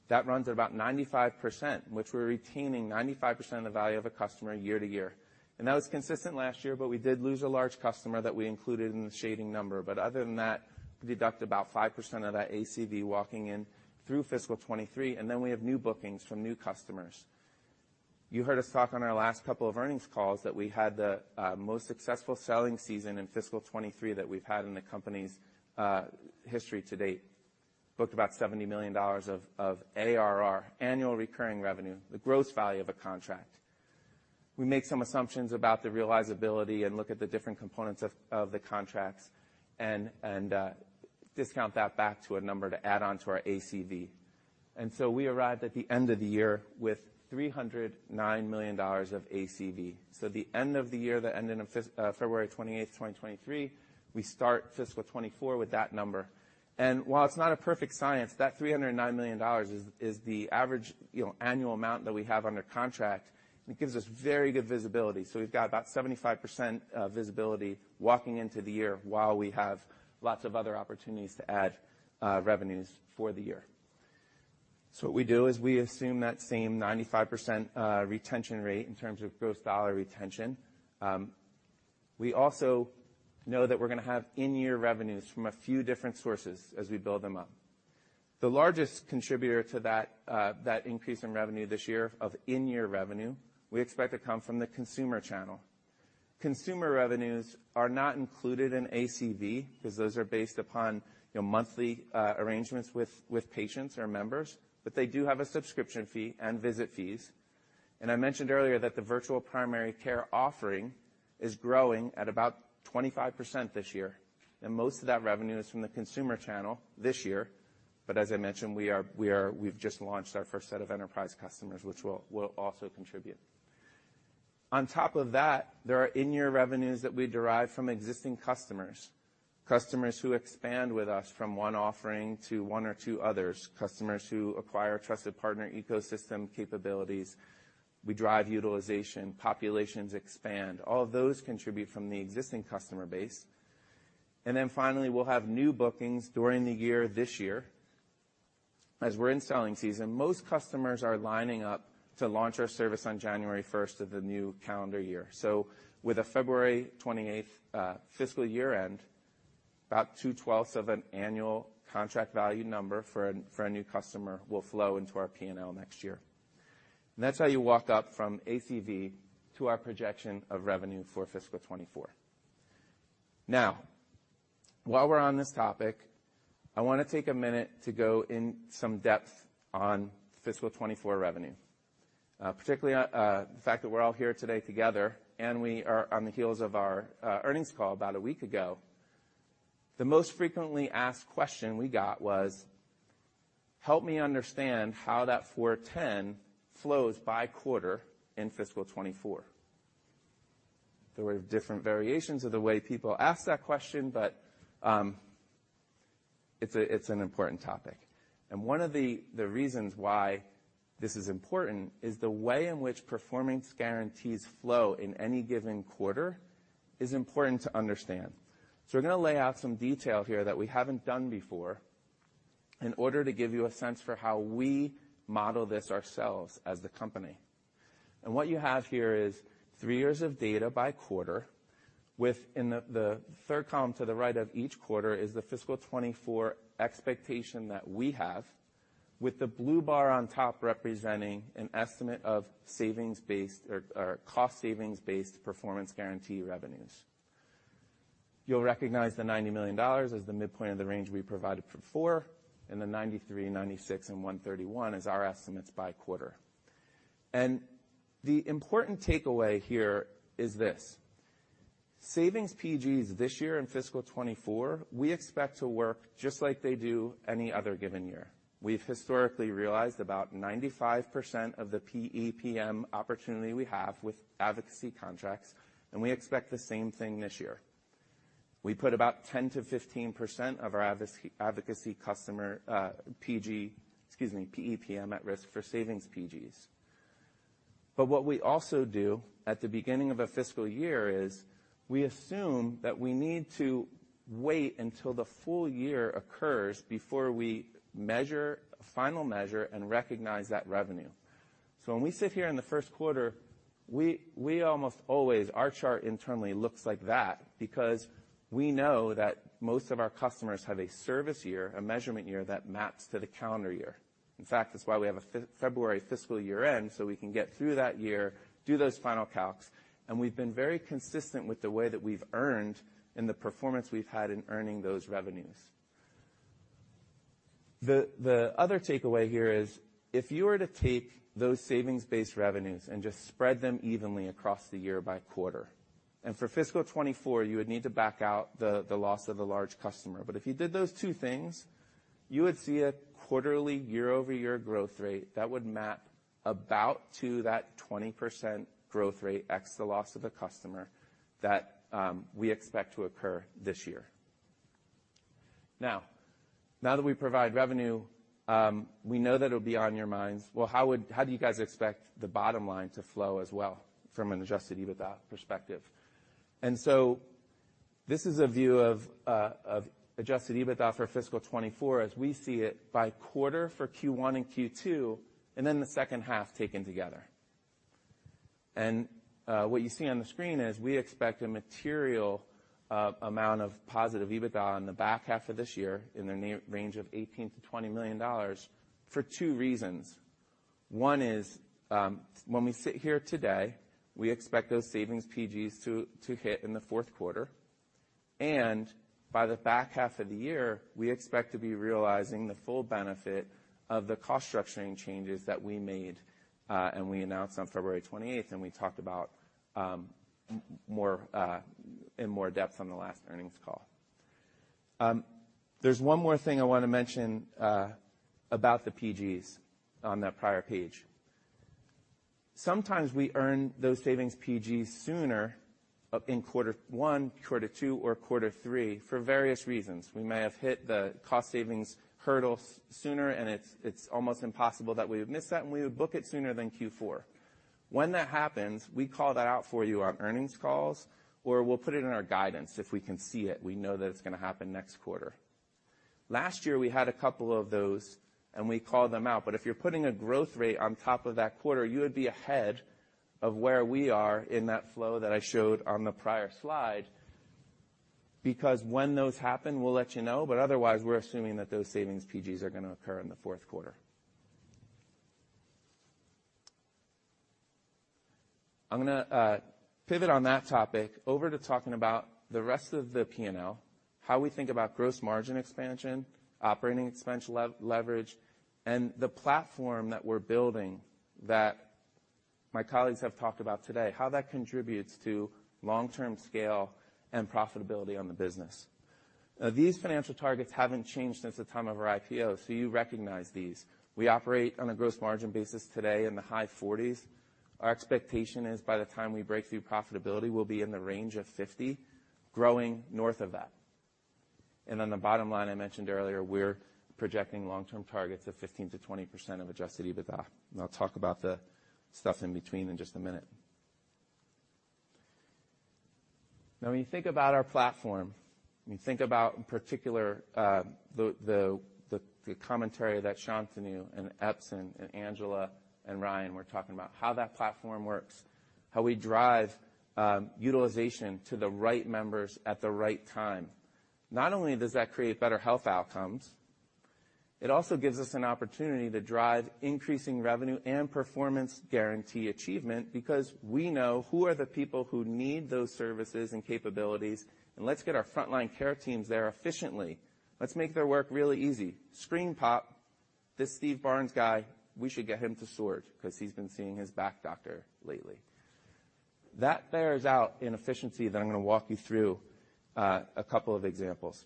That runs at about 95%, which we're retaining 95% of the value of a customer year to year. That was consistent last year, but we did lose a large customer that we included in the shading number. Other than that, we deduct about 5% of that ACV walking in through fiscal 2023, and then we have new bookings from new customers. You heard us talk on our last couple of earnings calls that we had the most successful selling season in fiscal 2023 that we've had in the company's history to date. Booked about $70 million of ARR, annual recurring revenue, the gross value of a contract. We make some assumptions about the realizability and look at the different components of the contracts and discount that back to a number to add on to our ACV. We arrived at the end of the year with $309 million of ACV. The end of the year, the end of February 28th, 2023, we start fiscal 2024 with that number. While it's not a perfect science, that $309 million is the average, you know, annual amount that we have under contract. It gives us very good visibility. We've got about 75% visibility walking into the year while we have lots of other opportunities to add revenues for the year. What we do is we assume that same 95% retention rate in terms of gross dollar retention. We also know that we're gonna have in-year revenues from a few different sources as we build them up. The largest contributor to that increase in revenue this year of in-year revenue, we expect to come from the consumer channel. Consumer revenues are not included in ACV because those are based upon, you know, monthly arrangements with patients or members, but they do have a subscription fee and visit fees. I mentioned earlier that the virtual primary care offering is growing at about 25% this year, and most of that revenue is from the consumer channel this year. As I mentioned, we've just launched our first set of enterprise customers, which will also contribute. On top of that, there are in-year revenues that we derive from existing customers. Customers who expand with us from one offering to one or two others, customers who acquire Trusted Partner Ecosystem capabilities. We drive utilization, populations expand. All of those contribute from the existing customer base. Finally, we'll have new bookings during the year this year. As we're in selling season, most customers are lining up to launch our service on January first of the new calendar year. With a February 28th fiscal year-end, about two-twelfths of an annual contract value number for a new customer will flow into our P&L next year. That's how you walk up from ACV to our projection of revenue for fiscal 2024. While we're on this topic, I want to take a minute to go in some depth on fiscal 2024 revenue. Particularly, the fact that we're all here today together and we are on the heels of our earnings call about a week ago. The most frequently asked question we got was: help me understand how that $410 flows by quarter in fiscal 2024. There were different variations of the way people asked that question, it's an important topic. One of the reasons why this is important is the way in which Performance Guarantees flow in any given quarter is important to understand. We're gonna lay out some detail here that we haven't done before in order to give you a sense for how we model this ourselves as the company. What you have here is three years of data by quarter, with in the third column to the right of each quarter is the fiscal 2024 expectation that we have, with the blue bar on top representing an estimate of savings based or cost savings-based Performance Guarantee revenues. You'll recognize the $90 million as the midpoint of the range we provided for four, and the $93, $96, and $131 is our estimates by quarter. The important takeaway here is this: savings PGs this year in fiscal 2024, we expect to work just like they do any other given year. We've historically realized about 95% of the P and we expect the same thing this year. We put about 10%-15% of our advocacy customer, PG, excuse me, PEPM at risk for savings PGs. What we also do at the beginning of a fiscal year is we assume that we need to wait until the full year occurs before we measure, final measure and recognize that revenue. When we sit here in the first quarter, we almost always... our chart internally looks like that because we know that most of our customers have a service year, a measurement year that maps to the calendar year. In fact, that's why we have a February fiscal year-end, so we can get through that year, do those final calcs, and we've been very consistent with the way that we've earned and the performance we've had in earning those revenues. The other takeaway here is if you were to take those savings-based revenues and just spread them evenly across the year by quarter, and for fiscal 2024, you would need to back out the loss of a large customer. If you did those two things, you would see a quarterly year-over-year growth rate that would map about to that 20% growth rate x the loss of a customer that we expect to occur this year. Now, now that we provide revenue, we know that it'll be on your minds, well, how would... how do you guys expect the bottom line to flow as well from an Adjusted EBITDA perspective? This is a view of Adjusted EBITDA for fiscal 2024 as we see it by quarter for Q1 and Q2, and then the second half taken together. What you see on the screen is we expect a material amount of positive EBITDA in the back half of this year in the range of $18 million-$20 million for two reasons. One is, when we sit here today, we expect those savings PGs to hit in the fourth quarter. By the back half of the year, we expect to be realizing the full benefit of the cost structuring changes that we made, and we announced on February 28th, and we talked about more in more depth on the last earnings call. There's one more thing I wanna mention about the PGs on that prior page. Sometimes we earn those savings PGs sooner in quarter one, quarter two, or quarter three, for various reasons. We may have hit the cost savings hurdle sooner, and it's almost impossible that we would miss that, and we would book it sooner than Q4. When that happens, we call that out for you on earnings calls, or we'll put it in our guidance if we can see it, we know that it's gonna happen next quarter. Last year, we had two of those. We called them out. If you're putting a growth rate on top of that quarter, you would be ahead of where we are in that flow that I showed on the prior slide, because when those happen, we'll let you know, but otherwise we're assuming that those savings PGs are going to occur in the fourth quarter. I'm going to pivot on that topic over to talking about the rest of the P&L. How we think about gross margin expansion, operating expense leverage, and the platform that we're building that my colleagues have talked about today, how that contributes to long-term scale and profitability on the business. These financial targets haven't changed since the time of our IPO. You recognize these. We operate on a gross margin basis today in the high forties. Our expectation is by the time we break through profitability, we'll be in the range of 50%, growing north of that. On the bottom line I mentioned earlier, we're projecting long-term targets of 15%-20% of Adjusted EBITDA. I'll talk about the stuff in between in just a minute. When you think about our platform, when you think about in particular, the commentary that Shantanu and Epson and Anuja and Ryan were talking about, how that platform works, how we drive utilization to the right members at the right time. Not only does that create better health outcomes, it also gives us an opportunity to drive increasing revenue and performance guarantee achievement because we know who are the people who need those services and capabilities, and let's get our frontline care teams there efficiently. Let's make their work really easy. Screen pop. This Steve Barnes guy, we should get him to Sword because he's been seeing his back doctor lately. That bears out in efficiency that I'm gonna walk you through a couple of examples.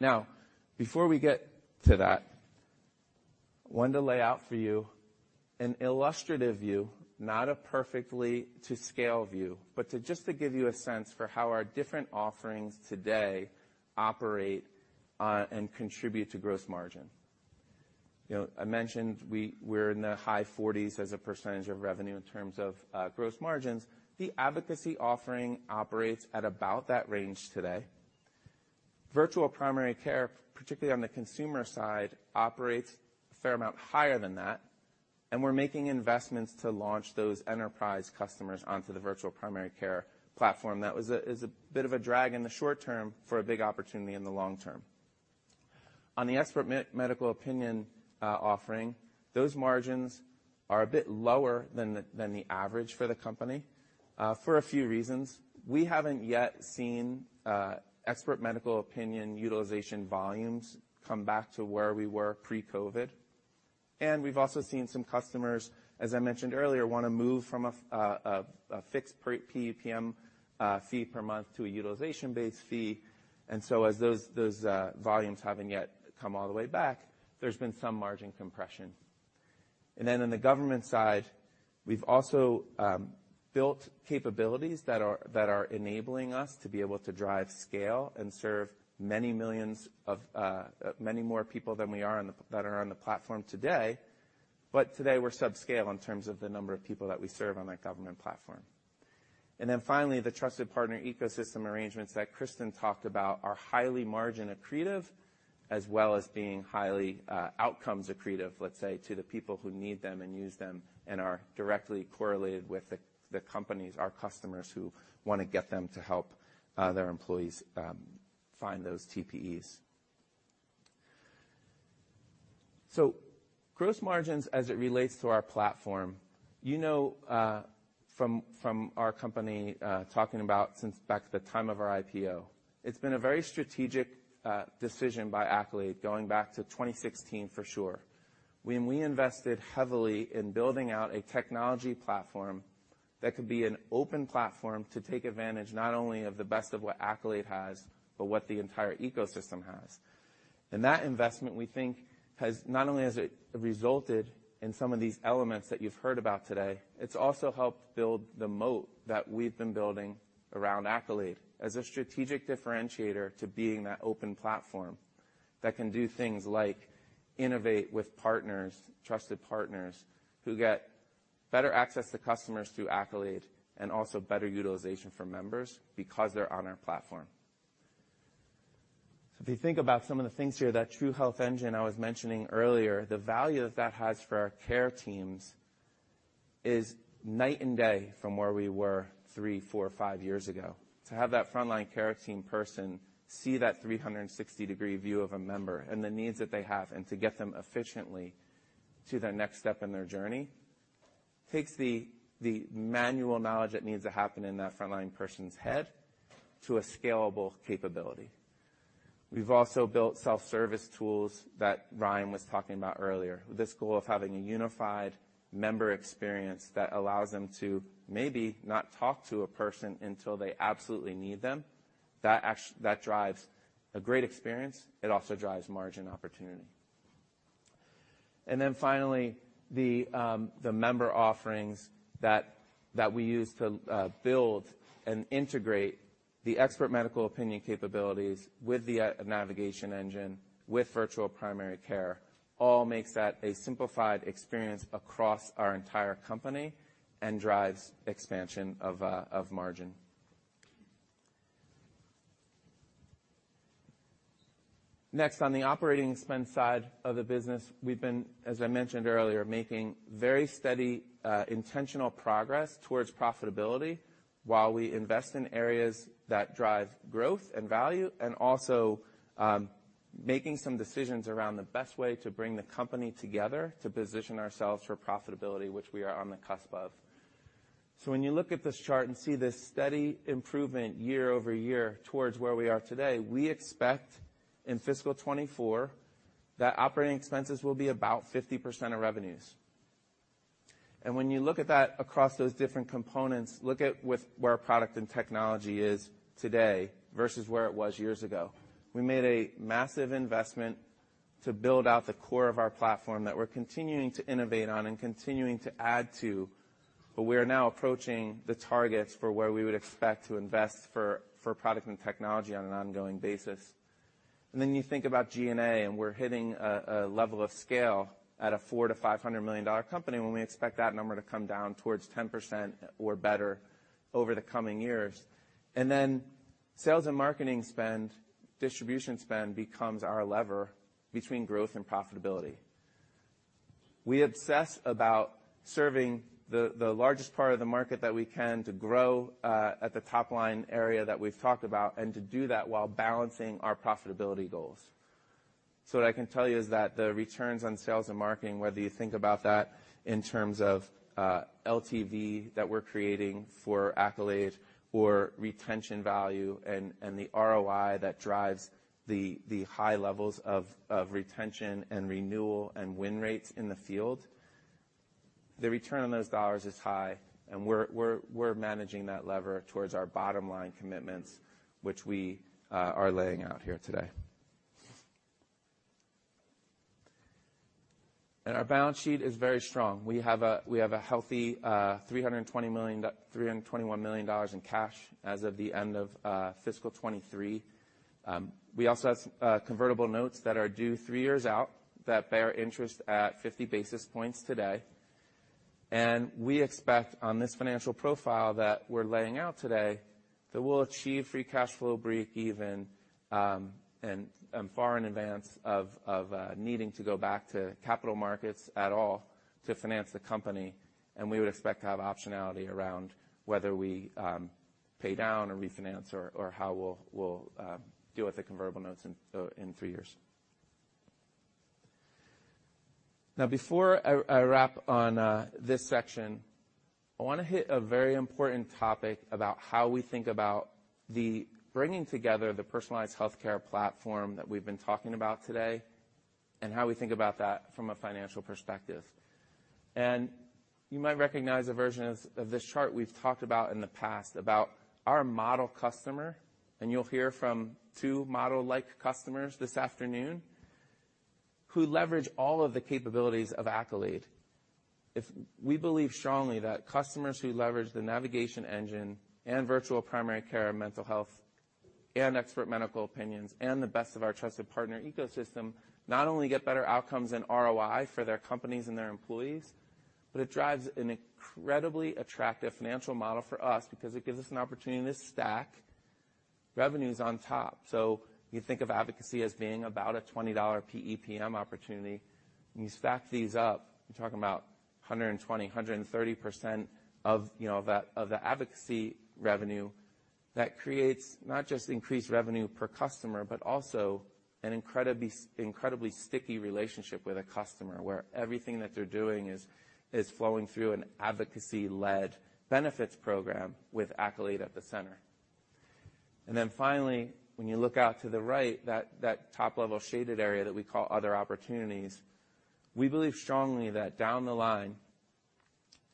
Now, before we get to that, I wanted to lay out for you an illustrative view, not a perfectly to scale view, but to just to give you a sense for how our different offerings today operate and contribute to gross margin. You know, I mentioned we're in the high 40s as a percentage of revenue in terms of gross margins. The advocacy offering operates at about that range today. virtual primary care, particularly on the consumer side, operates a fair amount higher than that, and we're making investments to launch those enterprise customers onto the virtual primary care platform. That was a bit of a drag in the short term for a big opportunity in the long term. On the expert medical opinion offering, those margins are a bit lower than the average for the company for a few reasons. We haven't yet seen expert medical opinion utilization volumes come back to where we were pre-COVID. We've also seen some customers, as I mentioned earlier, wanna move from a fixed PUPM fee per month to a utilization-based fee. As those volumes haven't yet come all the way back, there's been some margin compression. In the government side, we've also built capabilities that are enabling us to be able to drive scale and serve many millions of many more people than we are on the platform today. Today, we're subscale in terms of the number of people that we serve on that government platform. Finally, the Trusted Partner Ecosystem arrangements that Kristen talked about are highly margin accretive, as well as being highly outcomes accretive, let's say, to the people who need them and use them and are directly correlated with the companies, our customers who wanna get them to help their employees find those TPEs. Gross margins as it relates to our platform. You know, from our company, talking about since back at the time of our IPO, it's been a very strategic decision by Accolade going back to 2016 for sure, when we invested heavily in building out a technology platform that could be an open platform to take advantage not only of the best of what Accolade has, but what the entire ecosystem has. That investment, we think, has not only has it resulted in some of these elements that you've heard about today, it's also helped build the moat that we've been building around Accolade as a strategic differentiator to being that open platform that can do things like innovate with partners, trusted partners, who get better access to customers through Accolade and also better utilization for members because they're on our platform. If you think about some of the things here, that True Health Engine I was mentioning earlier, the value that that has for our care teams is night and day from where we were three, four, five years ago. To have that frontline care team person see that 360-degree view of a member and the needs that they have and to get them efficiently to their next step in their journey takes the manual knowledge that needs to happen in that frontline person's head to a scalable capability. We've also built self-service tools that Ryan was talking about earlier, with the goal of having a unified member experience that allows them to maybe not talk to a person until they absolutely need them. That drives a great experience. It also drives margin opportunity. Finally, the member offerings that we use to build and integrate the expert medical opinion capabilities with the navigation engine, with virtual primary care, all makes that a simplified experience across our entire company and drives expansion of margin. On the operating expense side of the business, we've been, as I mentioned earlier, making very steady, intentional progress towards profitability while we invest in areas that drive growth and value, and also making some decisions around the best way to bring the company together to position ourselves for profitability, which we are on the cusp of. When you look at this chart and see this steady improvement year-over-year towards where we are today, we expect in fiscal 2024 that operating expenses will be about 50% of revenues. When you look at that across those different components, look at with where product and technology is today versus where it was years ago. We made a massive investment to build out the core of our platform that we're continuing to innovate on and continuing to add to, but we are now approaching the targets for where we would expect to invest for product and technology on an ongoing basis. You think about G&A, and we're hitting a level of scale at a $400 million-$500 million company when we expect that number to come down towards 10% or better over the coming years. Sales and marketing spend, distribution spend becomes our lever between growth and profitability. We obsess about serving the largest part of the market that we can to grow at the top line area that we've talked about and to do that while balancing our profitability goals. What I can tell you is that the returns on sales and marketing, whether you think about that in terms of LTV that we're creating for Accolade or retention value and the ROI that drives the high levels of retention and renewal and win rates in the field, the return on those dollars is high, and we're managing that lever towards our bottom line commitments, which we are laying out here today. Our balance sheet is very strong. We have a healthy $320 million-$321 million in cash as of the end of fiscal 2023. We also have convertible notes that are due three years out that bear interest at 50 basis points today. We expect on this financial profile that we're laying out today, that we'll achieve free cash flow breakeven far in advance of needing to go back to capital markets at all to finance the company. We would expect to have optionality around whether we pay down or refinance or how we'll deal with the convertible notes in three years. Now before I wrap on this section, I wanna hit a very important topic about how we think about the bringing together the personalized healthcare platform that we've been talking about today and how we think about that from a financial perspective. You might recognize a version of this chart we've talked about in the past about our model customer, and you'll hear from two model-like customers this afternoon who leverage all of the capabilities of Accolade. We believe strongly that customers who leverage the navigation engine and virtual primary care and mental health and expert medical opinions and the best of our Trusted Partner Ecosystem not only get better outcomes and ROI for their companies and their employees, but it drives an incredibly attractive financial model for us because it gives us an opportunity to stack revenues on top. You think of advocacy as being about a $20 PEPM opportunity, and you stack these up, you're talking about 120%-130% of, you know, of the advocacy revenue. That creates not just increased revenue per customer, but also an incredibly sticky relationship with a customer, where everything that they're doing is flowing through an advocacy-led benefits program with Accolade at the center. Finally, when you look out to the right, that top-level shaded area that we call other opportunities, we believe strongly that down the line,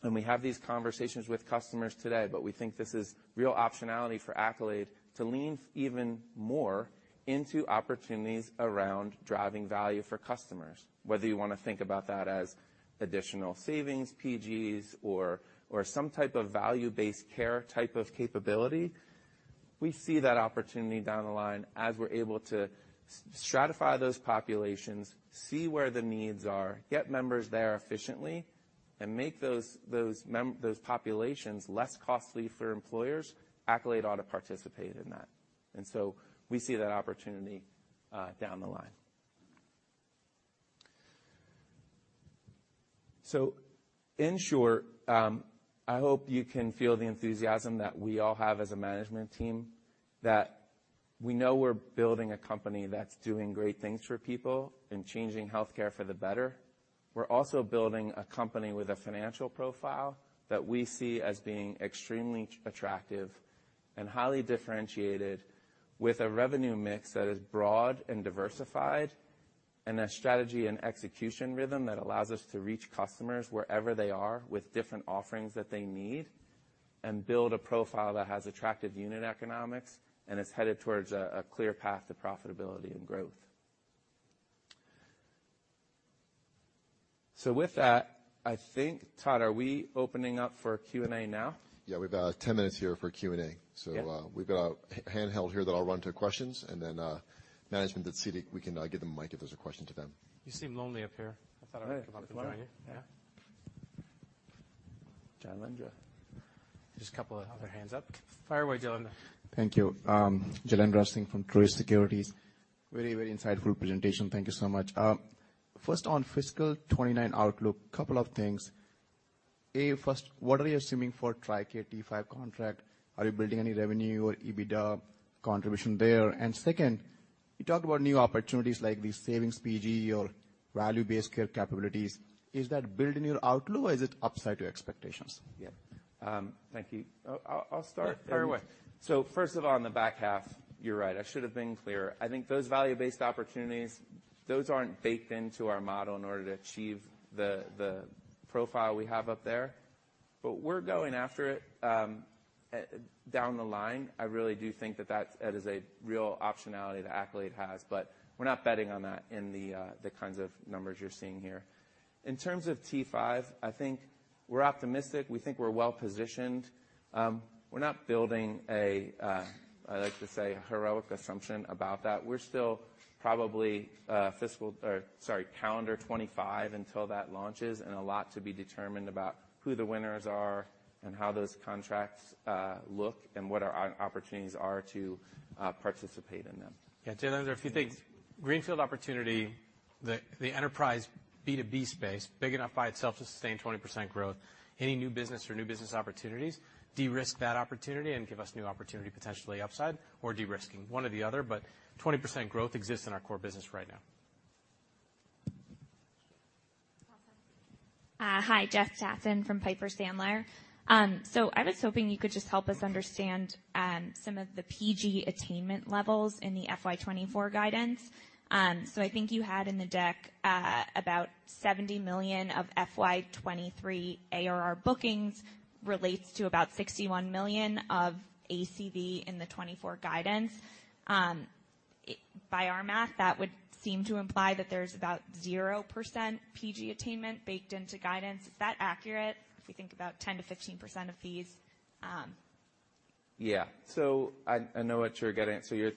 and we have these conversations with customers today, but we think this is real optionality for Accolade to lean even more into opportunities around driving value for customers. Whether you wanna think about that as additional savings, PGs or some type of value-based care type of capability, we see that opportunity down the line as we're able to stratify those populations, see where the needs are, get members there efficiently, and make those populations less costly for employers, Accolade ought to participate in that. We see that opportunity down the line. In short, I hope you can feel the enthusiasm that we all have as a management team, that we know we're building a company that's doing great things for people and changing healthcare for the better. We're also building a company with a financial profile that we see as being extremely attractive and highly differentiated with a revenue mix that is broad and diversified, and a strategy and execution rhythm that allows us to reach customers wherever they are with different offerings that they need, and build a profile that has attractive unit economics and is headed towards a clear path to profitability and growth. With that, I think, Todd, are we opening up for Q&A now? Yeah. We've, 10 minutes here for Q&A. Yeah. We've got a handheld here that I'll run to questions, and then management that's seated, we can give them mic if there's a question to them. You seem lonely up here. I thought I'd come up and join you. Yeah. Jailendra. There's a couple of other hands up. Fire away, Jailendra. Thank you. Jailendra Singh from Truist Securities. Very, very insightful presentation. Thank you so much. First o20n fiscal 29 outlook, couple of things. A, first, what are you assuming for TRICARE T5 contract? Are you building any revenue or EBITDA contribution there? Second, you talked about new opportunities like these savings PG or Value-based care capabilities. Is that built in your outlook or is it upside to expectations? Yeah. Thank you. I'll start. Yeah, fire away. First of all, on the back half, you're right, I should've been clear. I think those value-based opportunities, those aren't baked into our model in order to achieve the profile we have up there. We're going after it. Down the line I really do think that that's, that is a real optionality that Accolade has, we're not betting on that in the kinds of numbers you're seeing here. In terms of T5, I think we're optimistic. We think we're well-positioned. We're not building a, I like to say, heroic assumption about that. We're still probably fiscal... Or sorry, calendar 2025 until that launches. A lot to be determined about who the winners are and how those contracts look and what our opportunities are to participate in them. Yeah. Jai, there are a few things. Greenfield opportunity, the enterprise B2B space, big enough by itself to sustain 20% growth. Any new business or new business opportunities de-risk that opportunity and give us new opportunity potentially upside or de-risking. One or the other, but 20% growth exists in our core business right now. Hi, Jessica Tassan from Piper Sandler. I was hoping you could just help us understand some of the PG attainment levels in the FY 2024 guidance. I think you had in the deck about $70 million of FY 2023 ARR bookings relates to about $61 million of ACV in the FY 2024 guidance. By our math, that would seem to imply that there's about 0% PG attainment baked into guidance. Is that accurate if we think about 10%-15% of fees? Yeah. I know what you're getting at. We've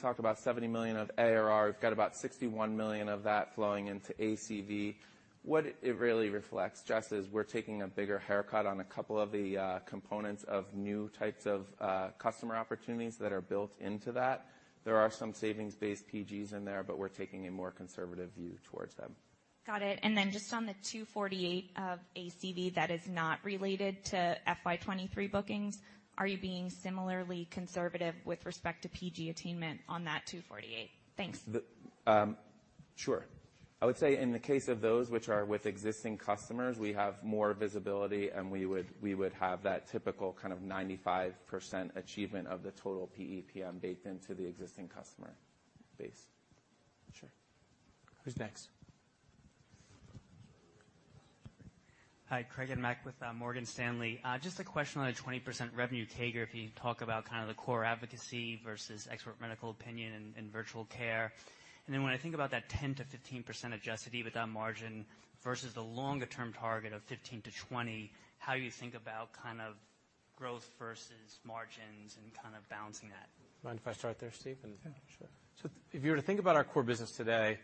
talked about $70 million of ARR. We've got about $61 million of that flowing into ACV. What it really reflects, Jess, is we're taking a bigger haircut on a couple of the components of new types of customer opportunities that are built into that. There are some savings-based PGs in there. We're taking a more conservative view towards them. Got it. Just on the 248 of ACV that is not related to FY 2023 bookings, are you being similarly conservative with respect to PG attainment on that 248? Thanks. Sure. I would say in the case of those which are with existing customers, we have more visibility, and we would have that typical kind of 95% achievement of the total PEPM baked into the existing customer base. Sure. Who's next? Hi, Craig Hettenbach with Morgan Stanley. Just a question on the 20% revenue CAGR, if you could talk about kind of the core advocacy versus expert medical opinion and virtual care. When I think about that 10%-15% Adjusted EBITDA margin versus the longer term target of 15%-20%, how you think about kind of growth versus margins and kind of balancing that? Mind if I start there, Steve? Yeah, sure. If you were to think about our core business today,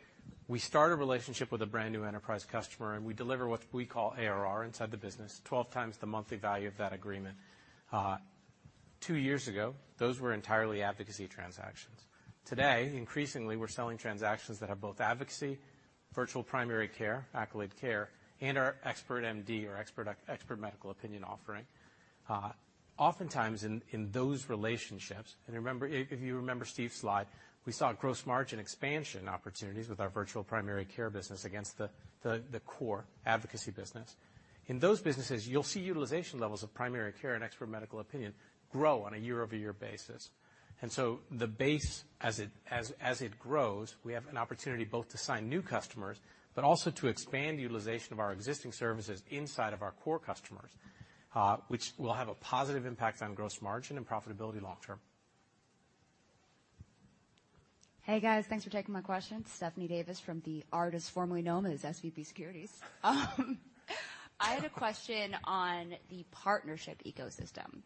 we start a relationship with a brand-new enterprise customer, and we deliver what we call ARR inside the business, 12x the monthly value of that agreement. Two years ago, those were entirely advocacy transactions. Today, increasingly, we're selling transactions that have both advocacy, virtual primary care, Accolade Care, and our expert MD or expert medical opinion offering. Oftentimes in those relationships. Remember, if you remember Steve's slide, we saw gross margin expansion opportunities with our virtual primary care business against the core advocacy business. In those businesses, you'll see utilization levels of primary care and expert medical opinion grow on a year-over-year basis. The base as it grows, we have an opportunity both to sign new customers, but also to expand utilization of our existing services inside of our core customers, which will have a positive impact on gross margin and profitability long term. Hey, guys. Thanks for taking my question. Stephanie Davis from the artist formerly known as SVB Securities. I had a question on the partnership ecosystem.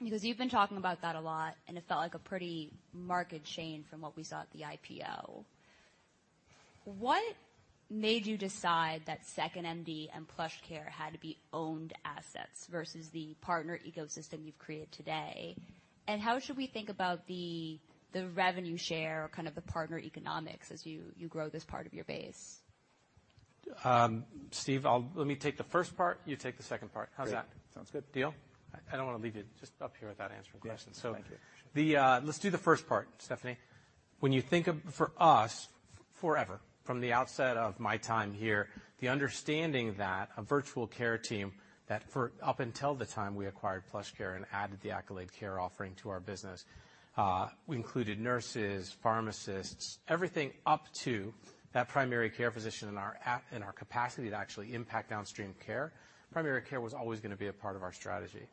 You've been talking about that a lot, and it felt like a pretty marked change from what we saw at the IPO. What made you decide that 2nd.MD and PlushCare had to be owned assets versus the partner ecosystem you've created today? How should we think about the revenue share or kind of the partner economics as you grow this part of your base? Steve, Let me take the first part. You take the second part. How's that? Great. Sounds good. Deal? I don't wanna leave you just up here without answering questions. Yeah. Thank you. Let's do the first part, Stephanie. When you think of, for us, forever, from the outset of my time here, the understanding that a virtual care team, that up until the time we acquired PlushCare and added the Accolade Care offering to our business, we included nurses, pharmacists, everything up to that primary care physician in our capacity to actually impact downstream care. Primary care was always gonna be a part of our strategy,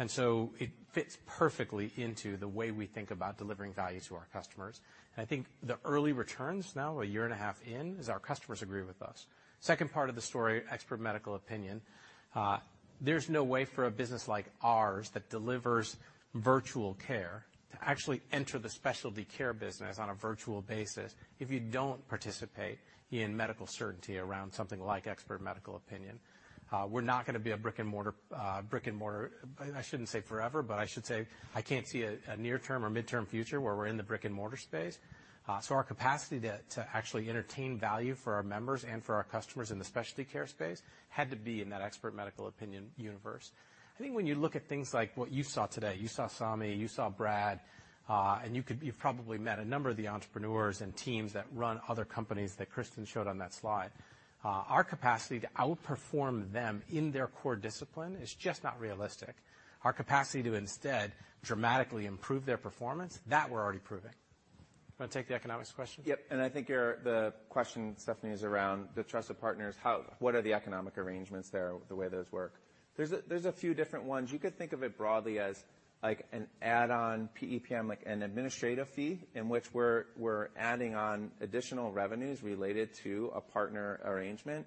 it fits perfectly into the way we think about delivering value to our customers. I think the early returns now, a year and a half in, is our customers agree with us. Second part of the story, expert medical opinion. There's no way for a business like ours that delivers virtual care to actually enter the specialty care business on a virtual basis if you don't participate in medical certainty around something like expert medical opinion. We're not gonna be a brick and mortar, I shouldn't say forever, but I should say I can't see a near-term or mid-term future where we're in the brick and mortar space. Our capacity to actually entertain value for our members and for our customers in the specialty care space had to be in that expert medical opinion universe. I think when you look at things like what you saw today, you saw Saami, you saw Brad, you've probably met a number of the entrepreneurs and teams that run other companies that Kristen showed on that slide. Our capacity to outperform them in their core discipline is just not realistic. Our capacity to instead dramatically improve their performance, that we're already proving. Want to take the economics question? Yep. I think the question, Stephanie, is around the trusted partners, what are the economic arrangements there, the way those work? There's a few different ones. You could think of it broadly as, like, an add-on PEPM, like an administrative fee, in which we're adding on additional revenues related to a partner arrangement.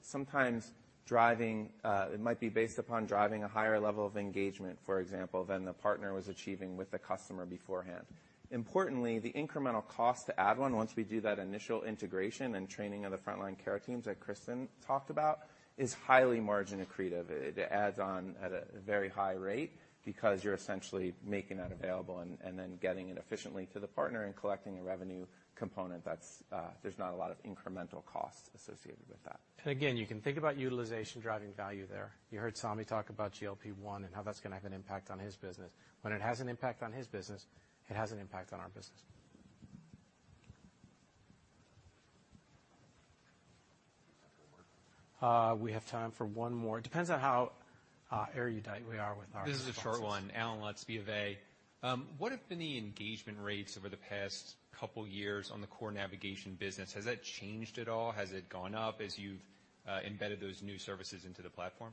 Sometimes driving, it might be based upon driving a higher level of engagement, for example, than the partner was achieving with the customer beforehand. Importantly, the incremental cost to add one once we do that initial integration and training of the frontline care teams that Kristen talked about, is highly margin accretive. It adds on at a very high rate because you're essentially making that available and then getting it efficiently to the partner and collecting a revenue component that's there's not a lot of incremental costs associated with that. Again, you can think about utilization driving value there. You heard Sami talk about GLP-1 and how that's gonna have an impact on his business. When it has an impact on his business, it has an impact on our business. Time for one more? We have time for one more. Depends on how erudite we are with our responses. This is a short one. Allen Lutz, BofA. What have been the engagement rates over the past couple years on the core navigation business? Has that changed at all? Has it gone up as you've embedded those new services into the platform?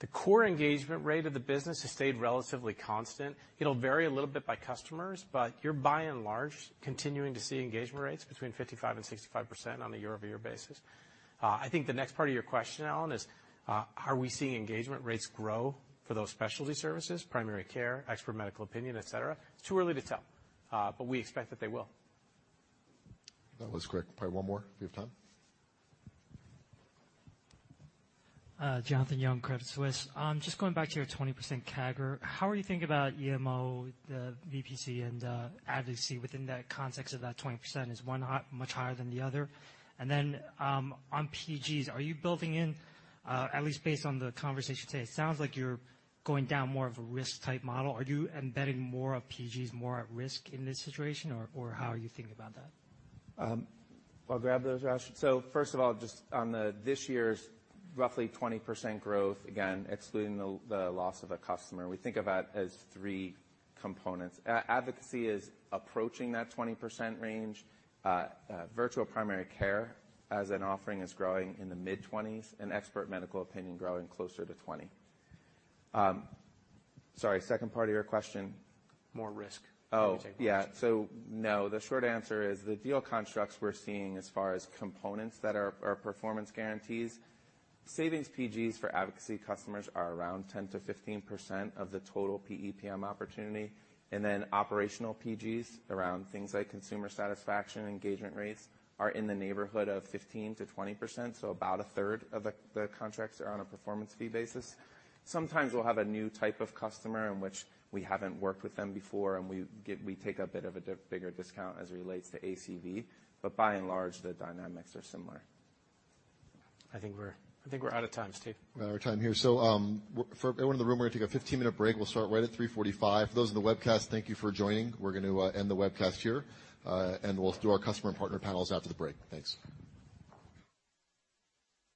The core engagement rate of the business has stayed relatively constant. It'll vary a little bit by customers, but you're by and large continuing to see engagement rates between 55% and 65% on a year-over-year basis. I think the next part of your question, Alan, is, are we seeing engagement rates grow for those specialty services, primary care, expert medical opinion, et cetera? It's too early to tell, but we expect that they will. That was quick. Probably one more if we have time. Jonathan Yong, Credit Suisse. Just going back to your 20% CAGR, how are you thinking about EMO, the VPC and advocacy within that context of that 20%? Is one much higher than the other? On PGs, are you building in, at least based on the conversation today, it sounds like you're going down more of a risk type model. Are you embedding more of PGs more at risk in this situation or how are you thinking about that? I'll grab those, Jonathan. First of all, just on the, this year's roughly 20% growth, again, excluding the loss of a customer, we think about as three components. Advocacy is approaching that 20% range. Virtual primary care as an offering is growing in the mid-20s, and expert medical opinion growing closer to 20. Sorry, second part of your question? More risk. Oh. Payable. No, the short answer is the deal constructs we're seeing as far as components that are performance guarantees, savings PGs for advocacy customers are around 10%-15% of the total PEPM opportunity. Operational PGs around things like consumer satisfaction, engagement rates are in the neighborhood of 15%-20%, so about a third of the contracts are on a performance fee basis. Sometimes we'll have a new type of customer in which we haven't worked with them before, we take a bit of a bigger discount as it relates to ACV. By and large, the dynamics are similar. I think we're out of time, Steve. We're out of time here. For everyone in the room, we're gonna take a 15-minute break. We'll start right at 3:45. For those in the webcast, thank you for joining. We're gonna end the webcast here. We'll do our customer and partner panels after the break. Thanks.